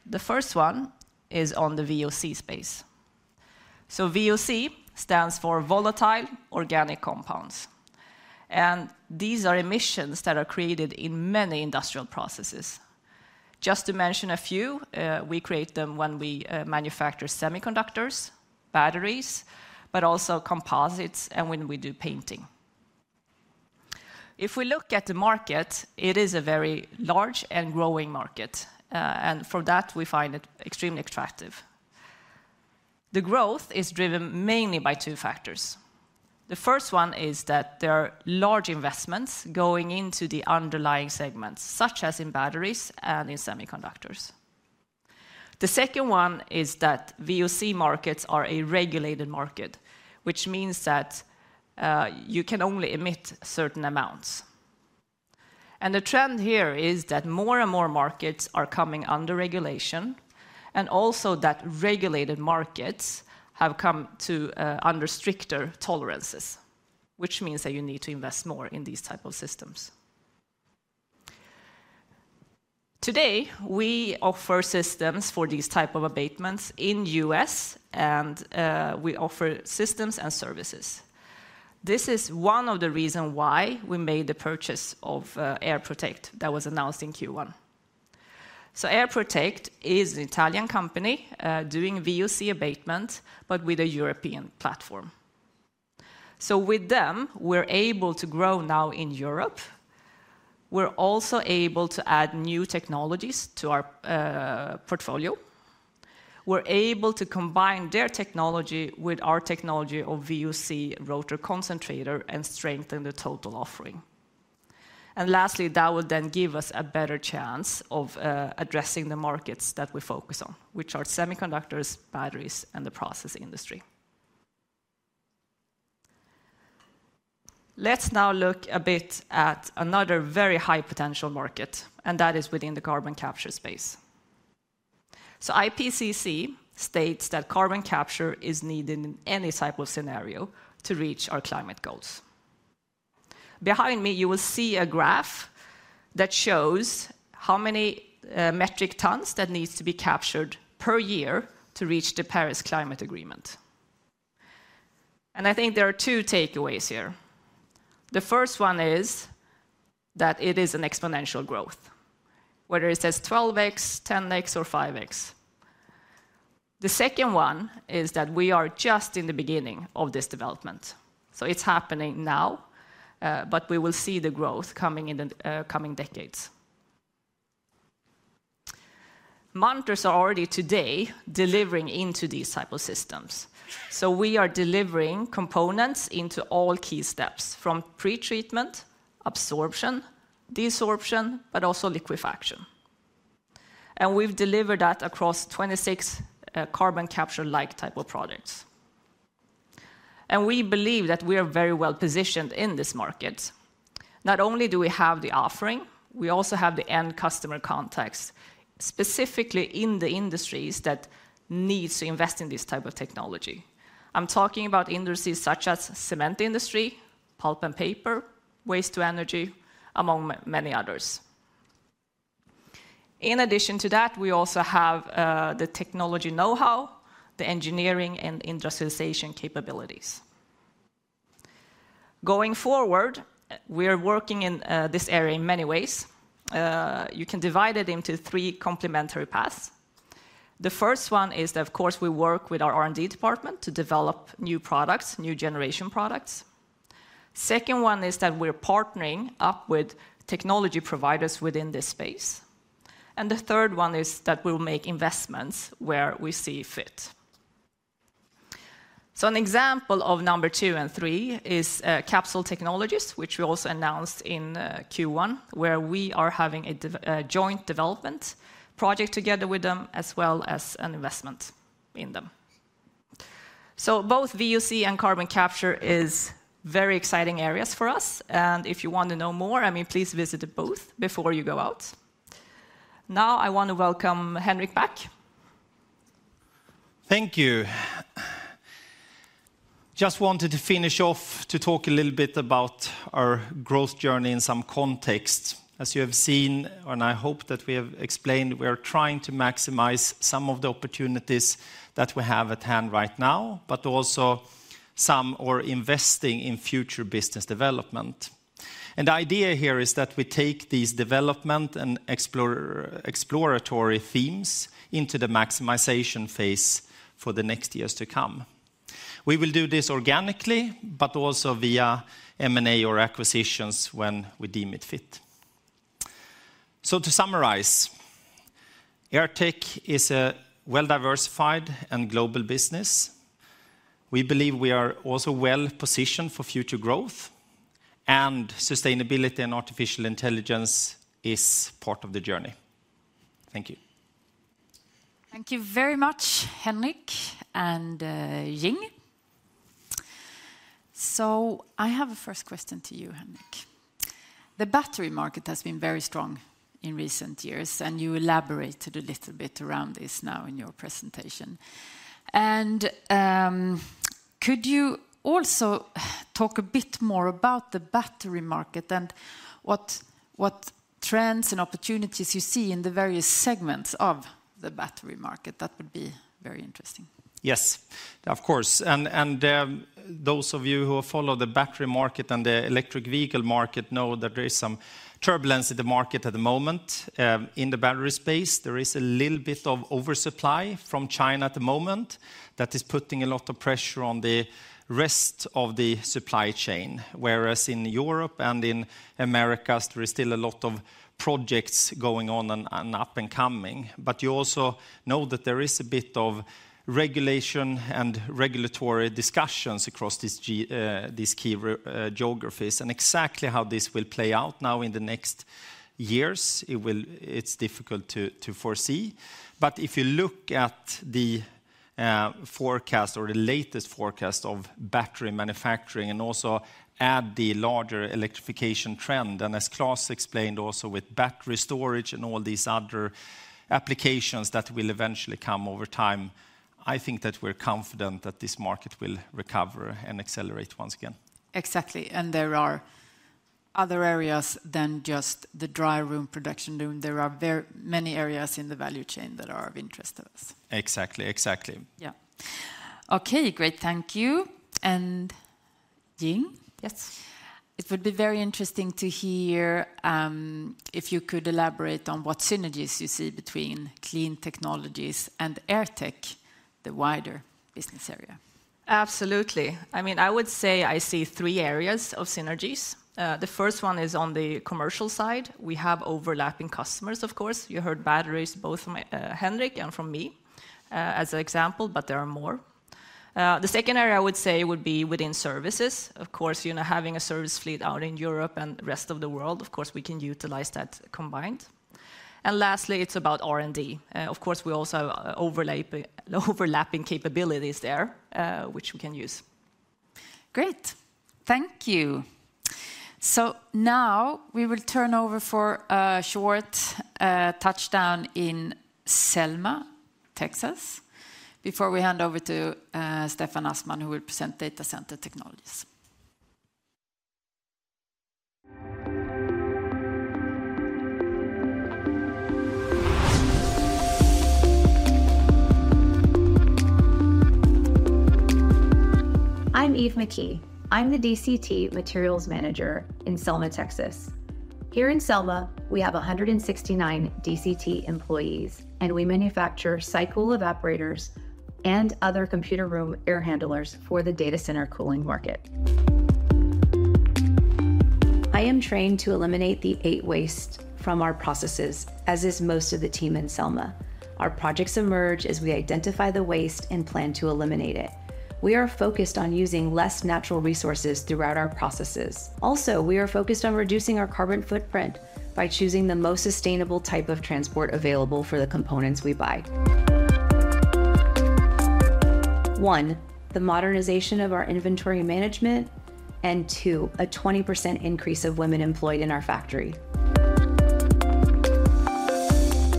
The first one is on the VOC space. So VOC stands for volatile organic compounds, and these are emissions that are created in many industrial processes. Just to mention a few, we create them when we manufacture semiconductors, batteries, but also composites, and when we do painting. If we look at the market, it is a very large and growing market, and for that, we find it extremely attractive. The growth is driven mainly by two factors. The first one is that there are large investments going into the underlying segments, such as in batteries and in semiconductors. The ZECOnd one is that VOC markets are a regulated market, which means that you can only emit certain amounts. And the trend here is that more and more markets are coming under regulation, and also that regulated markets have come to under stricter tolerances, which means that you need to invest more in these type of systems. Today, we offer systems for these type of abatements in U.S., and we offer systems and services. This is one of the reason why we made the purchase of Airprotech that was announced in Q1. So Airprotech is an Italian company, doing VOC abatement, but with a European platform. So with them, we're able to grow now in Europe. We're also able to add new technologies to our, portfolio. We're able to combine their technology with our technology of VOC rotor concentrator and strengthen the total offering. And lastly, that will then give us a better chance of, addressing the markets that we focus on, which are semiconductors, batteries, and the processing industry. Let's now look a bit at another very high potential market, and that is within the carbon capture space. So IPCC states that carbon capture is needed in any type of scenario to reach our climate goals. Behind me, you will see a graph that shows how many, metric tons that needs to be captured per year to reach the Paris Climate Agreement. And I think there are two takeaways here. The first one is that it is an exponential growth, whether it says 12x, 10x, or 5x. The ZECOnd one is that we are just in the beginning of this development. So it's happening now, but we will see the growth coming in the coming decades. Munters are already today delivering into these type of systems. So we are delivering components into all key steps, from pretreatment, absorption, desorption, but also liquefaction. And we've delivered that across 26 carbon capture-like type of products. And we believe that we are very well-positioned in this market. Not only do we have the offering, we also have the end customer context, specifically in the industries that needs to invest in this type of technology. I'm talking about industries such as cement industry, pulp and paper, waste to energy, among many others. In addition to that, we also have the technology know-how, the engineering, and industrialization capabilities. Going forward, we are working in this area in many ways. You can divide it into three complementary paths. The first one is that, of course, we work with our R&D department to develop new products, new generation products. ZECOnd one is that we're partnering up with technology providers within this space. And the third one is that we'll make investments where we see fit. So an example of number two and three is Capsol Technologies, which we also announced in Q1, where we are having a joint development project together with them, as well as an investment in them. Both VOC and Carbon Capture is very exciting areas for us, and if you want to know more, I mean, please visit the booth before you go out. Now, I want to welcome Henrik back. Thank you. Just wanted to finish off to talk a little bit about our growth journey in some context. As you have seen, and I hope that we have explained, we are trying to maximize some of the opportunities that we have at hand right now, but also some are investing in future business development. And the idea here is that we take these development and exploratory themes into the maximization phase for the next years to come. We will do this organically, but also via M&A or acquisitions when we deem it fit. So to summarize, AirTech is a well-diversified and global business. We believe we are also well-positioned for future growth, and sustainability and artificial intelligence is part of the journey. Thank you. Thank you very much, Henrik and Ying. So I have a first question to you, Henrik. The battery market has been very strong in recent years, and you elaborated a little bit around this now in your presentation. And could you also talk a bit more about the battery market and what trends and opportunities you see in the various segments of the battery market? That would be very interesting. Yes, of course, and those of you who follow the battery market and the electric vehicle market know that there is some turbulence in the market at the moment. In the battery space, there is a little bit of oversupply from China at the moment. That is putting a lot of pressure on the rest of the supply chain, whereas in Europe and in Americas, there is still a lot of projects going on and up and coming. But you also know that there is a bit of regulation and regulatory discussions across these key geographies, and exactly how this will play out now in the next years, it will, it's difficult to foresee. But if you look at the forecast or the latest forecast of battery manufacturing and also add the larger electrification trend, and as Klas explained also with battery storage and all these other applications that will eventually come over time, I think that we're confident that this market will recover and accelerate once again. Exactly. And there are other areas than just the dry room, production room. There are many areas in the value chain that are of interest to us. Exactly, exactly. Yeah. Okay, great, thank you. And Ying, yes? It would be very interesting to hear if you could elaborate on what synergies you see between Clean Technologies and AirTech, the wider business area. Absolutely. I mean, I would say I see three areas of synergies. The first one is on the commercial side. We have overlapping customers, of course. You heard batteries, both from Henrik and from me, as an example, but there are more. The ZECOnd area I would say would be within services. Of course, you know, having a service fleet out in Europe and the rest of the world, of course, we can utilize that combined. And lastly, it's about R&D. Of course, we also have overlapping capabilities there, which we can use. Great. Thank you. So now, we will turn over for a short touchdown in Selma, Texas, before we hand over to Stefan Aspman, who will present Data Center Technologies. I'm Eve McKee. I'm the DCT Materials Manager in Selma, Texas. Here in Selma, we have 169 DCT employees, and we manufacture SyCool evaporators and other computer room air handlers for the data center cooling market. I am trained to eliminate the eight waste from our processes, as is most of the team in Selma. Our projects emerge as we identify the waste and plan to eliminate it. We are focused on using less natural resources throughout our processes. Also, we are focused on reducing our carbon footprint by choosing the most sustainable type of transport available for the components we buy. 1, the modernization of our inventory management, and 2, a 20% increase of women employed in our factory.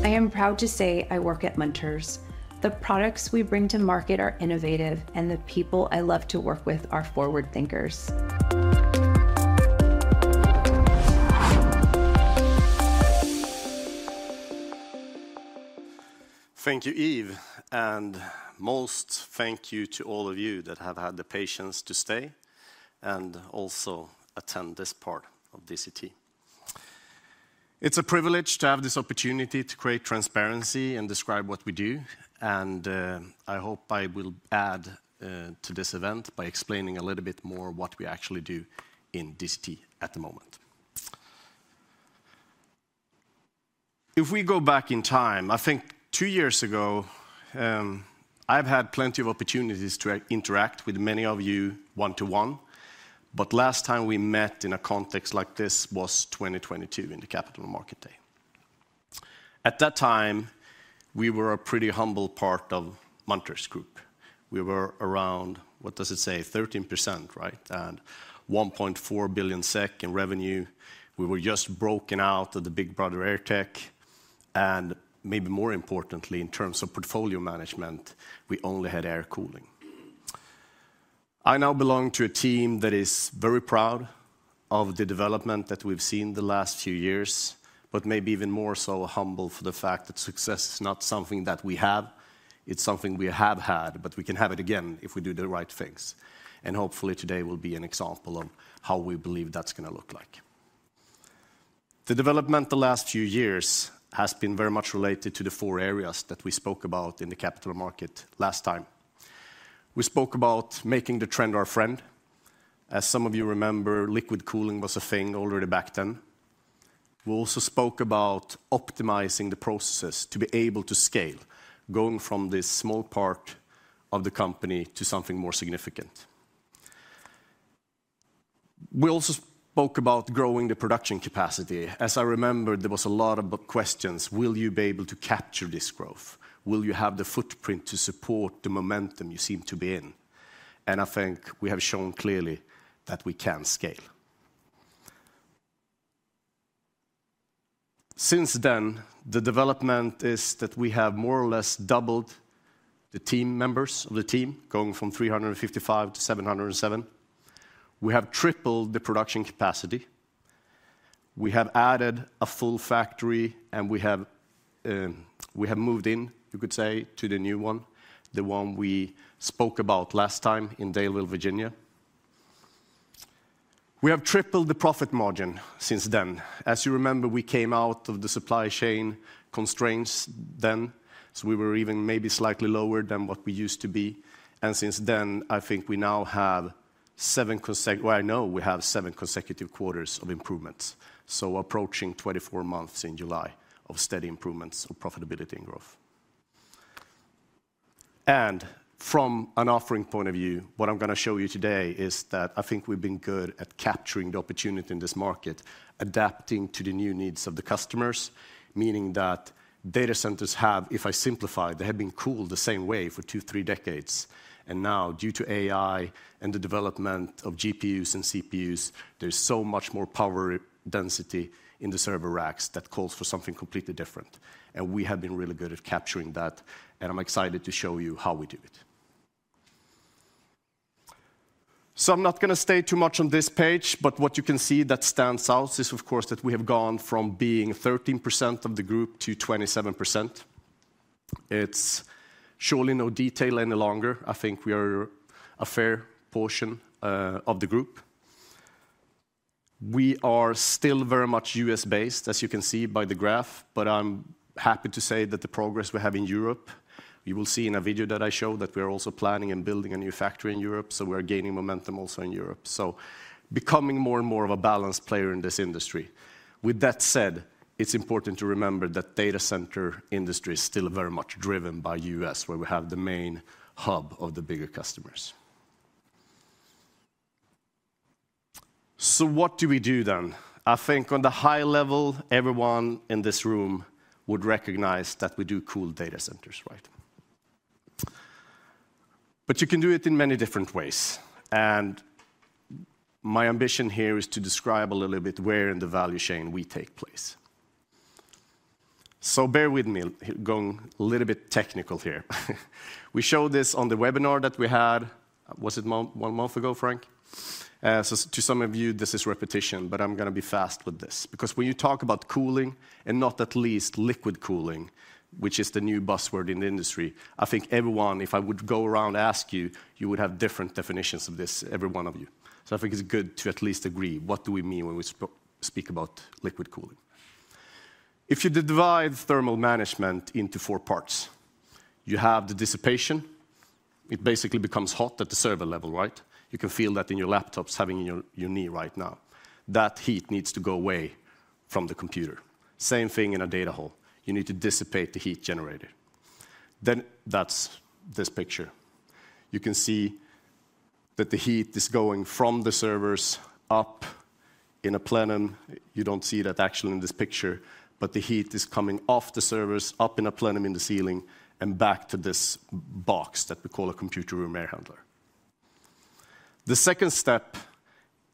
I am proud to say I work at Munters. The products we bring to market are innovative, and the people I love to work with are forward thinkers. Thank you, Eve, and most thank you to all of you that have had the patience to stay and also attend this part of DCT. It's a privilege to have this opportunity to create transparency and describe what we do, and, I hope I will add, to this event by explaining a little bit more what we actually do in DCT at the moment. If we go back in time, I think two years ago, I've had plenty of opportunities to interact with many of you one to one, but last time we met in a context like this was 2022 in the Capital Markets Day. At that time, we were a pretty humble part of Munters Group. We were around, what does it say? 13%, right, and 1.4 billion SEK in revenue. We were just broken out of the big brother AirTech, and maybe more importantly, in terms of portfolio management, we only had air cooling. I now belong to a team that is very proud of the development that we've seen the last few years, but maybe even more so humble for the fact that success is not something that we have, it's something we have had, but we can have it again if we do the right things. Hopefully, today will be an example of how we believe that's gonna look like. The development the last few years has been very much related to the four areas that we spoke about in the Capital Markets Day last time... We spoke about making the trend our friend. As some of you remember, liquid cooling was a thing already back then. We also spoke about optimizing the processes to be able to scale, going from this small part of the company to something more significant. We also spoke about growing the production capacity. As I remember, there was a lot of questions: Will you be able to capture this growth? Will you have the footprint to support the momentum you seem to be in? And I think we have shown clearly that we can scale. Since then, the development is that we have more or less doubled the team members of the team, going from 355 to 707. We have tripled the production capacity, we have added a full factory, and we have, we have moved in, you could say, to the new one, the one we spoke about last time in Daleville, Virginia. We have tripled the profit margin since then. As you remember, we came out of the supply chain constraints then, so we were even maybe slightly lower than what we used to be. And since then, I think we now have seven consecutive quarters of improvements, so approaching 24 months in July of steady improvements of profitability and growth. And from an offering point of view, what I'm gonna show you today is that I think we've been good at capturing the opportunity in this market, adapting to the new needs of the customers, meaning that data centers have, if I simplify, they have been cooled the same way for 2, 3 decades. And now, due to AI and the development of GPUs and CPUs, there's so much more power density in the server racks that calls for something completely different, and we have been really good at capturing that, and I'm excited to show you how we do it. So I'm not gonna stay too much on this page, but what you can see that stands out is, of course, that we have gone from being 13% of the group to 27%. It's surely no detail any longer. I think we are a fair portion of the group. We are still very much U.S.-based, as you can see by the graph, but I'm happy to say that the progress we have in Europe, you will see in a video that I show, that we are also planning and building a new factory in Europe, so we are gaining momentum also in Europe, so becoming more and more of a balanced player in this industry. With that said, it's important to remember that data center industry is still very much driven by the U.S., where we have the main hub of the bigger customers. So what do we do then? I think on the high level, everyone in this room would recognize that we do cool data centers, right? But you can do it in many different ways, and my ambition here is to describe a little bit where in the value chain we take place. So bear with me, going a little bit technical here. We showed this on the webinar that we had, was it one month ago, Frank? So to some of you, this is repetition, but I'm gonna be fast with this, because when you talk about cooling, and not at least liquid cooling, which is the new buzzword in the industry, I think everyone, if I would go around and ask you, you would have different definitions of this, every one of you. So I think it's good to at least agree, what do we mean when we speak about liquid cooling? If you divide thermal management into four parts, you have the dissipation. It basically becomes hot at the server level, right? You can feel that in your laptops having in your knee right now. That heat needs to go away from the computer. Same thing in a data hall: you need to dissipate the heat generated. Then, that's this picture. You can see that the heat is going from the servers up in a plenum. You don't see that actually in this picture, but the heat is coming off the servers, up in a plenum in the ceiling, and back to this box that we call a computer room air handler. The ZECOnd step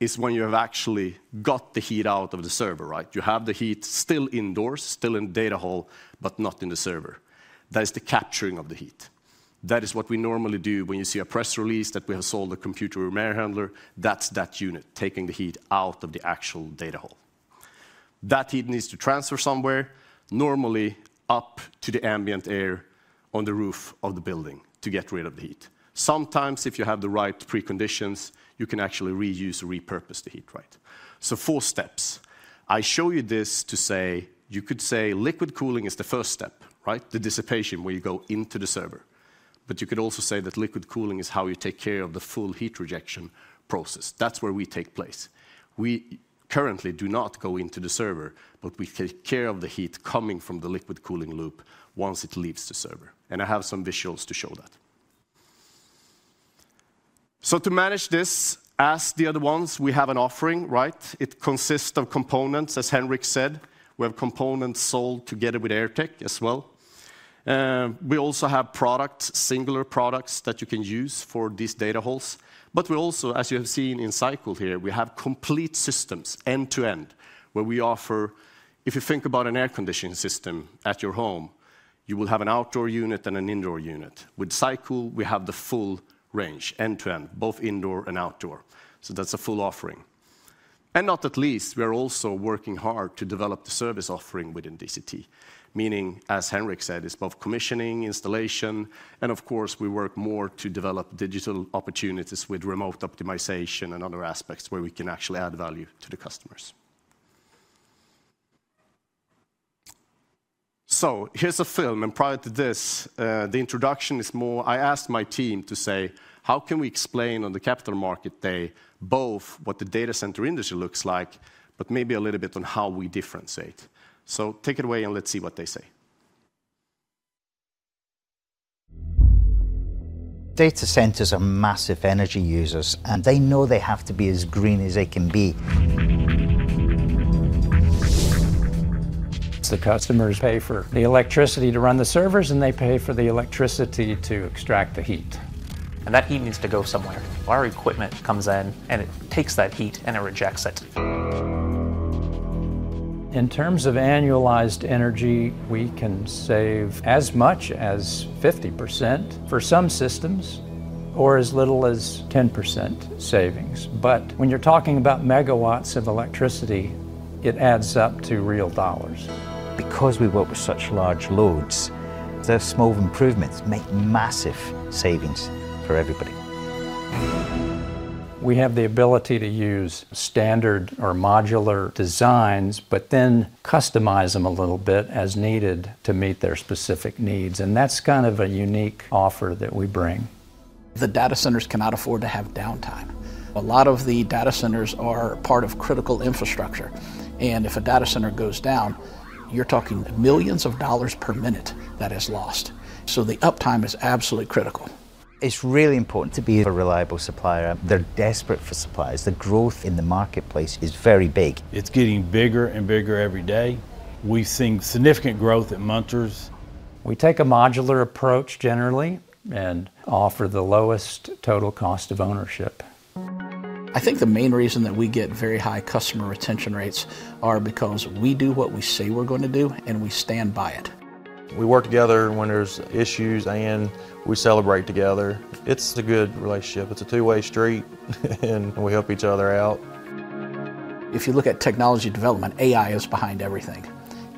is when you have actually got the heat out of the server, right? You have the heat still indoors, still in the data hall, but not in the server. That is the capturing of the heat. That is what we normally do when you see a press release that we have sold a computer room air handler, that's that unit, taking the heat out of the actual data hall. That heat needs to transfer somewhere, normally up to the ambient air on the roof of the building to get rid of the heat. Sometimes, if you have the right preconditions, you can actually reuse or repurpose the heat, right? So four steps. I show you this to say, you could say liquid cooling is the first step, right? The dissipation, where you go into the server. But you could also say that liquid cooling is how you take care of the full heat rejection process. That's where we take place. We currently do not go into the server, but we take care of the heat coming from the liquid cooling loop once it leaves the server, and I have some visuals to show that. So to manage this, as the other ones, we have an offering, right? It consists of components, as Henrik said. We have components sold together with AirTech as well. We also have products, singular products, that you can use for these data halls. But we also As you have seen in SyCool here, we have complete systems, end-to-end, where we offer. If you think about an air conditioning system at your home, you will have an outdoor unit and an indoor unit. With SyCool, we have the full range, end-to-end, both indoor and outdoor, so that's a full offering. IoT digital opportunities with remote optimization and other aspects where we can actually add value to the customers. And last but not least, we are also working hard to develop the service offering within DCT, meaning, as Henrik said, it's both commissioning, installation, and of course, we work more to devel So here's a film, and prior to this, the introduction is. I asked my team to say, "How can we explain on the Capital Markets Day, both what the data center industry looks like, but maybe a little bit on how we differentiate?" So take it away, and let's see what they say. Data centers are massive energy users, and they know they have to be as green as they can be. The customers pay for the electricity to run the servers, and they pay for the electricity to extract the heat. That heat needs to go somewhere. Our equipment comes in, and it takes that heat, and it rejects it. In terms of annualized energy, we can save as much as 50% for some systems or as little as 10% savings. But when you're talking about megawatts of electricity, it adds up to real dollars. Because we work with such large loads, the small improvements make massive savings for everybody. We have the ability to use standard or modular designs, but then customize them a little bit as needed to meet their specific needs, and that's kind of a unique offer that we bring. The data centers cannot afford to have downtime. A lot of the data centers are part of critical infrastructure, and if a data center goes down, you're talking $ millions per minute that is lost, so the uptime is absolutely critical. It's really important to be a reliable supplier. They're desperate for suppliers. The growth in the marketplace is very big. It's getting bigger and bigger every day. We've seen significant growth at Munters. We take a modular approach generally and offer the lowest total cost of ownership. I think the main reason that we get very high customer retention rates are because we do what we say we're gonna do, and we stand by it. We work together when there's issues, and we celebrate together. It's a good relationship. It's a two-way street, and we help each other out. If you look at technology development, AI is behind everything.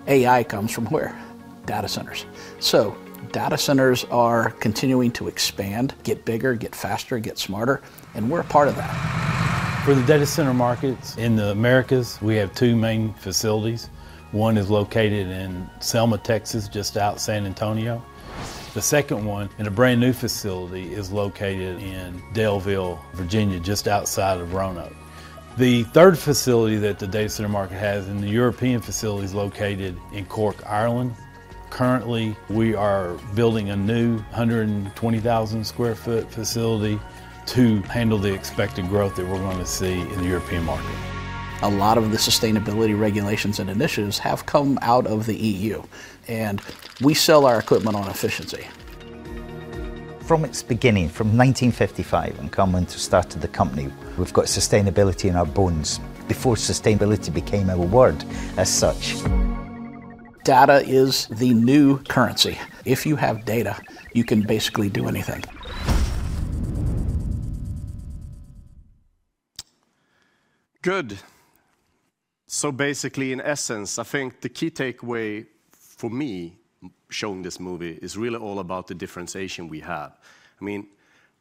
AI comes from where? Data centers. So data centers are continuing to expand, get bigger, get faster, get smarter, and we're a part of that. For the data center markets in the Americas, we have two main facilities. One is located in Selma, Texas, just out San Antonio. The ZECOnd one, in a brand-new facility, is located in Daleville, Virginia, just outside of Roanoke. The third facility that the data center market has in the European facility is located in Cork, Ireland. Currently, we are building a new 120,000 sq ft facility to handle the expected growth that we're gonna see in the European market. A lot of the sustainability regulations and initiatives have come out of the EU, and we sell our equipment on efficiency. From its beginning, from 1955, when Carl Munters started the company, we've got sustainability in our bones before sustainability became a word as such. Data is the new currency. If you have data, you can basically do anything. Good. So basically, in essence, I think the key takeaway for me, showing this movie, is really all about the differentiation we have. I mean,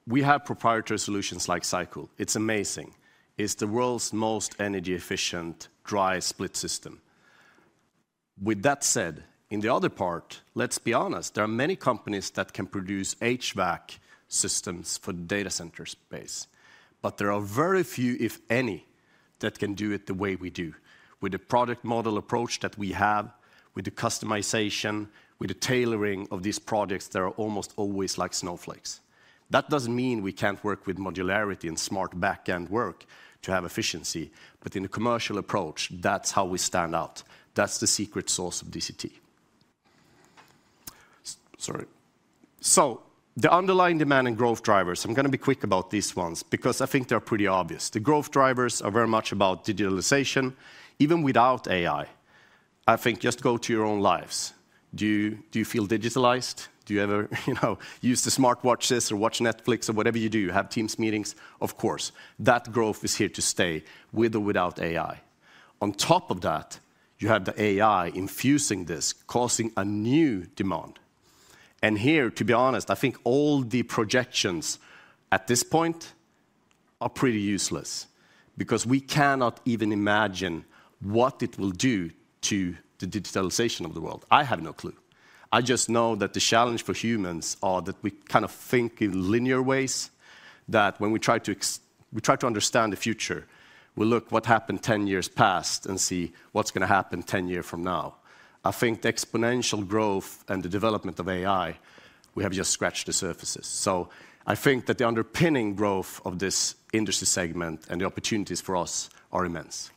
we have proprietary solutions like SyCool. It's amazing. It's the world's most energy-efficient dry split system. With that said, in the other part, let's be honest, there are many companies that can produce HVAC systems for the data center space, but there are very few, if any, that can do it the way we do. With the product model approach that we have, with the customization, with the tailoring of these products, they are almost always like snowflakes. That doesn't mean we can't work with modularity and smart back-end work to have efficiency, but in the commercial approach, that's how we stand out. That's the secret sauce of DCT. So the underlying demand and growth drivers, I'm gonna be quick about these ones because I think they're pretty obvious. The growth drivers are very much about digitalization, even without AI. I think just go to your own lives. Do you, do you feel digitalized? Do you ever, you know, use the smartwatches or watch Netflix or whatever you do? You have Teams meetings? Of course. That growth is here to stay, with or without AI. On top of that, you have the AI infusing this, causing a new demand. And here, to be honest, I think all the projections at this point are pretty useless because we cannot even imagine what it will do to the digitalization of the world. I have no clue. I just know that the challenge for humans are that we kind of think in linear ways, that when we try to understand the future, we look what happened 10 years past and see what's gonna happen 10 year from now. I think the exponential growth and the development of AI, we have just scratched the surfaces. So I think that the underpinning growth of this industry segment and the opportunities for us are immense.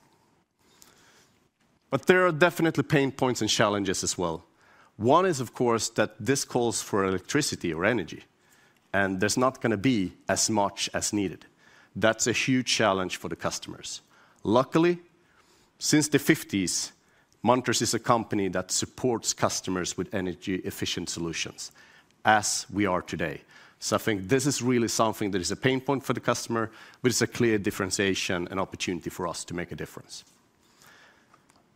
But there are definitely pain points and challenges as well. One is, of course, that this calls for electricity or energy, and there's not gonna be as much as needed. That's a huge challenge for the customers. Luckily, since the 1950s, Munters is a company that supports customers with energy-efficient solutions, as we are today. So I think this is really something that is a pain point for the customer, but it's a clear differentiation and opportunity for us to make a difference.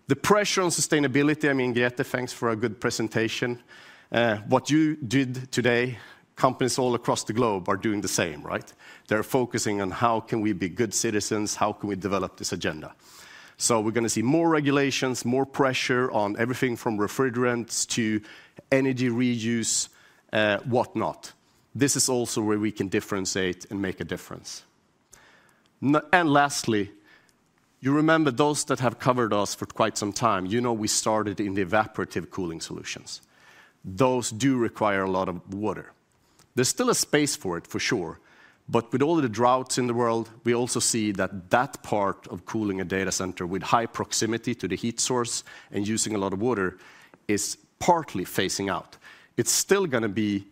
The pressure on sustainability, I mean, Grete, thanks for a good presentation. What you did today, companies all across the globe are doing the same, right? They're focusing on: How can we be good citizens? How can we develop this agenda? So we're gonna see more regulations, more pressure on everything from refrigerants to energy reuse, whatnot. This is also where we can differentiate and make a difference. And lastly, you remember those that have covered us for quite some time, you know we started in the evaporative cooling solutions. Those do require a lot of water. There's still a space for it, for sure, but with all of the droughts in the world, we also see that that part of cooling a data center with high proximity to the heat source and using a lot of water is partly phasing out. It's still gonna be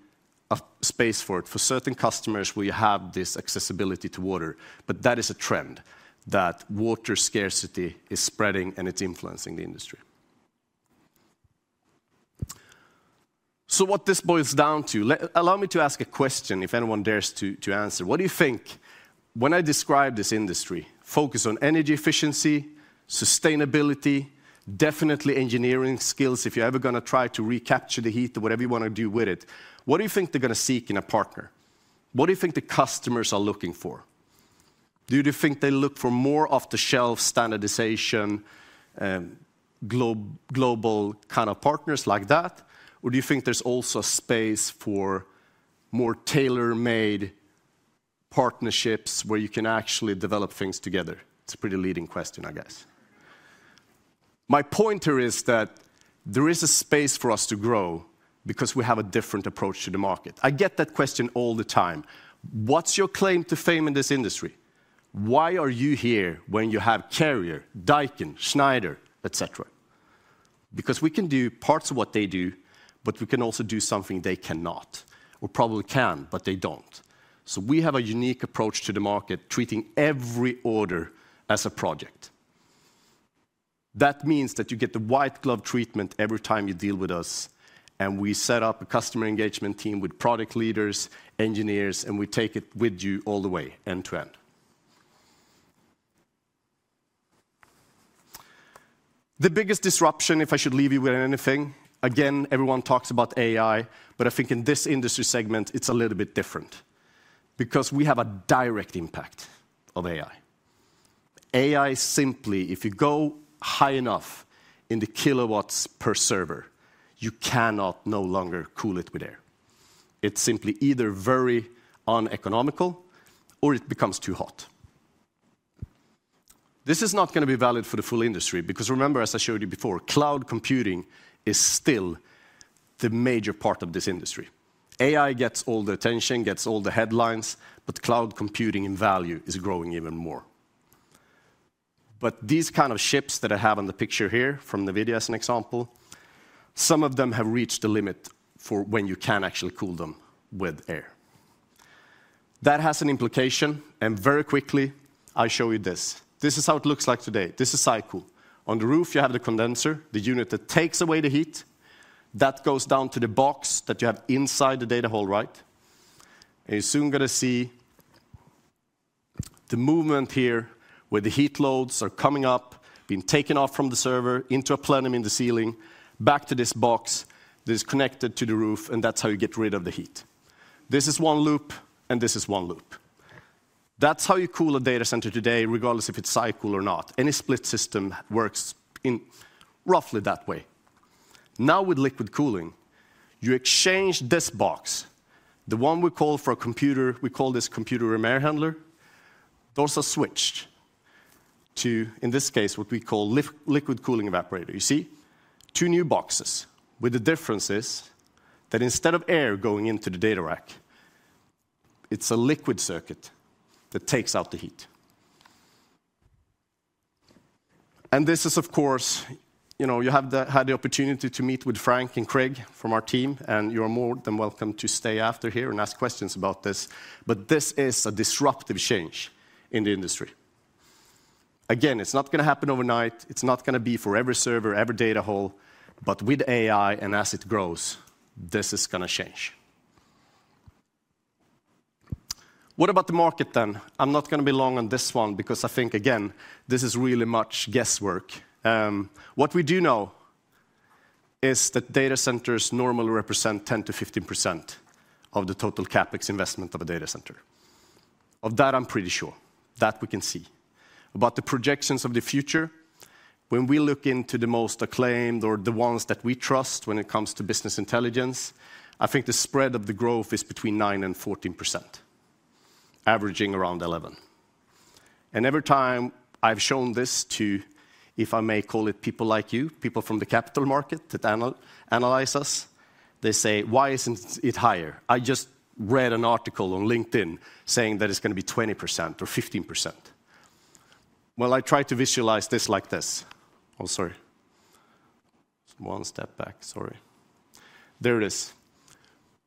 a space for it. For certain customers, we have this accessibility to water, but that is a trend, that water scarcity is spreading, and it's influencing the industry. So what this boils down to, allow me to ask a question, if anyone dares to, to answer. What do you think when I describe this industry, focused on energy efficiency, sustainability, definitely engineering skills, if you're ever gonna try to recapture the heat or whatever you wanna do with it, what do you think they're gonna seek in a partner? What do you think the customers are looking for? Do you think they look for more off-the-shelf standardization, global kind of partners like that? Or do you think there's also space for more tailor-made partnerships where you can actually develop things together? It's a pretty leading question, I guess. My pointer is that there is a space for us to grow because we have a different approach to the market. I get that question all the time: What's your claim to fame in this industry? Why are you here when you have Carrier, Daikin, Schneider, et cetera? Because we can do parts of what they do, but we can also do something they cannot, or probably can, but they don't. So we have a unique approach to the market, treating every order as a project. That means that you get the white glove treatment every time you deal with us, and we set up a customer engagement team with product leaders, engineers, and we take it with you all the way, end to end. The biggest disruption, if I should leave you with anything, again, everyone talks about AI, but I think in this industry segment, it's a little bit different because we have a direct impact of AI. AI simply, if you go high enough in the kilowatts per server, you cannot no longer cool it with air. It's simply either very uneconomical or it becomes too hot. This is not gonna be valid for the full industry because, remember, as I showed you before, cloud computing is still the major part of this industry. AI gets all the attention, gets all the headlines, but cloud computing in value is growing even more. But these kind of chips that I have on the picture here from NVIDIA, as an example, some of them have reached the limit for when you can actually cool them with air. That has an implication, and very quickly, I show you this. This is how it looks like today. This is SyCool. On the roof, you have the condenser, the unit that takes away the heat. That goes down to the box that you have inside the data hall, right? And you're soon gonna see the movement here, where the heat loads are coming up, being taken off from the server into a plenum in the ceiling, back to this box that is connected to the roof, and that's how you get rid of the heat. This is one loop, and this is one loop. That's how you cool a data center today, regardless if it's colo or not. Any split system works in roughly that way. Now, with liquid cooling, you exchange this box, the one we call the computer room air handler. Those are switched to, in this case, what we call liquid cooling evaporator. You see? Two new boxes, with the difference is that instead of air going into the data rack, it's a liquid circuit that takes out the heat. And this is, of course. You know, you have had the opportunity to meet with Frank and Craig from our team, and you're more than welcome to stay after here and ask questions about this, but this is a disruptive change in the industry. Again, it's not gonna happen overnight. It's not gonna be for every server, every data hall, but with AI and as it grows, this is gonna change. What about the market, then? I'm not gonna be long on this one because I think, again, this is really much guesswork. What we do know is that data centers normally represent 10%-15% of the total CapEx investment of a data center. Of that, I'm pretty sure. That we can see. About the projections of the future, when we look into the most acclaimed or the ones that we trust when it comes to business intelligence, I think the spread of the growth is between 9% and 14%, averaging around 11. And every time I've shown this to, if I may call it, people like you, people from the capital market that analyze us, they say: "Why isn't it higher? I just read an article on LinkedIn saying that it's gonna be 20% or 15%." Well, I try to visualize this like this. Oh, sorry. One step back, sorry. There it is.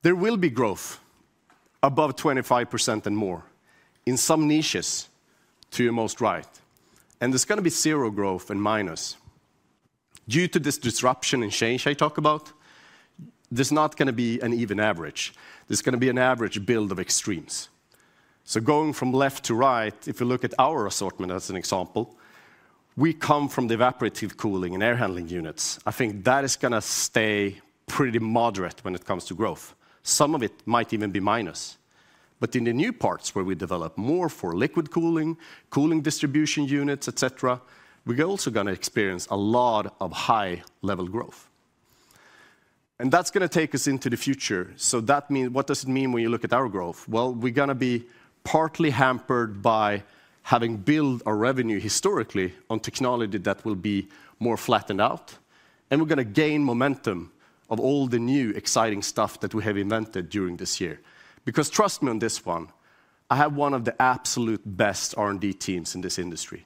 There will be growth above 25% and more in some niches to your most right, and there's gonna be zero growth and minus. Due to this disruption and change I talk about, there's not gonna be an even average. There's gonna be an average build of extremes.... So going from left to right, if you look at our assortment as an example, we come from the evaporative cooling and air handling units. I think that is gonna stay pretty moderate when it comes to growth. Some of it might even be minus. But in the new parts where we develop more for liquid cooling, cooling distribution units, et cetera, we're also gonna experience a lot of high-level growth. And that's gonna take us into the future, so that means what does it mean when you look at our growth? Well, we're gonna be partly hampered by having built our revenue historically on technology that will be more flattened out, and we're gonna gain momentum of all the new exciting stuff that we have invented during this year. Because trust me on this one, I have one of the absolute best R&D teams in this industry.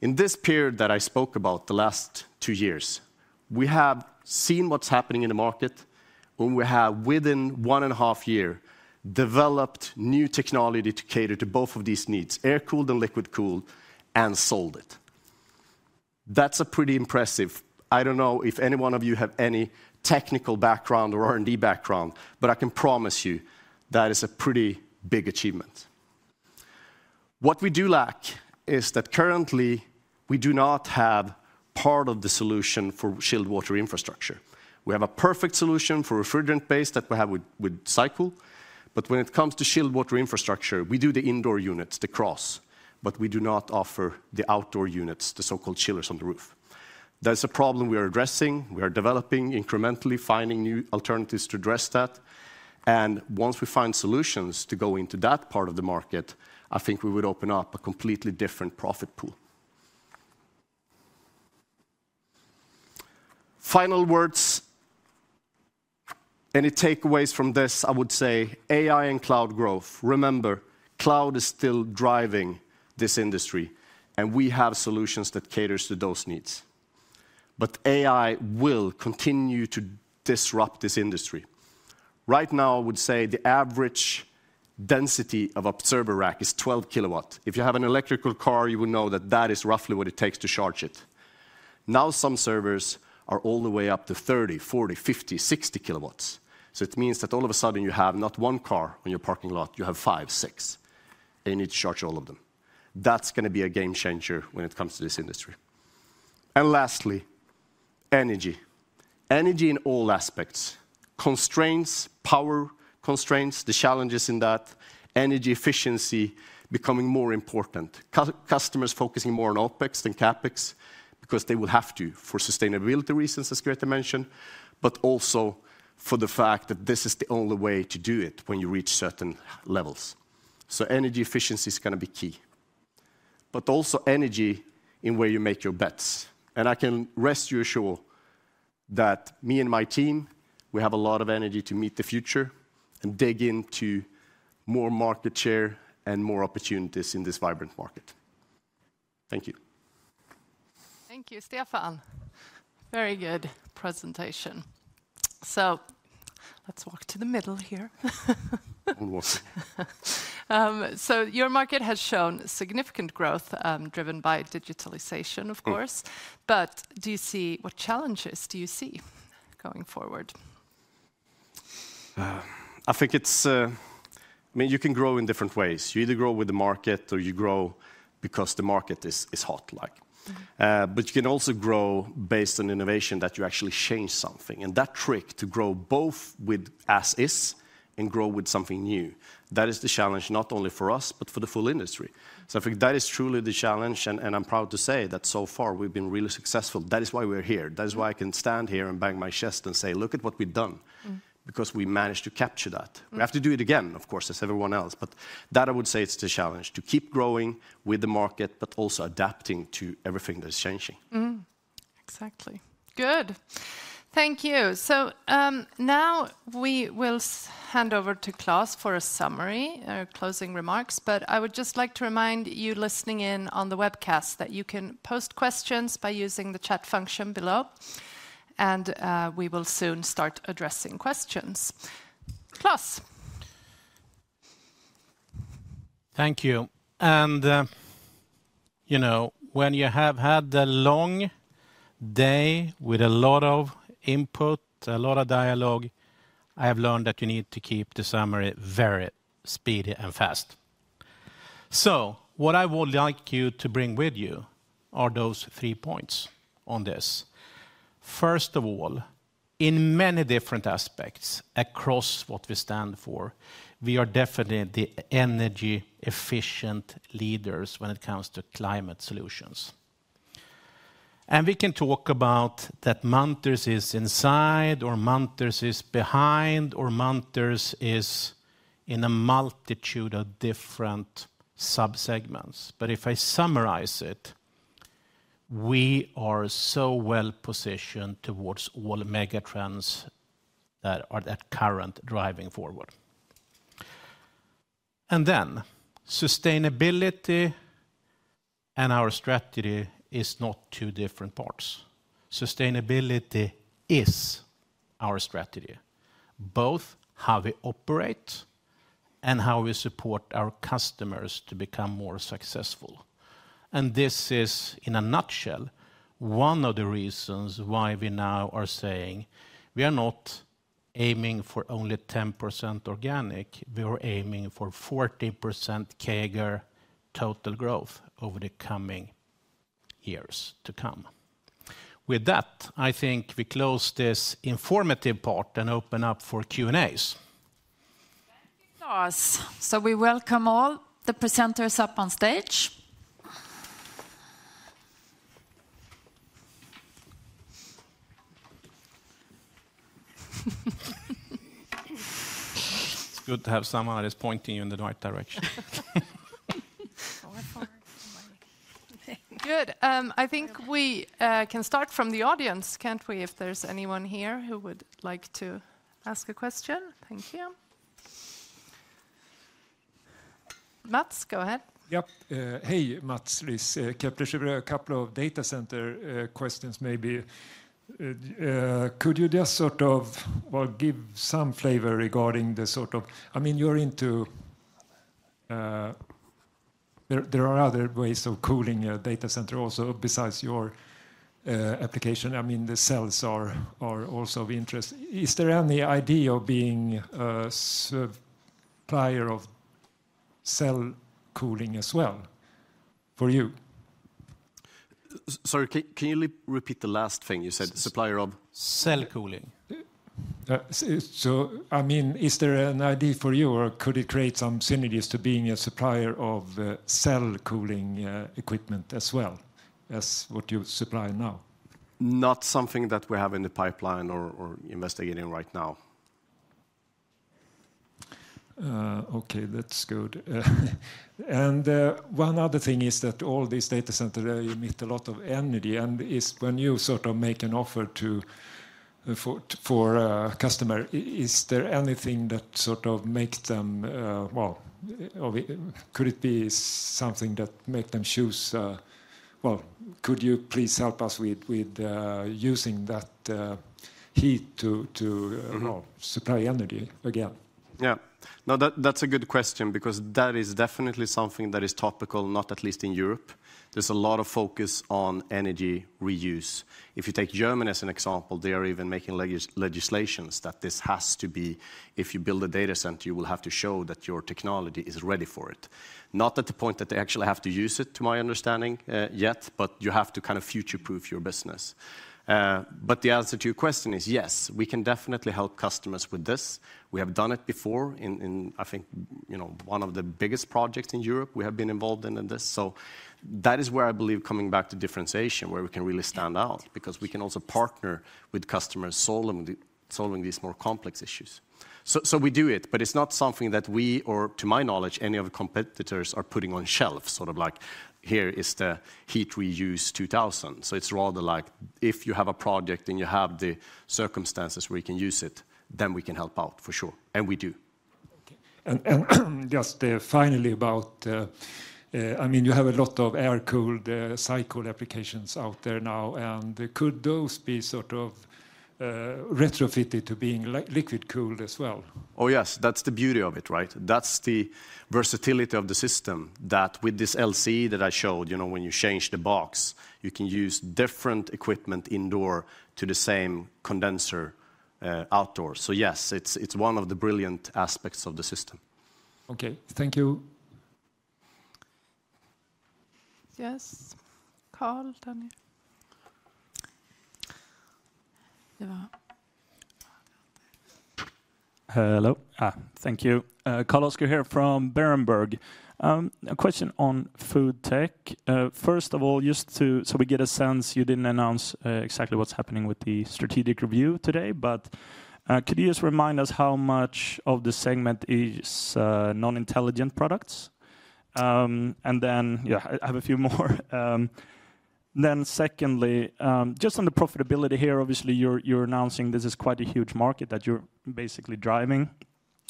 In this period that I spoke about, the last 2 years, we have seen what's happening in the market, and we have, within 1.5 years, developed new technology to cater to both of these needs, air-cooled and liquid-cooled, and sold it. That's a pretty impressive... I don't know if any one of you have any technical background or R&D background, but I can promise you, that is a pretty big achievement. What we do lack is that currently, we do not have part of the solution for chilled water infrastructure. We have a perfect solution for refrigerant-based that we have with SyCool. But when it comes to chilled water infrastructure, we do the indoor units, the cross, but we do not offer the outdoor units, the so-called chillers on the roof. That's a problem we are addressing. We are developing incrementally, finding new alternatives to address that, and once we find solutions to go into that part of the market, I think we would open up a completely different profit pool. Final words, any takeaways from this, I would say AI and cloud growth. Remember, cloud is still driving this industry, and we have solutions that caters to those needs. But AI will continue to disrupt this industry. Right now, I would say the average density of a server rack is 12 kilowatts. If you have an electric car, you will know that that is roughly what it takes to charge it. Now, some servers are all the way up to 30, 40, 50, 60 kilowatts. So it means that all of a sudden, you have not one car in your parking lot, you have 5, 6, and you need to charge all of them. That's gonna be a game changer when it comes to this industry. And lastly, energy. Energy in all aspects: constraints, power constraints, the challenges in that, energy efficiency becoming more important, customers focusing more on OpEx than CapEx, because they will have to, for sustainability reasons, as Grete mentioned, but also for the fact that this is the only way to do it when you reach certain levels. So energy efficiency is gonna be key, but also energy in where you make your bets. I can rest assured that me and my team, we have a lot of energy to meet the future and dig into more market share and more opportunities in this vibrant market. Thank you. Thank you, Stefan. Very good presentation. Let's walk to the middle here. Almost. So your market has shown significant growth, driven by digitalization, of course- Mm. But do you see... What challenges do you see going forward? I think it's, I mean, you can grow in different ways. You either grow with the market, or you grow because the market is hot, like. But you can also grow based on innovation, that you actually change something. And that trick, to grow both with as is and grow with something new, that is the challenge, not only for us, but for the full industry. So I think that is truly the challenge, and I'm proud to say that so far we've been really successful. That is why we're here. That is why I can stand here and bang my chest and say, "Look at what we've done because we managed to capture that. We have to do it again, of course, as everyone else, but that I would say is the challenge: to keep growing with the market, but also adapting to everything that is changing. Mm, exactly. Good. Thank you. Now we will hand over to Klas for a summary or closing remarks, but I would just like to remind you listening in on the webcast that you can post questions by using the chat function below, and we will soon start addressing questions. Klas? Thank you. And, you know, when you have had a long day with a lot of input, a lot of dialogue, I have learned that you need to keep the summary very speedy and fast. So what I would like you to bring with you are those three points on this. First of all, in many different aspects across what we stand for, we are definitely the energy-efficient leaders when it comes to climate solutions. And we can talk about that Munters is inside, or Munters is behind, or Munters is in a multitude of different subsegments, but if I summarize it, we are so well-positioned towards all the megatrends that are at current driving forward. And then, sustainability and our strategy is not two different parts. Sustainability is our strategy, both how we operate and how we support our customers to become more successful. This is, in a nutshell, one of the reasons why we now are saying we are not aiming for only 10% organic, we are aiming for 40% CAGR total growth over the coming years to come. With that, I think we close this informative part and open up for Q&As. Thank you, Klas. We welcome all the presenters up on stage. It's good to have someone who is pointing you in the right direction. Good. I think we can start from the audience, can't we? If there's anyone here who would like to ask a question. Thank you. Mats, go ahead. Yep. Hey, Mats Liss, Kepler Cheuvreux. A couple of data center questions maybe. Could you just sort of, well, give some flavor regarding the sort of—I mean, you're into... There are other ways of cooling a data center also, besides your application. I mean, the cells are also of interest. Is there any idea of being a supplier of cell cooling as well for you? Sorry, can you repeat the last thing you said, supplier of? Liquid cooling. So, I mean, is there an idea for you, or could it create some synergies to being a supplier of liquid cooling equipment as well as what you supply now? Not something that we have in the pipeline or investigating right now. Okay, that's good. And, one other thing is that all these data center, you need a lot of energy, and is when you sort of make an offer to, for, for a customer, is there anything that sort of makes them, well, or could it be something that make them choose... Well, could you please help us with, with, using that, heat to, to you know, supply energy again? Yeah. No, that's a good question because that is definitely something that is topical, not least in Europe. There's a lot of focus on energy reuse. If you take Germany as an example, they are even making legislation that this has to be, if you build a data center, you will have to show that your technology is ready for it. Not at the point that they actually have to use it, to my understanding, yet, but you have to kind of future-proof your business. But the answer to your question is, yes, we can definitely help customers with this. We have done it before in, I think, you know, one of the biggest projects in Europe, we have been involved in this. So that is where I believe, coming back to differentiation, where we can really stand out, because we can also partner with customers solving these more complex issues. So we do it, but it's not something that we or, to my knowledge, any of the competitors are putting on shelf, sort of like, "Here is the heat we use 2000." So it's rather like, if you have a project, and you have the circumstances where you can use it, then we can help out for sure, and we do. Okay. And just finally, about, I mean, you have a lot of air-cooled SyCool applications out there now, and could those be sort of retrofitted to being liquid-cooled as well? Oh, yes. That's the beauty of it, right? That's the versatility of the system, that with this LC that I showed, you know, when you change the box, you can use different equipment indoor to the same condenser, outdoors. So yes, it's, it's one of the brilliant aspects of the system. Okay. Thank you. Yes. Carl, then you. Hello. Thank you. Carl-Oscar here from Berenberg. A question on FoodTech. First of all, just so we get a sense, you didn't announce exactly what's happening with the strategic review today, but could you just remind us how much of the segment is non-intelligent products? And then, I have a few more. Then ZECOndly, just on the profitability here, obviously, you're announcing this is quite a huge market that you're basically driving.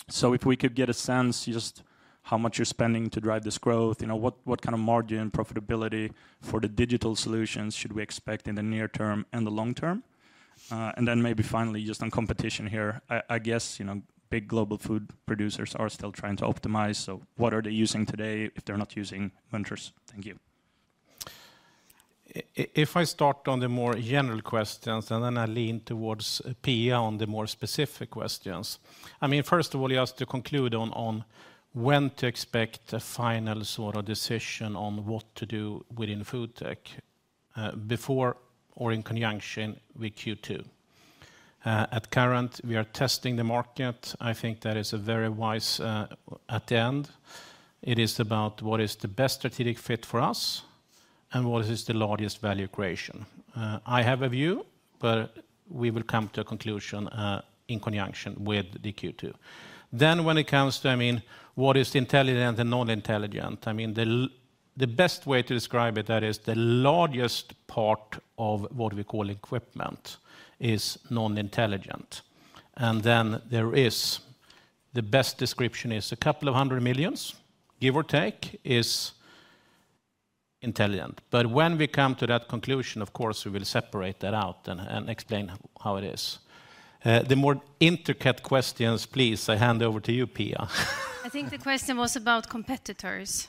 So if we could get a sense, just how much you're spending to drive this growth, you know, what kind of margin profitability for the digital solutions should we expect in the near term and the long term? And then maybe finally, just on competition here, I guess, you know, big global food producers are still trying to optimize, so what are they using today if they're not using Munters? Thank you. If I start on the more general questions, and then I leave it to Pia on the more specific questions. I mean, first of all, just to conclude on when to expect the final sort of decision on what to do within FoodTech, before or in conjunction with Q2. At present, we are testing the market. I think that is a very wise attitude. It is about what is the best strategic fit for us, and what is the largest value creation. I have a view, but we will come to a conclusion in conjunction with the Q2. Then, when it comes to, I mean, what is the intelligent and the non-intelligent, I mean, the best way to describe it, that is the largest part of what we call equipment is non-intelligent. And then there is, the best description is a couple of hundred million, give or take, is intelligent. But when we come to that conclusion, of course, we will separate that out and explain how it is. The more intricate questions, please, I hand over to you, Pia. I think the question was about competitors.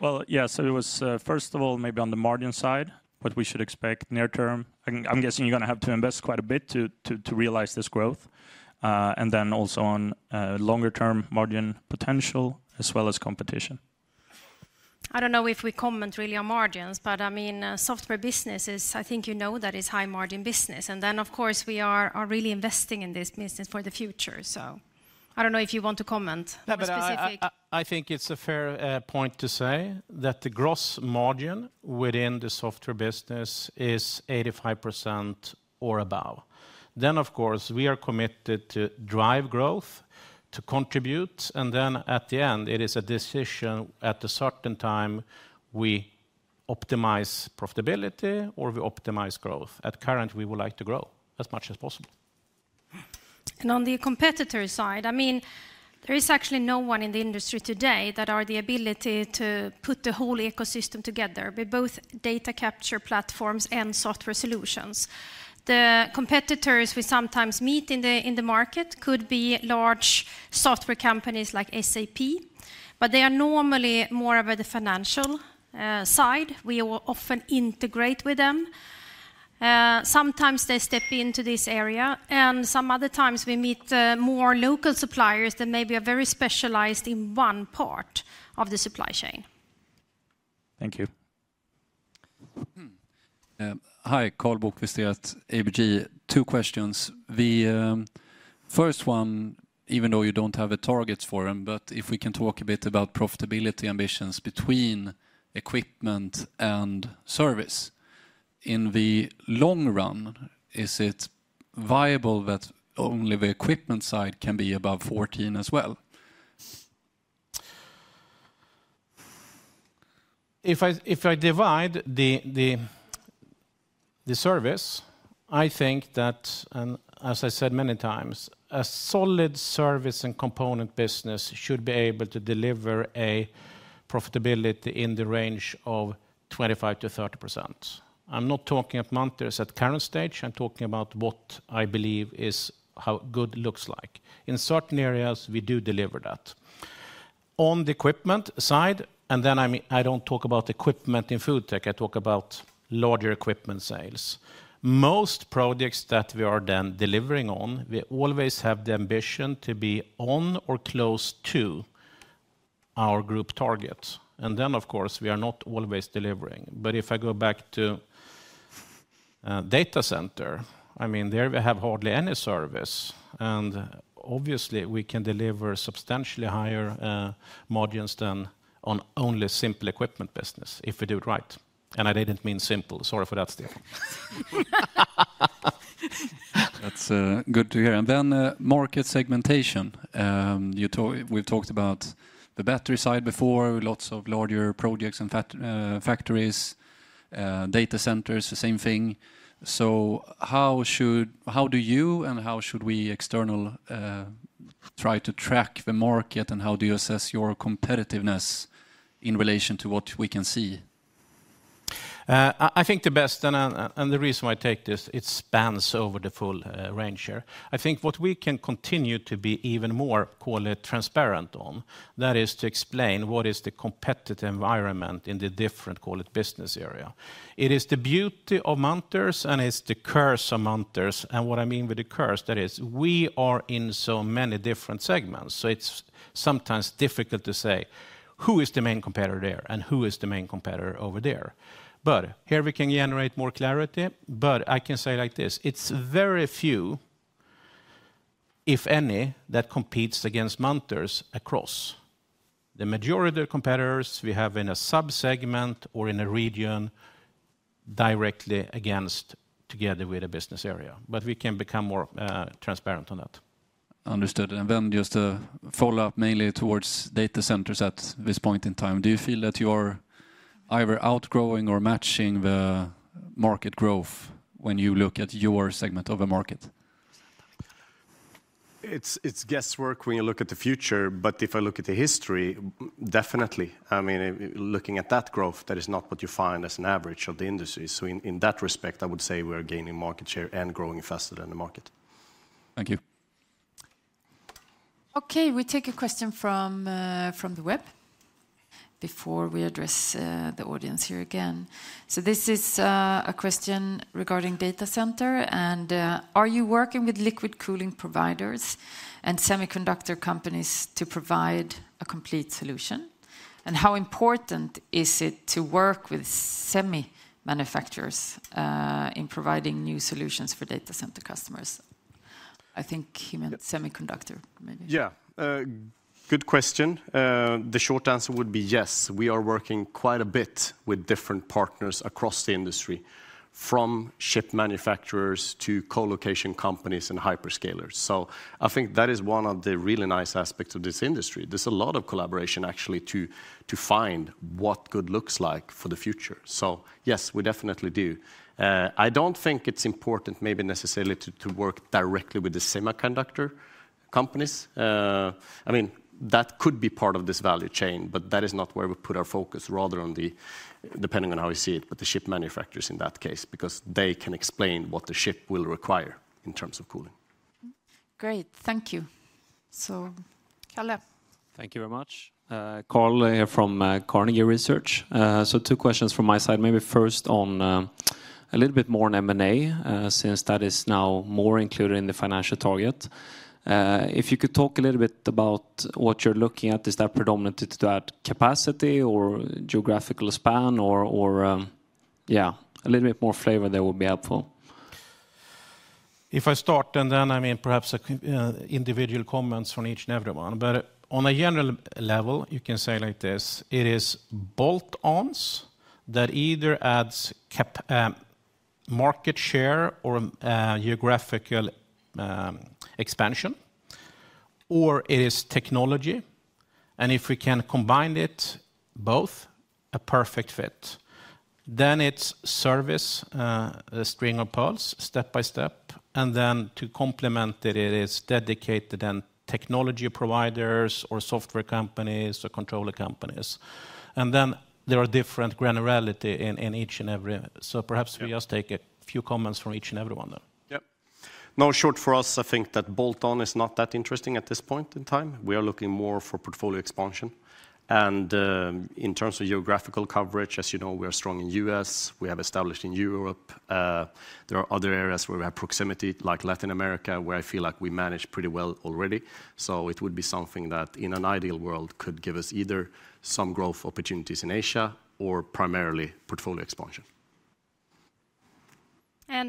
Well, yeah, so it was first of all, maybe on the margin side, what we should expect near term. I'm guessing you're gonna have to invest quite a bit to realize this growth, and then also on longer-term margin potential as well as competition. I don't know if we comment really on margins, but, I mean, software business is, I think you know that it's high-margin business. And then, of course, we are really investing in this business for the future. So I don't know if you want to comment on the specific- Yeah, but I think it's a fair point to say that the gross margin within the software business is 85% or above. Then, of course, we are committed to drive growth, to contribute, and then at the end, it is a decision at a certain time, we optimize profitability or we optimize growth. At current, we would like to grow as much as possible. On the competitor side, I mean, there is actually no one in the industry today that are the ability to put the whole ecosystem together, with both data capture platforms and software solutions. The competitors we sometimes meet in the market could be large software companies like SAP, but they are normally more of the financial side. We will often integrate with them. Sometimes they step into this area, and some other times we meet more local suppliers that maybe are very specialized in one part of the supply chain. Thank you. Hi, Karl Bokvist at ABG. 2 questions. The first one, even though you don't have targets for them, but if we can talk a bit about profitability ambitions between equipment and service. In the long run, is it viable that only the equipment side can be above 14 as well? If I divide the service, I think that, and as I said many times, a solid service and component business should be able to deliver a profitability in the range of 25%-30%. I'm not talking of Munters at current stage, I'm talking about what I believe is how good looks like. In certain areas, we do deliver that. On the equipment side, and then, I mean, I don't talk about equipment in FoodTech, I talk about larger equipment sales. Most projects that we are then delivering on, we always have the ambition to be on or close to our group targets, and then, of course, we are not always delivering. But if I go back to data center, I mean, there we have hardly any service, and obviously, we can deliver substantially higher margins than on only simple equipment business, if we do it right. And I didn't mean simple. Sorry for that, Stig. That's good to hear. And then market segmentation. We've talked about the battery side before, lots of larger projects and in fact factories, data centers, the same thing. So how should—how do you and how should we externally try to track the market, and how do you assess your competitiveness in relation to what we can see? I think the best, and the reason why I take this, it spans over the full range here. I think what we can continue to be even more, call it, transparent on, that is to explain what is the competitive environment in the different, call it, business area. It is the beauty of Munters, and it's the curse of Munters, and what I mean by the curse, that is, we are in so many different segments, so it's sometimes difficult to say, "Who is the main competitor there, and who is the main competitor over there?" But here we can generate more clarity, but I can say like this: It's very few, if any, that competes against Munters across. The majority of the competitors we have in a sub-segment or in a region directly against, together with a business area. But we can become more transparent on that. Understood. And then just a follow-up, mainly towards data centers at this point in time. Do you feel that you're either outgrowing or matching the market growth when you look at your segment of the market? It's guesswork when you look at the future, but if I look at the history, definitely. I mean, looking at that growth, that is not what you find as an average of the industry. So in that respect, I would say we're gaining market share and growing faster than the market. Thank you. Okay, we take a question from the web before we address the audience here again. So this is a question regarding data center, and: "Are you working with liquid cooling providers and semiconductor companies to provide a complete solution? And how important is it to work with semi manufacturers in providing new solutions for data center customers?" I think he meant semiconductor, maybe. Yeah, good question. The short answer would be yes. We are working quite a bit with different partners across the industry, from chip manufacturers to colocation companies and hyperscalers. So I think that is one of the really nice aspects of this industry. There's a lot of collaboration, actually, to, to find what good looks like for the future. So yes, we definitely do. I don't think it's important, maybe necessarily, to, to work directly with the semiconductor companies. I mean, that could be part of this value chain, but that is not where we put our focus, rather on the, depending on how you see it, but the chip manufacturers in that case, because they can explain what the chip will require in terms of cooling. Great, thank you, So, Kalle? Thank you very much. Kalle here from Carnegie Research. So two questions from my side, maybe first on a little bit more on M&A, since that is now more included in the financial target. If you could talk a little bit about what you're looking at, is that predominantly to add capacity or geographical span or yeah, a little bit more flavor there would be helpful. If I start, and then, I mean, perhaps individual comments from each and everyone. But on a general level, you can say like this: it is bolt-ons that either adds market share or geographical expansion, or it is technology, and if we can combine it both, a perfect fit. Then it's service, a string of pearls, step by step, and then to complement it, it is dedicated and technology providers, or software companies, or controller companies. And then there are different granularity in each and every. So perhaps we just take a few comments from each and everyone then. Yep. No, short for us, I think that bolt-on is not that interesting at this point in time. We are looking more for portfolio expansion. And, in terms of geographical coverage, as you know, we are strong in U.S., we have established in Europe. There are other areas where we have proximity, like Latin America, where I feel like we manage pretty well already. So it would be something that, in an ideal world, could give us either some growth opportunities in Asia or primarily portfolio expansion.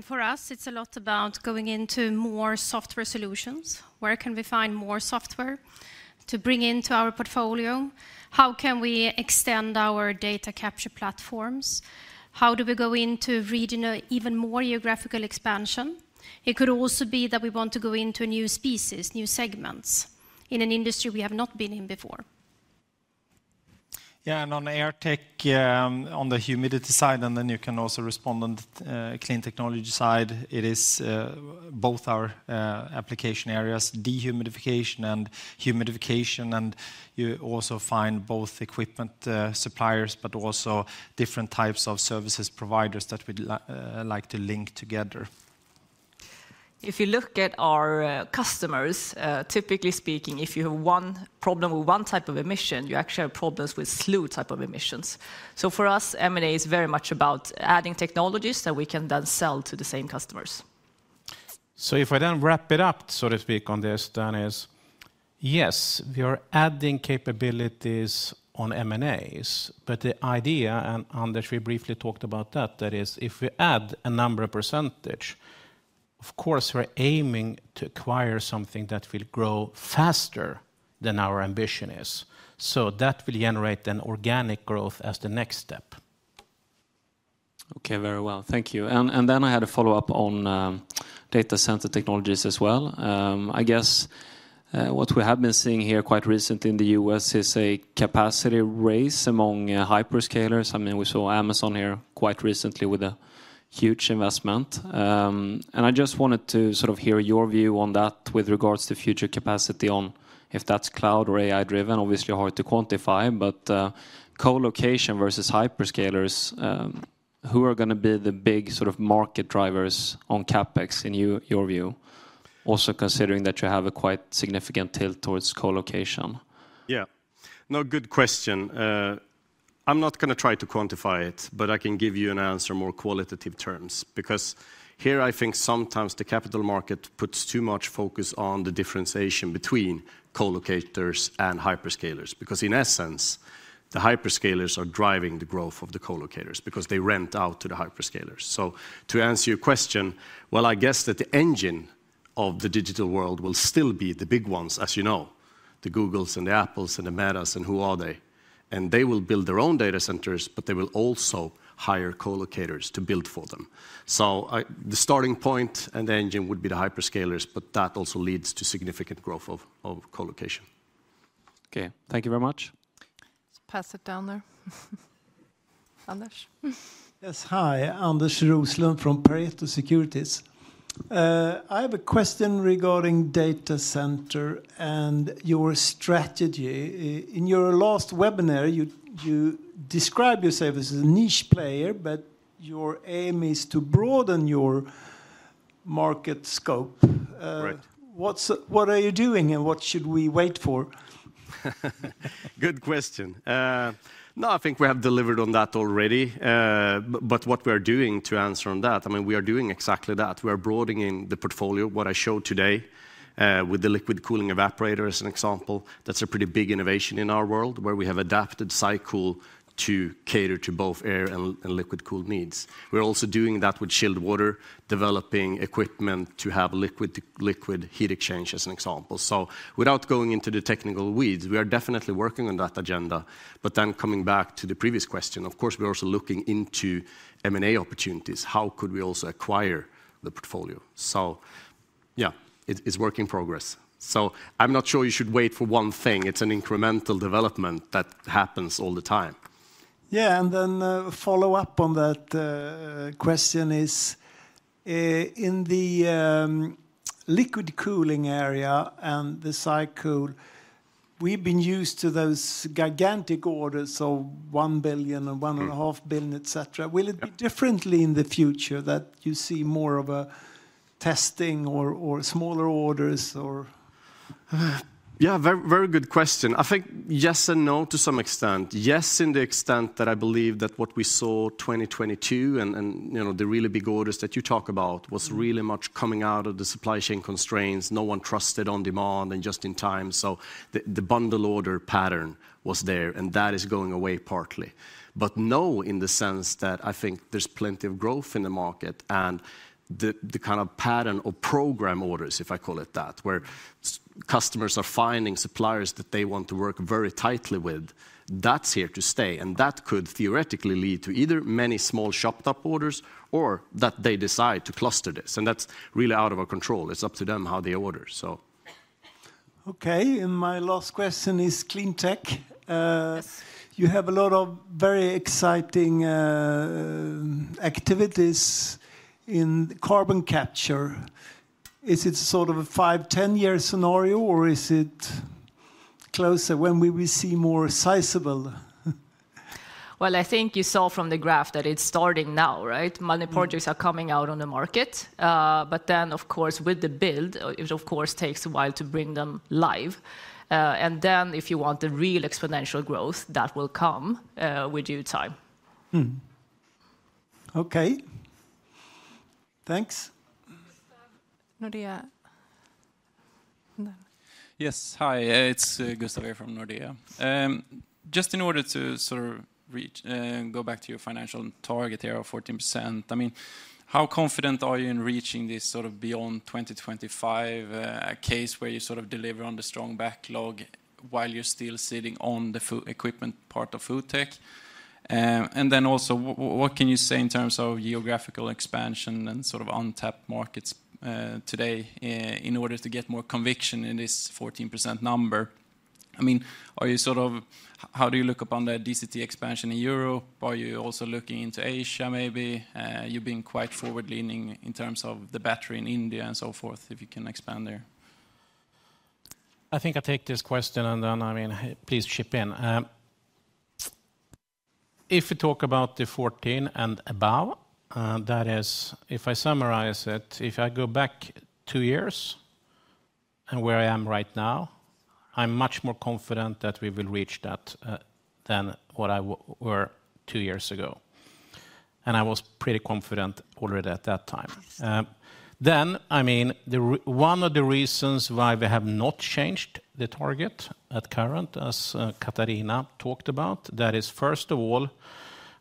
For us, it's a lot about going into more software solutions. Where can we find more software to bring into our portfolio? How can we extend our data capture platforms? How do we go into regional, even more geographical expansion? It could also be that we want to go into a new spaces, new segments, in an industry we have not been in before. Yeah, and on AirTech, on the humidity side, and then you can also respond on the Clean Technology side. It is both our application areas, dehumidification and humidification, and you also find both equipment suppliers, but also different types of service providers that we'd like to link together. If you look at our customers, typically speaking, if you have one problem with one type of emission, you actually have problems with a slew of types of emissions. So for us, M&A is very much about adding technologies that we can then sell to the same customers. If I then wrap it up, so to speak, on this, then yes, we are adding capabilities on M&As, but the idea, and, Anders, we briefly talked about that, that is, if we add a number of percentage, of course, we're aiming to acquire something that will grow faster than our ambition is. So that will generate an organic growth as the next step. Okay, very well. Thank you. And then I had a follow-up on Data Center Technologies as well. I guess what we have been seeing here quite recently in the U.S. is a capacity race among hyperscalers. I mean, we saw Amazon here quite recently with a huge investment. And I just wanted to sort of hear your view on that with regards to future capacity on if that's cloud or AI-driven, obviously hard to quantify, but colocation versus hyperscalers, who are gonna be the big sort of market drivers on CapEx in your view? Also, considering that you have a quite significant tilt towards colocation. Yeah. No, good question. I'm not gonna try to quantify it, but I can give you an answer in more qualitative terms, because here I think sometimes the capital market puts too much focus on the differentiation between colocators and hyperscalers, because in essence, the hyperscalers are driving the growth of the colocators because they rent out to the hyperscalers. So to answer your question, well, I guess that the engine of the digital world will still be the big ones, as you know, the Googles and the Apples and the Metas, and who are they? And they will build their own data centers, but they will also hire colocators to build for them. So the starting point and the engine would be the hyperscalers, but that also leads to significant growth of, of colocation. Okay, thank you very much. Just pass it down there. Anders? Yes, hi, Anders Roslund from Pareto Securities. I have a question regarding data center and your strategy. In your last webinar, you described yourself as a niche player, but your aim is to broaden your market scope. Right. What are you doing, and what should we wait for? Good question. No, I think we have delivered on that already. But what we're doing to answer on that, I mean, we are doing exactly that. We are broadening the portfolio, what I showed today, with the liquid cooling evaporator, as an example. That's a pretty big innovation in our world, where we have adapted SyCool to cater to both air and liquid cooling needs. We're also doing that with chilled water, developing equipment to have liquid to liquid heat exchange, as an example. So without going into the technical weeds, we are definitely working on that agenda. But then coming back to the previous question, of course, we're also looking into M&A opportunities. How could we also acquire the portfolio? So, yeah, it's work in progress. So I'm not sure you should wait for one thing. It's an incremental development that happens all the time. Yeah, and then, follow up on that question is, in the liquid cooling area we've been used to those gigantic orders of $1 billion and $1.5 billion, et cetera. Yeah. Will it be differently in the future, that you see more of a testing or smaller orders, or? Yeah, very, very good question. I think yes and no, to some extent. Yes, in the extent that I believe that what we saw 2022, and, and, you know, the really big orders that you talk about, was really much coming out of the supply chain constraints. No one trusted on demand and just-in-time, so the bundle order pattern was there, and that is going away partly. But no, in the sense that I think there's plenty of growth in the market, and the kind of pattern or program orders, if I call it that, where customers are finding suppliers that they want to work very tightly with, that's here to stay, and that could theoretically lead to either many small chopped up orders or that they decide to cluster this, and that's really out of our control. It's up to them how they order, so. Okay, and my last question is clean tech. Yes. You have a lot of very exciting activities in carbon capture. Is it sort of a 5, 10-year scenario, or is it closer? When will we see more sizable? Well, I think you saw from the graph that it's starting now, right? Many projects are coming out on the market. But then, of course, with the build, it of course takes a while to bring them live. And then, if you want the real exponential growth, that will come with due time. Okay. Thanks. Nordea? Yes, hi, it's Gustavo from Nordea. Just in order to sort of reach, go back to your financial target here of 14%, I mean, how confident are you in reaching this sort of beyond 2025 case, where you sort of deliver on the strong backlog while you're still sitting on the full equipment part of FoodTech? And then also, what can you say in terms of geographical expansion and sort of untapped markets today in order to get more conviction in this 14% number? I mean, are you sort of... How do you look upon the DCT expansion in Europe? Are you also looking into Asia maybe? You've been quite forward-leaning in terms of the betting in India and so forth, if you can expand there. I think I take this question, and then, I mean, please chip in. If you talk about the 14 and above, that is, if I summarize it, if I go back two years and where I am right now, I'm much more confident that we will reach that, than what I was two years ago, and I was pretty confident already at that time. Yes. Then, I mean, one of the reasons why we have not changed the target at current, as Katharina talked about, that is, first of all,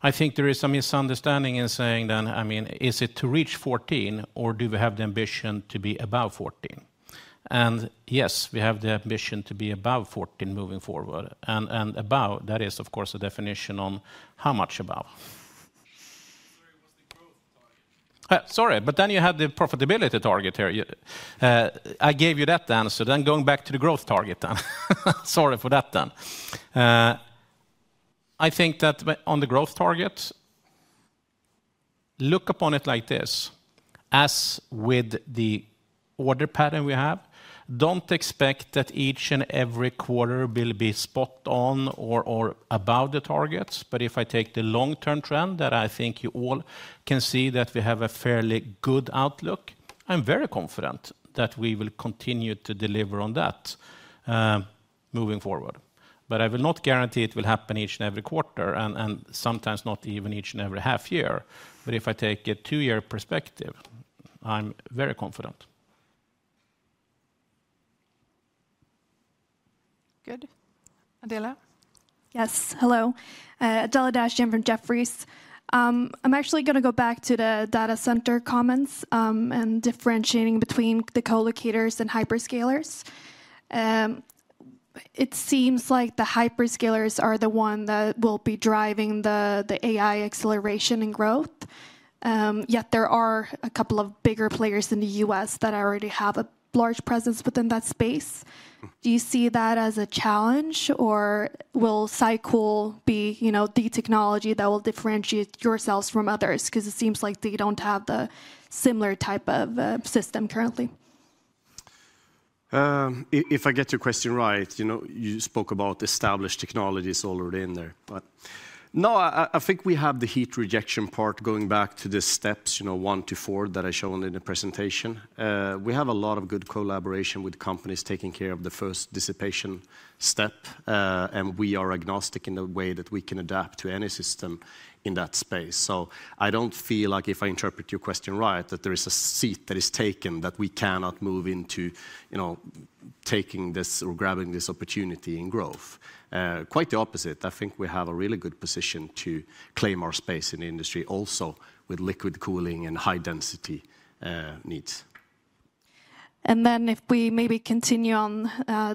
I think there is some misunderstanding in saying then, I mean, is it to reach 14, or do we have the ambition to be above 14? And, yes, we have the ambition to be above 14 moving forward, and above, there is, of course, a definition on how much above. Sorry, what's the growth target? Sorry, but then you had the profitability target here. You, I gave you that answer, then going back to the growth target, then. Sorry for that, then. I think that on the growth target, look upon it like this: as with the order pattern we have, don't expect that each and every quarter will be spot on or, or above the targets. But if I take the long-term trend that I think you all can see that we have a fairly good outlook, I'm very confident that we will continue to deliver on that, moving forward. But I will not guarantee it will happen each and every quarter, and, and sometimes not even each and every half year. But if I take a two-year perspective, I'm very confident. Good. Adela? Yes, hello, Adela Dashian from Jefferies. I'm actually gonna go back to the data center comments, and differentiating between the co-locators and hyperscalers. It seems like the hyperscalers are the one that will be driving the, the AI acceleration and growth, yet there are a couple of bigger players in the U.S. that already have a large presence within that space. Do you see that as a challenge, or will SyCool be, you know, the technology that will differentiate yourselves from others? Because it seems like they don't have the similar type of system currently. If I get your question right, you know, you spoke about established technologies already in there. But no, I think we have the heat rejection part going back to the steps, you know, 1-4, that I shown in the presentation. We have a lot of good collaboration with companies taking care of the first dissipation step, and we are agnostic in the way that we can adapt to any system in that space. So I don't feel like, if I interpret your question right, that there is a seat that is taken, that we cannot move into, you know, taking this or grabbing this opportunity in growth. Quite the opposite, I think we have a really good position to claim our space in the industry, also with liquid cooling and high-density needs. If we maybe continue on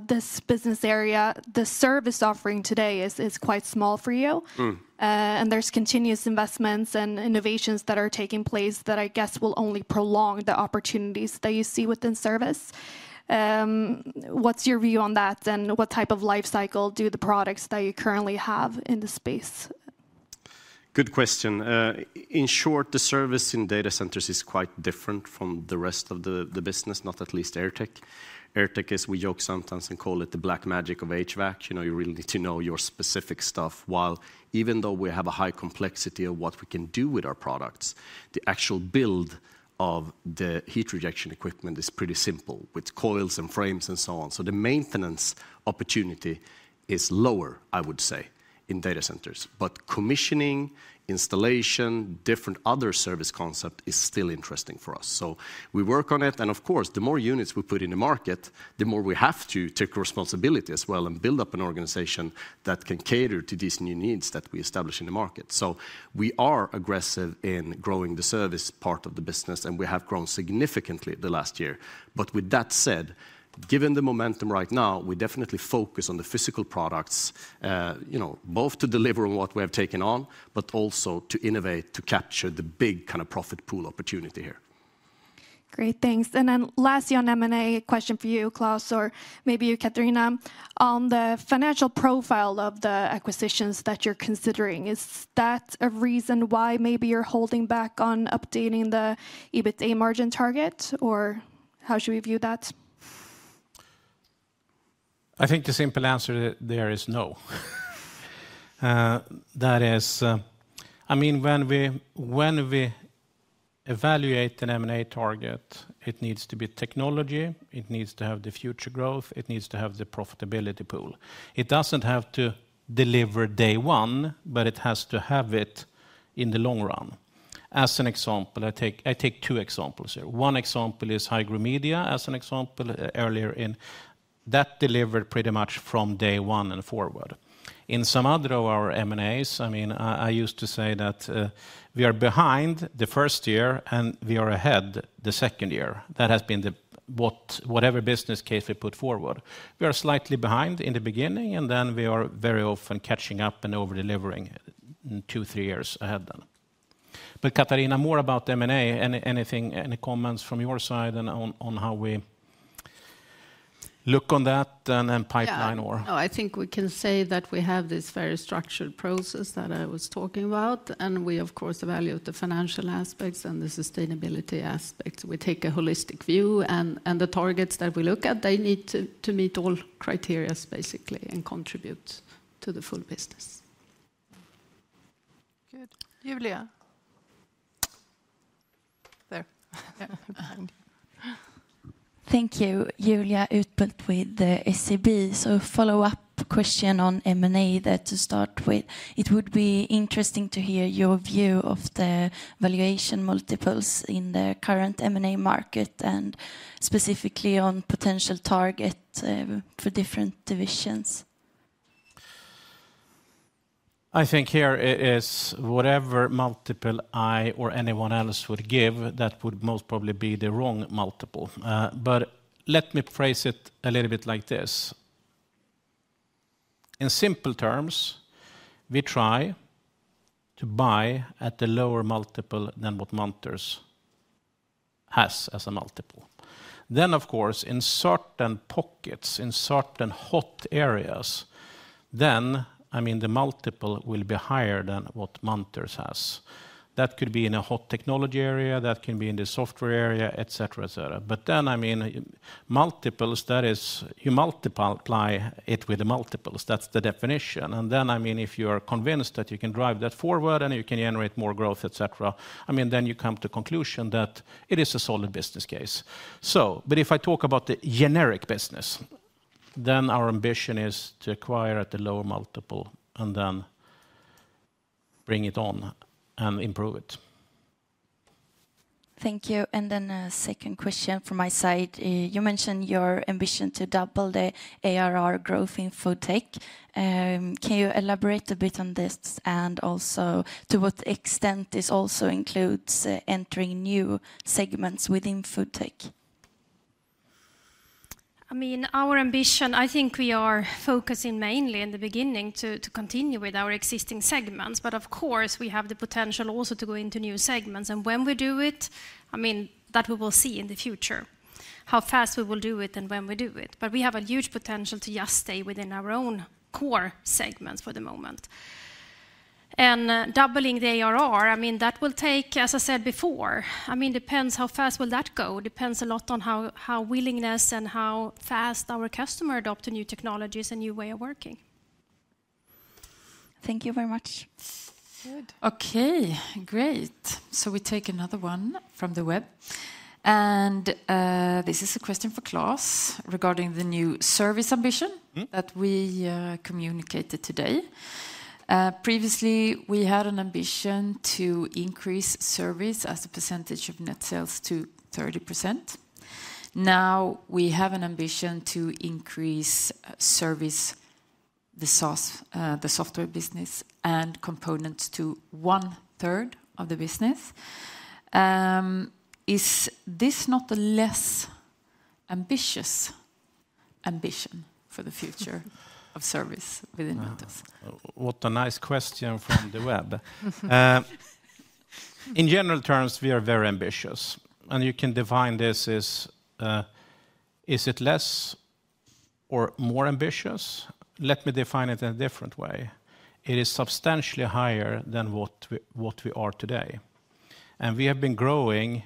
this business area, the service offering today is quite small for you and there's continuous investments and innovations that are taking place that I guess will only prolong the opportunities that you see within service. What's your view on that, and what type of life SyCool do the products that you currently have in the space have? Good question. In short, the service in data centers is quite different from the rest of the, the business, not least AirTech. AirTech, as we joke sometimes and call it the black magic of HVAC. You know, you really need to know your specific stuff, while even though we have a high complexity of what we can do with our products, the actual build of the heat rejection equipment is pretty simple, with coils and frames and so on. So the maintenance opportunity is lower, I would say, in data centers. But commissioning, installation, different other service concept is still interesting for us. So we work on it, and of course, the more units we put in the market, the more we have to take responsibility as well and build up an organization that can cater to these new needs that we establish in the market. So we are aggressive in growing the service part of the business, and we have grown significantly the last year. But with that said, given the momentum right now, we definitely focus on the physical products, you know, both to deliver on what we have taken on, but also to innovate, to capture the big kind of profit pool opportunity here. Great, thanks. And then lastly, on M&A, a question for you, Klas, or maybe you, Katharina. On the financial profile of the acquisitions that you're considering, is that a reason why maybe you're holding back on updating the EBITDA margin target, or how should we view that? I think the simple answer there is no. That is... I mean, when we, when we evaluate an M&A target, it needs to be technology, it needs to have the future growth, it needs to have the profitability pool. It doesn't have to deliver day one, but it has to have it in the long run. As an example, I take, I take two examples here. One example is Hygromedia, as an example, earlier in, that delivered pretty much from day one and forward. In some other of our M&As I mean, I used to say that, we are behind the first year, and we are ahead the ZECOnd year. That has been the whatever business case we put forward. We are slightly behind in the beginning, and then we are very often catching up and over-delivering in two, three years ahead then. But Katharina, more about M&A, anything, any comments from your side and on how we look on that and pipeline or? Yeah. No, I think we can say that we have this very structured process that I was talking about, and we of course evaluate the financial aspects and the sustainability aspects. We take a holistic view, and the targets that we look at, they need to meet all criteria, basically, and contribute to the full business. Good. Julia? There. Yeah. Thank you. Julia Utbult with the SEB. So a follow-up question on M&A there to start with: It would be interesting to hear your view of the valuation multiples in the current M&A market, and specifically on potential target for different divisions? I think here is whatever multiple I or anyone else would give, that would most probably be the wrong multiple. But let me phrase it a little bit like this. In simple terms, we try to buy at a lower multiple than what Munters has as a multiple. Then, of course, in certain pockets, in certain hot areas, then, I mean, the multiple will be higher than what Munters has. That could be in a hot technology area, that can be in the software area, et cetera, et cetera. But then, I mean, multiples, that is, you multiply it with the multiples. That's the definition. And then, I mean, if you are convinced that you can drive that forward, and you can generate more growth, et cetera, I mean, then you come to conclusion that it is a solid business case. If I talk about the generic business, then our ambition is to acquire at a lower multiple and then bring it on and improve it. Thank you. And then a ZECOnd question from my side. You mentioned your ambition to double the ARR growth in FoodTech. Can you elaborate a bit on this, and also, to what extent this also includes entering new segments within FoodTech? I mean, our ambition, I think we are focusing mainly in the beginning to continue with our existing segments, but of course, we have the potential also to go into new segments. When we do it, I mean, that we will see in the future, how fast we will do it and when we do it. We have a huge potential to just stay within our own core segments for the moment. Doubling the ARR, I mean, that will take, as I said before, I mean, depends how fast will that go. It depends a lot on how willing and how fast our customers adopt the new technologies and new way of working. Thank you very much. Good. Okay, great. So we take another one from the web, and this is a question for Klas regarding the new service ambition that we communicated today. Previously, we had an ambition to increase service as a percentage of net sales to 30%. Now, we have an ambition to increase service, the SaaS, the software business, and components to one third of the business. Is this not a less ambitious ambition for the future of service within Munters? What a nice question from the web. In general terms, we are very ambitious, and you can define this as, is it less or more ambitious? Let me define it in a different way. It is substantially higher than what we, what we are today, and we have been growing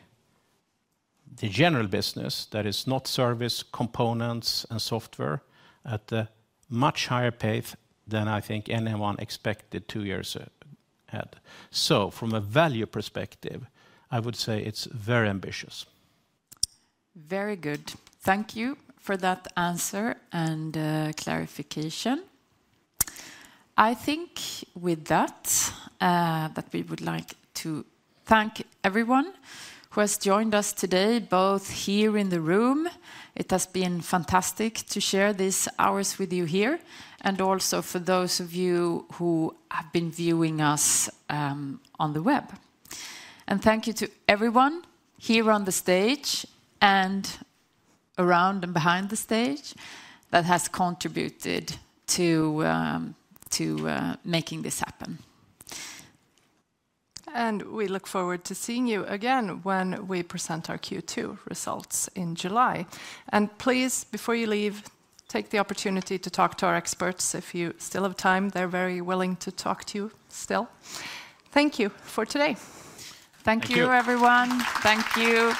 the general business, that is, not service, components, and software, at a much higher pace than I think anyone expected two years ahead. So from a value perspective, I would say it's very ambitious. Very good. Thank you for that answer and clarification. I think with that, that we would like to thank everyone who has joined us today, both here in the room. It has been fantastic to share this hours with you here, and also for those of you who have been viewing us on the web. Thank you to everyone here on the stage and around and behind the stage that has contributed to making this happen. We look forward to seeing you again when we present our Q2 results in July. Please, before you leave, take the opportunity to talk to our experts, if you still have time. They're very willing to talk to you still. Thank you for today. Thank you. Thank you, everyone. Thank you.